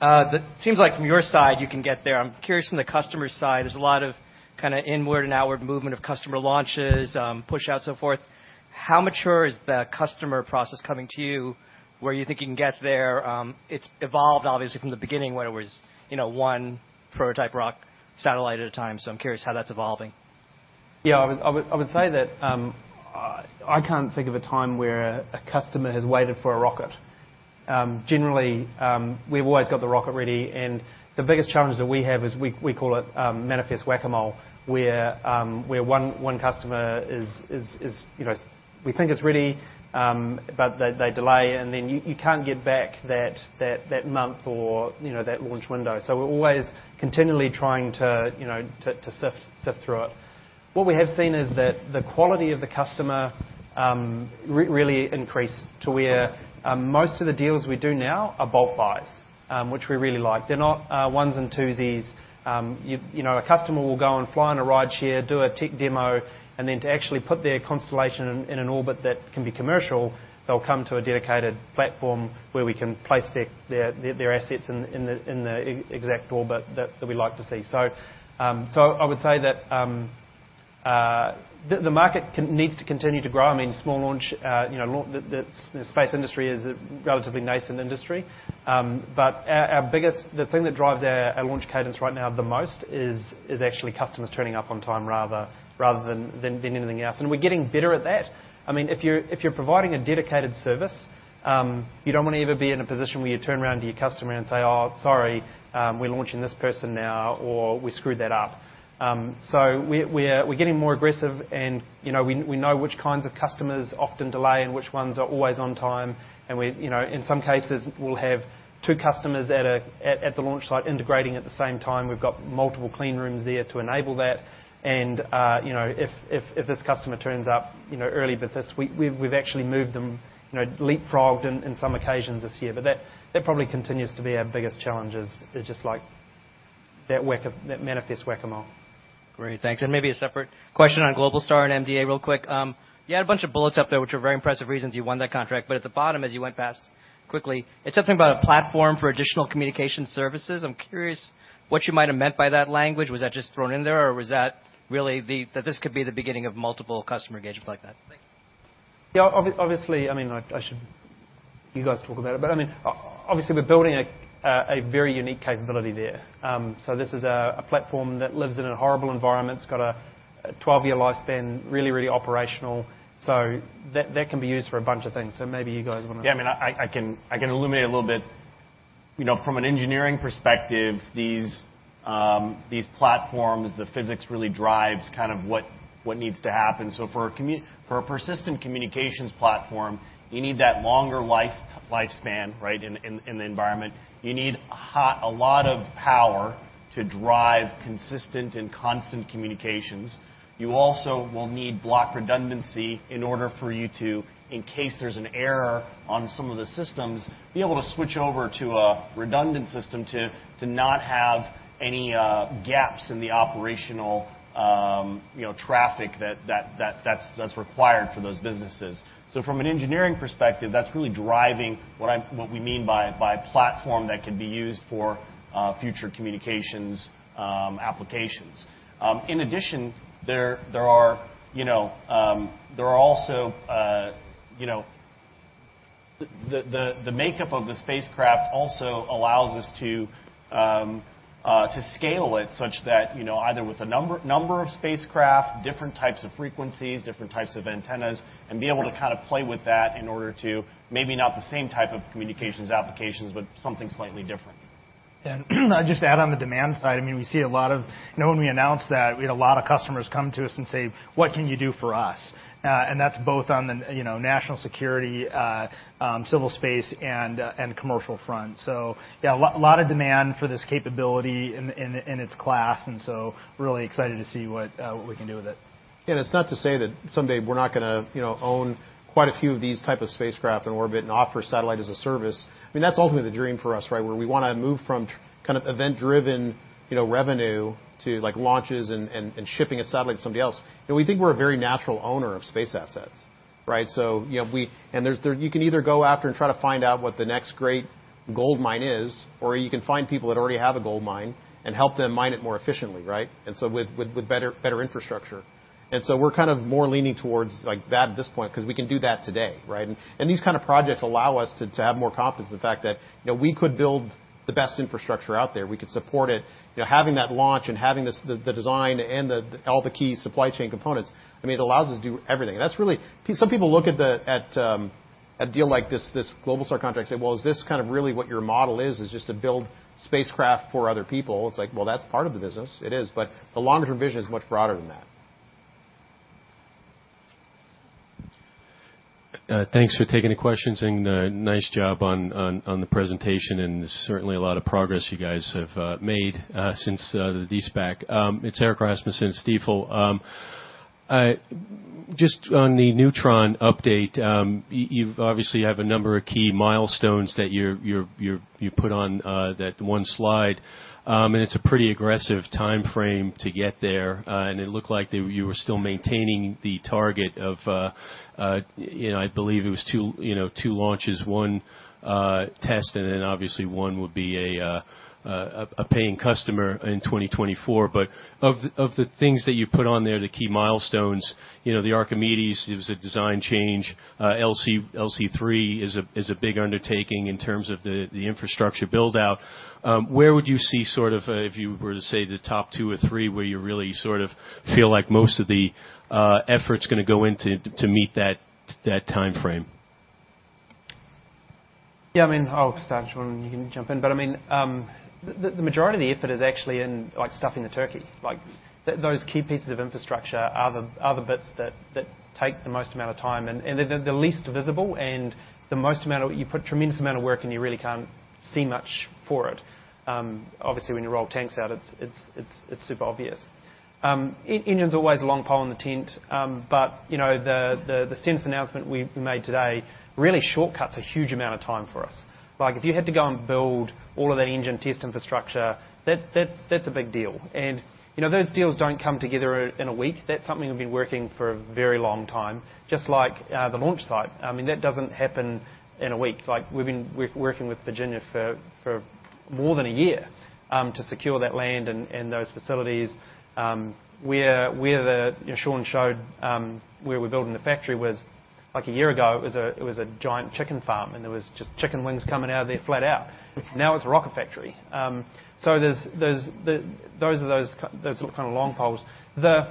That seems like from your side you can get there. I'm curious from the customer side, there's a lot of kinda inward and outward movement of customer launches, push outs, so forth. How mature is the customer process coming to you? Where you think you can get there? It's evolved obviously from the beginning when it was, you know, one prototype rock satellite at a time. I'm curious how that's evolving. Yeah, I would say that I can't think of a time where a customer has waited for a rocket. Generally, we've always got the rocket ready, and the biggest challenge that we have is we call it manifest Whac-A-Mole, where one customer is, you know, we think is ready, but they delay, and then you can't get back that month or, you know, that launch window. We're always continually trying to, you know, to sift through it. What we have seen is that the quality of the customer really increased to where most of the deals we do now are bulk buys, which we really like. They're not ones and twosies. You know, a customer will go and fly on a rideshare, do a tech demo, and then to actually put their constellation in an orbit that can be commercial, they'll come to a dedicated platform where we can place their assets in the exact orbit that we like to see. So I would say that the market needs to continue to grow. I mean, small launch, you know, the space industry is a relatively nascent industry. But the thing that drives our launch cadence right now the most is actually customers turning up on time rather than anything else. We're getting better at that. I mean, if you're providing a dedicated service, you don't wanna ever be in a position where you turn around to your customer and say, "Oh, sorry, we're launching this person now," or, "We screwed that up." We're getting more aggressive, and you know, we know which kinds of customers often delay and which ones are always on time. You know, in some cases, we'll have two customers at the launch site integrating at the same time. We've got multiple clean rooms there to enable that. You know, if this customer turns up early, we've actually moved them, you know, leapfrogged in some occasions this year. That probably continues to be our biggest challenge is just like that whack-a-mole manifest. Great. Thanks. Maybe a separate question on Globalstar and MDA real quick. You had a bunch of bullets up there which are very impressive reasons you won that contract, but at the bottom, as you went past quickly, it said something about a platform for additional communication services. I'm curious what you might have meant by that language. Was that just thrown in there, or was that really that this could be the beginning of multiple customer engagements like that? Thank you. Obviously, I mean, I should let you guys talk about it, but I mean, obviously, we're building a very unique capability there. This is a platform that lives in a horrible environment. It's got a 12-year lifespan, really operational. That can be used for a bunch of things. Maybe you guys wanna- Yeah. I mean, I can illuminate a little bit. You know, from an engineering perspective, these platforms, the physics really drives kind of what needs to happen. For a persistent communications platform, you need that longer life, lifespan, right, in the environment. You need a lot of power to drive consistent and constant communications. You also will need block redundancy in order for you to, in case there's an error on some of the systems, be able to switch over to a redundant system to not have any gaps in the operational, you know, traffic that's required for those businesses. From an engineering perspective, that's really driving what we mean by platform that can be used for future communications applications. In addition, there are also, you know. The makeup of the spacecraft also allows us to scale it such that, you know, either with a number of spacecraft, different types of frequencies, different types of antennas, and be able to kind of play with that in order to maybe not the same type of communications applications, but something slightly different. Just to add on the demand side, I mean, we see a lot of you know. When we announced that, we had a lot of customers come to us and say, "What can you do for us?" That's both on the, you know, national security, civil space and commercial front. Yeah, a lot of demand for this capability in its class, and so really excited to see what we can do with it. It's not to say that someday we're not gonna, you know, own quite a few of these type of spacecraft in orbit and offer satellite as a service. I mean, that's ultimately the dream for us, right? Where we wanna move from kind of event-driven, you know, revenue to, like, launches and shipping a satellite to somebody else. You know, we think we're a very natural owner of space assets, right? So, you know, you can either go after and try to find out what the next great goldmine is, or you can find people that already have a goldmine and help them mine it more efficiently, right? With better infrastructure. We're kind of more leaning towards, like, that at this point, 'cause we can do that today, right? These kind of projects allow us to have more confidence in the fact that, you know, we could build the best infrastructure out there. We could support it. You know, having that launch and having the design and all the key supply chain components, I mean, it allows us to do everything. That's really some people look at a deal like this Globalstar contract and say, "Well, is this kind of really what your model is, just to build spacecraft for other people?" It's like, well, that's part of the business. It is. The longer-term vision is much broader than that. Thanks for taking the questions, and nice job on the presentation, and certainly a lot of progress you guys have made since the de-SPAC. It's Erik Rasmussen, Stifel. Just on the Neutron update, you've obviously have a number of key milestones that you put on that one slide, and it's a pretty aggressive timeframe to get there, and it looked like that you were still maintaining the target of, you know, I believe it was two launches, one test, and then obviously one would be a paying customer in 2024. Of the things that you put on there, the key milestones, you know, the Archimedes, it was a design change, LC-3 is a big undertaking in terms of the infrastructure build-out. Where would you see sort of, if you were to say the top two or three, where you really sort of feel like most of the effort's gonna go into to meet that timeframe? Yeah, I mean, I'll start, Shaun, and you can jump in. I mean, the majority of the effort is actually in, like, stuffing the turkey. Like, those key pieces of infrastructure are the bits that take the most amount of time, and they're the least visible and the most amount of work. You put tremendous amount of work, and you really can't see much for it. Obviously, when you roll tanks out, it's super obvious. Engine's always a long pole in the tent. You know, the Stennis announcement we made today really shortcuts a huge amount of time for us. Like, if you had to go and build all of that engine test infrastructure, that's a big deal. You know, those deals don't come together in a week. That's something we've been working for a very long time, just like the launch site. I mean, that doesn't happen in a week. Like, we've been working with Virginia for more than a year to secure that land and those facilities. Where Shaun showed where we're building the factory was like a year ago, it was a giant chicken farm, and there was just chicken wings coming out of there flat out. Now it's a rocket factory. So there's those kind of long poles. The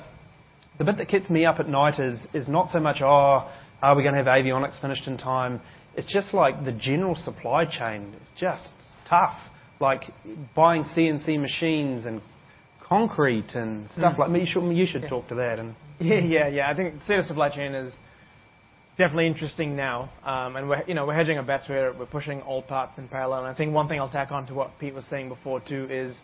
bit that keeps me up at night is not so much, "Oh, are we gonna have avionics finished in time?" It's just like the general supply chain. It's just tough. Like, buying CNC machines and concrete and stuff like that. You should talk to that and. Yeah, yeah. I think state of supply chain is definitely interesting now. And we're, you know, we're hedging our bets. We're pushing all parts in parallel. I think one thing I'll tack on to what Pete was saying before too is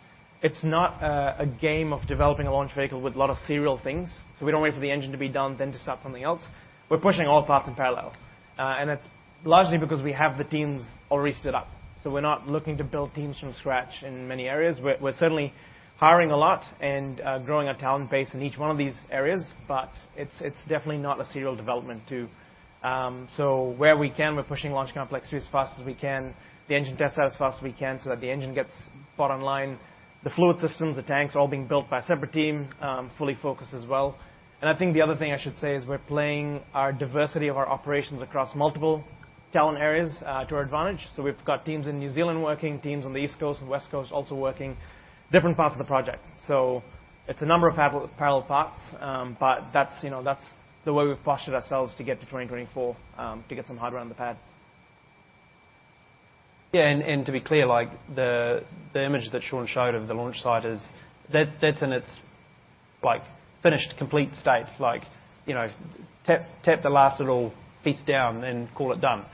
it's not a game of developing a launch vehicle with a lot of serial things. We don't wait for the engine to be done, then to start something else. We're pushing all parts in parallel. And it's largely because we have the teams already stood up. We're not looking to build teams from scratch in many areas. We're certainly hiring a lot and growing a talent base in each one of these areas. It's definitely not a serial development, too. Where we can, we're pushing launch complex two as fast as we can, the engine test out as fast as we can so that the engine gets brought online. The fluid systems, the tanks are all being built by a separate team, fully focused as well. I think the other thing I should say is we're playing our diversity of our operations across multiple talent areas to our advantage. We've got teams in New Zealand working, teams on the East Coast and West Coast also working different parts of the project. It's a number of parallel parts. That's, you know, that's the way we've postured ourselves to get to 2024 to get some hardware on the pad. Yeah. To be clear, like, the image that Shaun showed of the launch site is, that's in its, like, finished complete state. Like, you know, tap the last little piece down and call it done.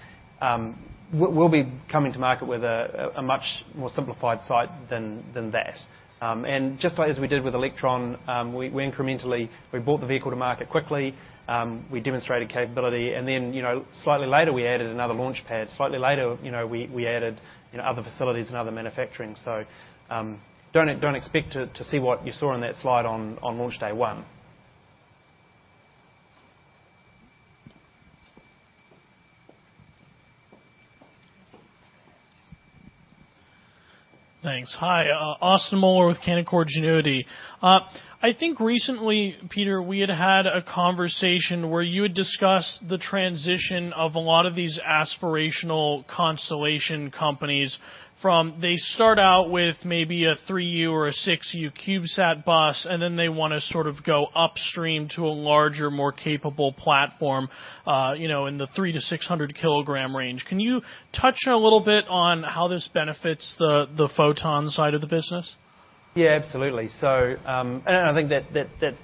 We'll be coming to market with a much more simplified site than that. And just as we did with Electron, we incrementally brought the vehicle to market quickly. We demonstrated capability, and then, you know, slightly later, we added another launch pad. Slightly later, you know, we added other facilities and other manufacturing. Don't expect to see what you saw on that slide on launch day one. Thanks. Hi, Austin Moeller with Canaccord Genuity. I think recently, Peter, we had had a conversation where you had discussed the transition of a lot of these aspirational constellation companies from, they start out with maybe a 3U or a 6U CubeSat bus, and then they wanna sort of go upstream to a larger, more capable platform, you know, in the 300 kg-600 kg range. Can you touch a little bit on how this benefits the Photon side of the business? Yeah, absolutely. I think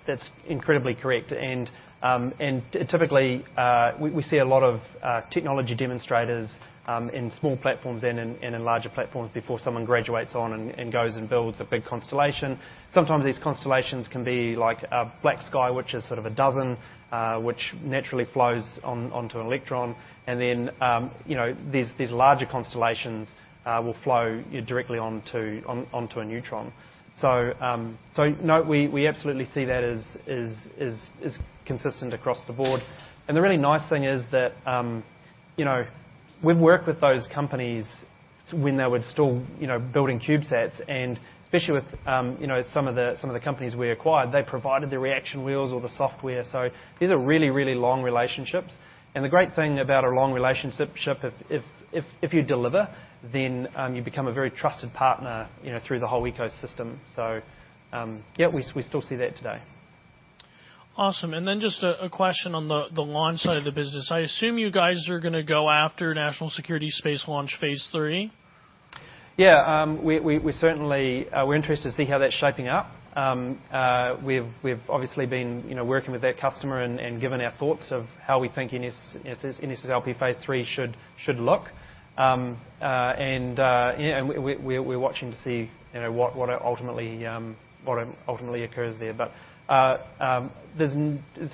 that's incredibly correct. Typically, we see a lot of technology demonstrators in small platforms and in larger platforms before someone graduates on and goes and builds a big constellation. Sometimes these constellations can be like a BlackSky, which is sort of a dozen, which naturally flows onto an Electron. You know, these larger constellations will flow directly onto a Neutron. No, we absolutely see that as consistent across the board. The really nice thing is that, you know, we've worked with those companies when they were still, you know, building CubeSats. Especially with, you know, some of the companies we acquired, they provided the reaction wheels or the software. These are really long relationships. The great thing about a long relationship, if you deliver, then you become a very trusted partner, you know, through the whole ecosystem. Yeah, we still see that today. Awesome. Just a question on the launch side of the business. I assume you guys are gonna go after National Security Space Launch Phase 3. Yeah. We certainly are interested to see how that's shaping up. We've obviously been, you know, working with that customer and given our thoughts of how we think NSSL Phase 3 should look. We're watching to see, you know, what ultimately occurs there. It's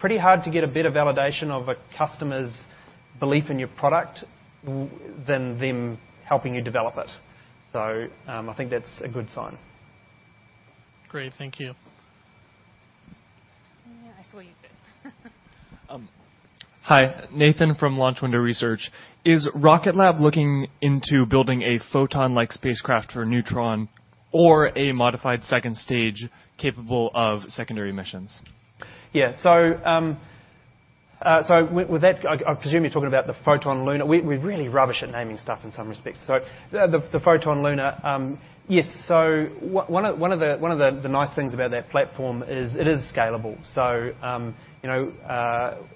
pretty hard to get a better validation of a customer's belief in your product than them helping you develop it. I think that's a good sign. Great. Thank you. I saw you first. Hi. Nathan from Launch Window Research. Is Rocket Lab looking into building a Photon-like spacecraft for Neutron or a modified second stage capable of secondary missions? Yeah. With that, I presume you're talking about the Lunar Photon. We're really rubbish at naming stuff in some respects. The Lunar Photon, yes. One of the nice things about that platform is it is scalable. You know,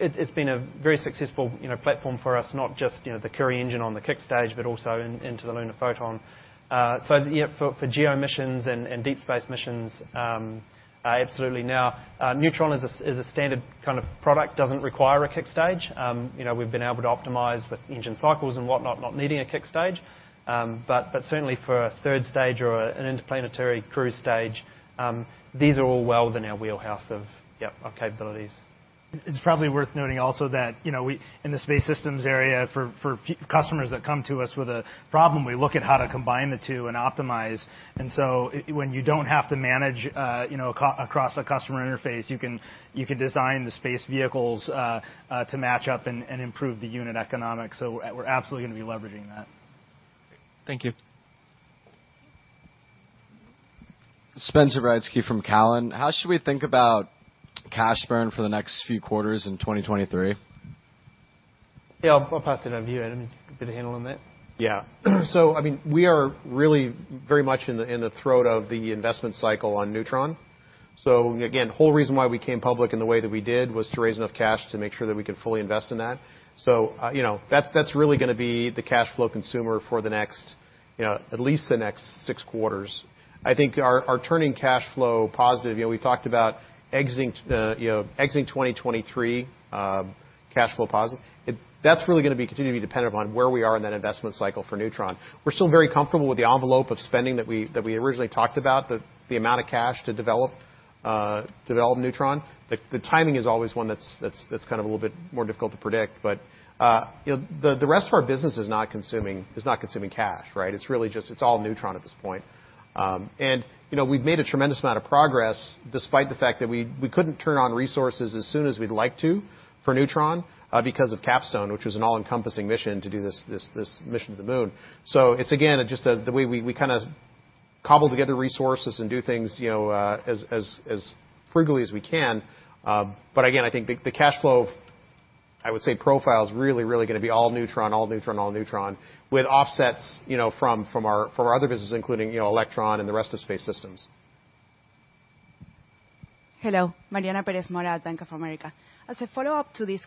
it's been a very successful platform for us, not just the Curie engine on the kick stage, but also into the Lunar Photon. Yeah, for geo missions and deep space missions, absolutely now. Neutron is a standard kind of product, doesn't require a kick stage. You know, we've been able to optimize with engine cycles and whatnot, not needing a kick stage. Certainly for a third stage or an interplanetary cruise stage, these are all well within our wheelhouse of capabilities. It's probably worth noting also that you know we in the Space Systems area for a few customers that come to us with a problem we look at how to combine the two and optimize. When you don't have to manage you know across a customer interface you can design the space vehicles to match up and improve the unit economics. We're absolutely gonna be leveraging that. Thank you. Spencer Breitzke from Cowen. How should we think about cash burn for the next few quarters in 2023? Yeah. I'll pass it over to you, Adam. You got a handle on that. Yeah. I mean, we are really very much in the throes of the investment cycle on Neutron. Again, whole reason why we came public in the way that we did was to raise enough cash to make sure that we could fully invest in that. You know, that's really gonna be the cash flow consumer for the next, you know, at least the next six quarters. I think our turning cash flow positive, you know, we talked about exiting 2023 cash flow positive. That's really gonna be continuing to be dependent upon where we are in that investment cycle for Neutron. We're still very comfortable with the envelope of spending that we originally talked about, the amount of cash to develop Neutron. The timing is always one that's kind of a little bit more difficult to predict. You know, the rest of our business is not consuming cash, right? It's really just all Neutron at this point. You know, we've made a tremendous amount of progress despite the fact that we couldn't turn on resources as soon as we'd like to for Neutron because of CAPSTONE, which was an all-encompassing mission to do this mission to the moon. It's again just the way we kinda cobble together resources and do things, you know, as frugally as we can. I think the cash flow profile is really gonna be all Neutron with offsets, you know, from our other business, including, you know, Electron and the rest of Space Systems. Hello. Mariana Pérez Mora, Bank of America. As a follow-up to this,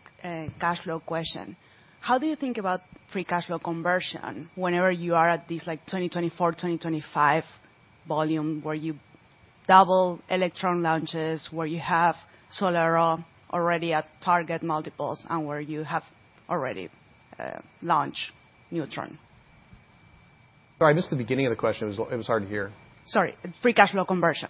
cash flow question, how do you think about free cash flow conversion whenever you are at this, like, 2024, 2025 volume, where you double Electron launches, where you have SolAero already at target multiples and where you have already, launched Neutron? Sorry, I missed the beginning of the question. It was hard to hear. Sorry. Free cash flow conversion.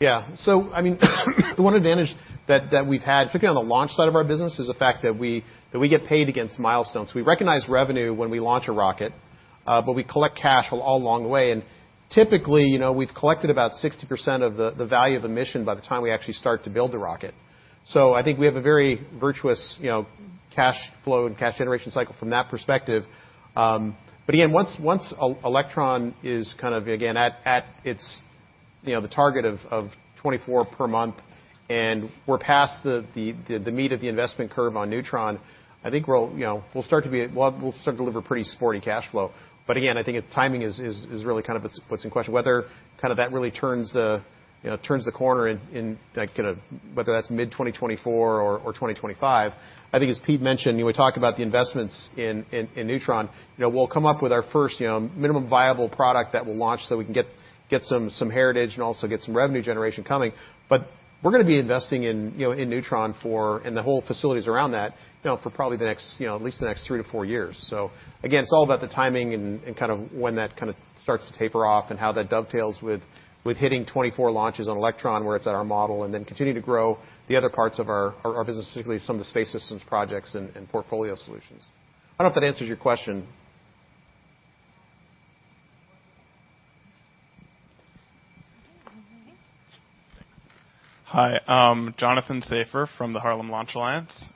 Yeah. I mean, the one advantage that we've had, particularly on the launch side of our business, is the fact that we get paid against milestones. We recognize revenue when we launch a rocket, but we collect cash all along the way. Typically, you know, we've collected about 60% of the value of the mission by the time we actually start to build the rocket. I think we have a very virtuous, you know, cash flow and cash generation cycle from that perspective. Again, once Electron is kind of at its, you know, the target of 24 per month and we're past the meat of the investment curve on Neutron, I think we'll, you know, start to deliver pretty sporty cash flow. Again, I think timing is really kind of what's in question, whether kind of that really turns the corner in, like, whether that's mid-2024 or 2025. I think as Pete mentioned, we talk about the investments in Neutron. We'll come up with our first minimum viable product that we'll launch so we can get some heritage and also get some revenue generation coming. We're gonna be investing in Neutron and the whole facilities around that for probably the next at least the next three-four years. Again, it's all about the timing and kind of when that kinda starts to taper off and how that dovetails with hitting 24 launches on Electron, where it's at our model, and then continue to grow the other parts of our business, particularly some of the Space Systems projects and portfolio solutions. I don't know if that answers your question. Thanks. Hi. I'm Jonathan Safer from the Harlem Launch Alliance.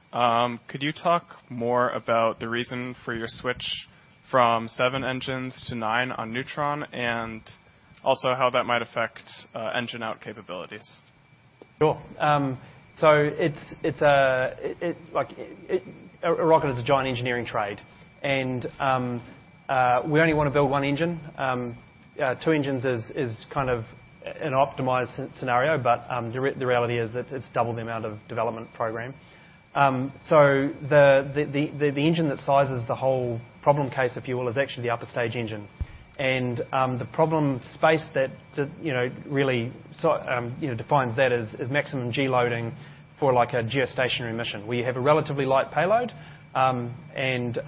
Could you talk more about the reason for your switch from seven engines to nine on Neutron, and also how that might affect engine-out capabilities? Sure. A rocket is a giant engineering trade, and we only wanna build one engine. Two engines is kind of an optimized scenario, but the reality is that it's double the amount of development program. The engine that sizes the whole problem case, if you will, is actually the upper stage engine. The problem space that defines that is maximum G-loading for a geostationary mission, where you have a relatively light payload and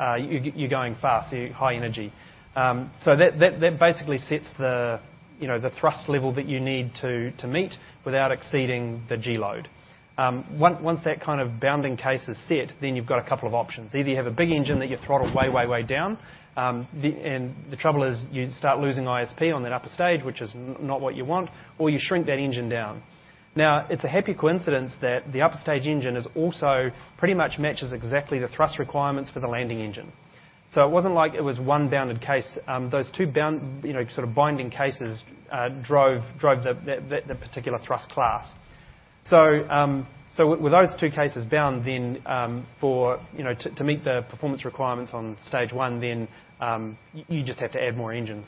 you're going fast, you're high energy. That basically sets the thrust level that you need to meet without exceeding the G-load. Once that kind of bounding case is set, then you've got a couple of options. Either you have a big engine that you throttle way down. And the trouble is you start losing ISP on that upper stage, which is not what you want, or you shrink that engine down. Now, it's a happy coincidence that the upper stage engine is also pretty much matches exactly the thrust requirements for the landing engine. So it wasn't like it was one bounded case. Those two, you know, sort of binding cases drove the particular thrust class. So with those two cases bound then, you know, to meet the performance requirements on stage one, then you just have to add more engines.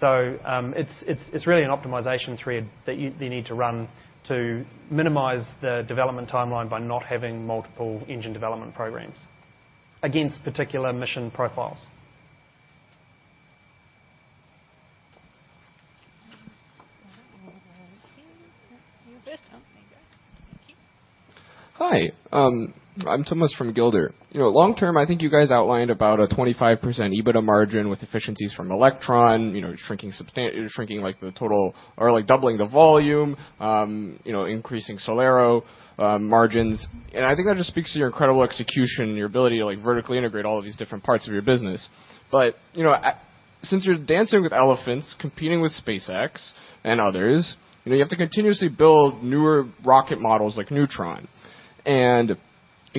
It's really an optimization thread that you need to run to minimize the development timeline by not having multiple engine development programs against particular mission profiles. You're best. Oh, there you go. Thank you. Hi. I'm Thomas from Gilder. You know, long term, I think you guys outlined about a 25% EBITDA margin with efficiencies from Electron. You know, shrinking like the total or like doubling the volume, you know, increasing SolAero margins. I think that just speaks to your incredible execution and your ability to, like, vertically integrate all of these different parts of your business. You know, since you're dancing with elephants, competing with SpaceX and others, you know, you have to continuously build newer rocket models like Neutron. You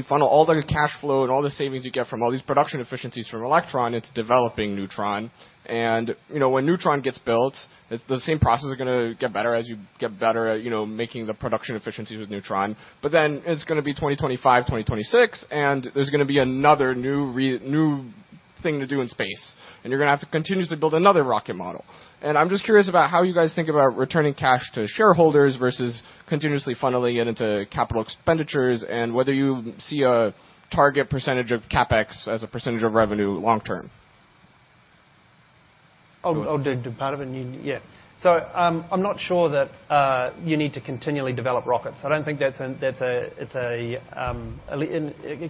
funnel all the cash flow and all the savings you get from all these production efficiencies from Electron into developing Neutron. You know, when Neutron gets built, it's the same process is gonna get better as you get better at, you know, making the production efficiencies with Neutron. It's gonna be 2025, 2026, and there's gonna be another new thing to do in space, and you're gonna have to continuously build another rocket model. I'm just curious about how you guys think about returning cash to shareholders versus continuously funneling it into capital expenditures and whether you see a target percentage of CapEx as a percentage of revenue long term. I'm not sure that you need to continually develop rockets. I don't think that's a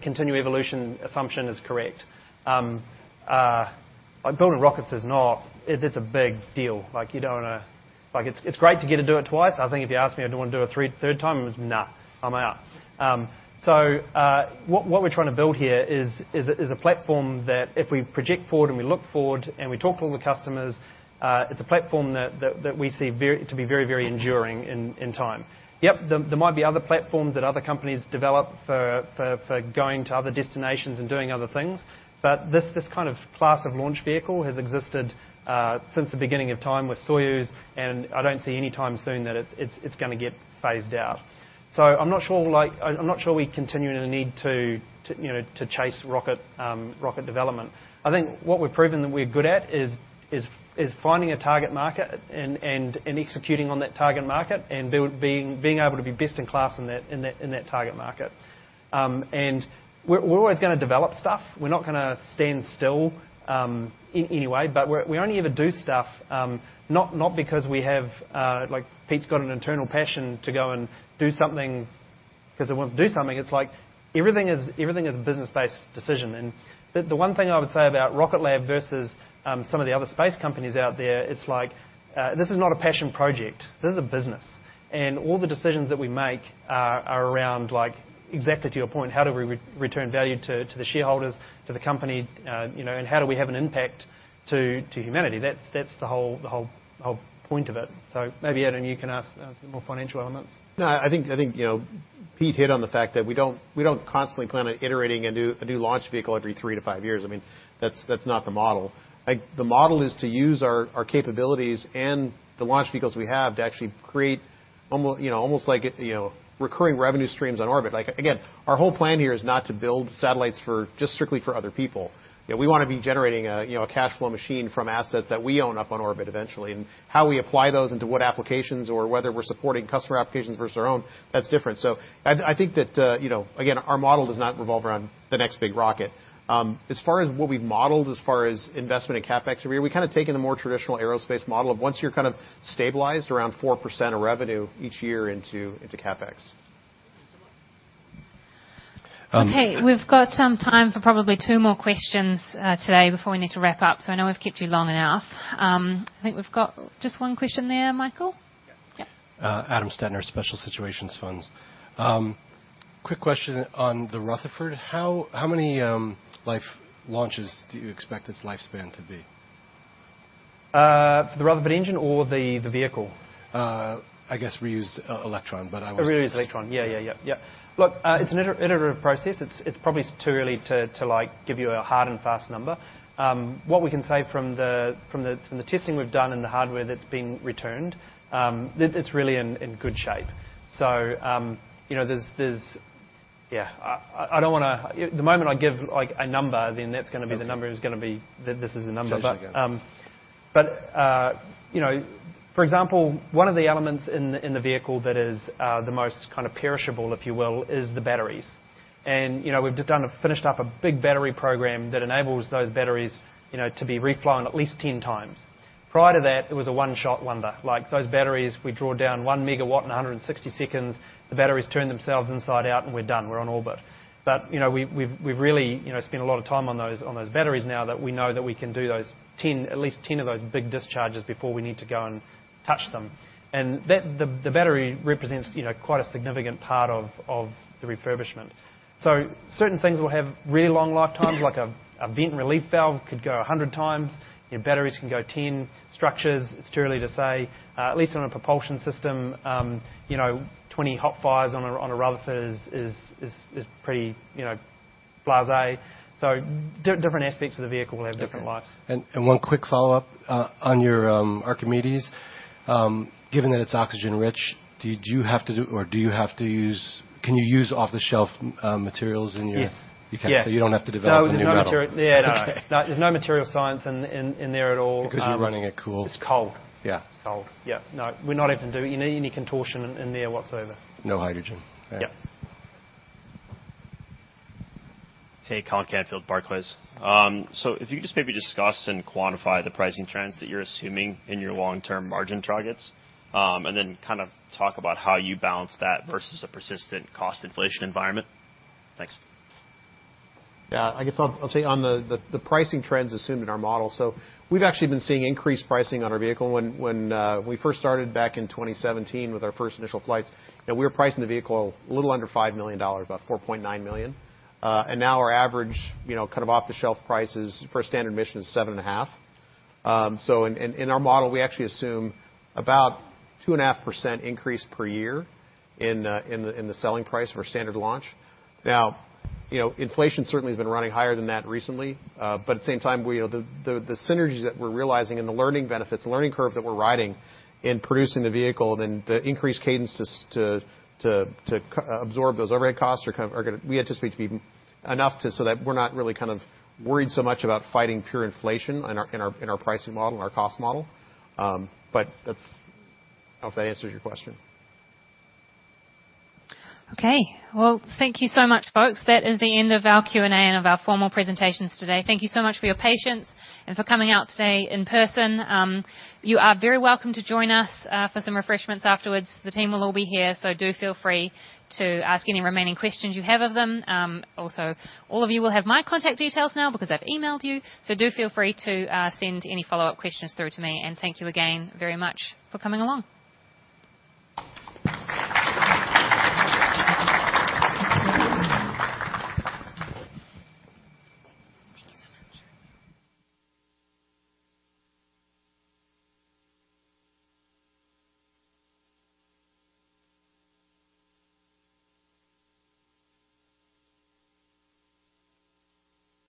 continued evolution assumption is correct. Building rockets is not. It's a big deal. Like, you don't wanna. Like, it's great to get to do it twice. I think if you asked me, do I wanna do a third time, it was nah. I'm out. What we're trying to build here is a platform that if we project forward and we look forward and we talk to all the customers, it's a platform that we see to be very, very enduring in time. Yep. There might be other platforms that other companies develop for going to other destinations and doing other things. This kind of class of launch vehicle has existed since the beginning of time with Soyuz, and I don't see any time soon that it's gonna get phased out. I'm not sure, like, I'm not sure we continually need to, you know, to chase rocket development. I think what we've proven that we're good at is finding a target market and executing on that target market and being able to be best in class in that target market. We're always gonna develop stuff. We're not gonna stand still in any way. We only ever do stuff, not because we have, like Pete's got an internal passion to go and do something 'cause I want to do something. It's like everything is a business-based decision. The one thing I would say about Rocket Lab versus some of the other space companies out there, it's like this is not a passion project. This is a business. All the decisions that we make are around, like, exactly to your point, how do we return value to the shareholders, to the company, you know, and how do we have an impact to humanity? That's the whole point of it. Maybe, Adam, you can ask more financial elements. No, I think you know, Pete hit on the fact that we don't constantly plan on iterating a new launch vehicle every three to five years. I mean, that's not the model. Like, the model is to use our capabilities and the launch vehicles we have to actually create almost like you know, recurring revenue streams on orbit. Like, again, our whole plan here is not to build satellites for just strictly for other people. You know, we wanna be generating a you know, a cash flow machine from assets that we own up on orbit eventually. How we apply those into what applications or whether we're supporting customer applications versus our own, that's different. I think that you know, again, our model does not revolve around the next big rocket. As far as what we've modeled, as far as investment in CapEx over here, we're kinda taking the more traditional aerospace model of once you're kind of stabilized around 4% of revenue each year into CapEx. Okay. We've got some time for probably two more questions today before we need to wrap up. I know we've kept you long enough. I think we've got just one question there, Michael. Yeah. Yeah. Adam Stettner, Special Situations Funds. Quick question on the Rutherford. How many life launches do you expect its lifespan to be? The Rutherford engine or the vehicle? I guess reused Electron, but I was A reused Electron. Yeah. Look, it's an iterative process. It's probably too early to like give you a hard and fast number. What we can say from the testing we've done and the hardware that's been returned, it's really in good shape. Yeah. I don't wanna. The moment I give like a number, then that's gonna be. Okay. The number is gonna be. That this is the number. Understood. You know, for example, one of the elements in the vehicle that is the most kind of perishable, if you will, is the batteries. You know, we've just finished up a big battery program that enables those batteries, you know, to be reflown at least 10 times. Prior to that, it was a one-shot wonder. Like, those batteries, we draw down 1 MW in 160 seconds, the batteries turn themselves inside out, and we're done. We're on orbit. You know, we've really, you know, spent a lot of time on those batteries now that we know that we can do those 10, at least 10 of those big discharges before we need to go and touch them. The battery represents, you know, quite a significant part of the refurbishment. Certain things will have really long lifetimes, like a vent relief valve could go 100 times. You know, batteries can go 10. Structures, it's too early to say. At least on a propulsion system, you know, 20 hot fires on a Rutherford is pretty, you know. Blasé. Different aspects of the vehicle will have different lives. Okay. One quick follow-up on your Archimedes. Given that it's oxygen rich, can you use off-the-shelf materials in your- Yes. Okay. You don't have to develop a new metal? No, there's no material science in there at all. Because you're running it cool. It's cold. Yeah. It's cold. Yeah. No, we're not having to do any contortion in there whatsoever. No hydrogen. Yeah. Hey, Colin Canfield, Barclays. If you could just maybe discuss and quantify the pricing trends that you're assuming in your long-term margin targets? Then kind of talk about how you balance that versus a persistent cost inflation environment. Thanks. Yeah. I guess I'll say on the pricing trends assumed in our model. We've actually been seeing increased pricing on our vehicle. When we first started back in 2017 with our first initial flights, you know, we were pricing the vehicle a little under $5 million, about $4.9 million. Now our average, you know, kind of off-the-shelf price is, for a standard mission, $7.5 million. In our model, we actually assume about 2.5% increase per year in the selling price for standard launch. Now, you know, inflation certainly has been running higher than that recently. At the same time, we know the synergies that we're realizing and the learning benefits, the learning curve that we're riding in producing the vehicle, then the increased cadence to absorb those overhead costs are gonna we anticipate to be enough to so that we're not really kind of worried so much about fighting pure inflation in our pricing model and our cost model. That's. I hope that answers your question. Okay. Well, thank you so much, folks. That is the end of our Q&A and of our formal presentations today. Thank you so much for your patience and for coming out today in person. You are very welcome to join us for some refreshments afterwards. The team will all be here, so do feel free to ask any remaining questions you have of them. Also, all of you will have my contact details now because I've emailed you. So do feel free to send any follow-up questions through to me, and thank you again very much for coming along.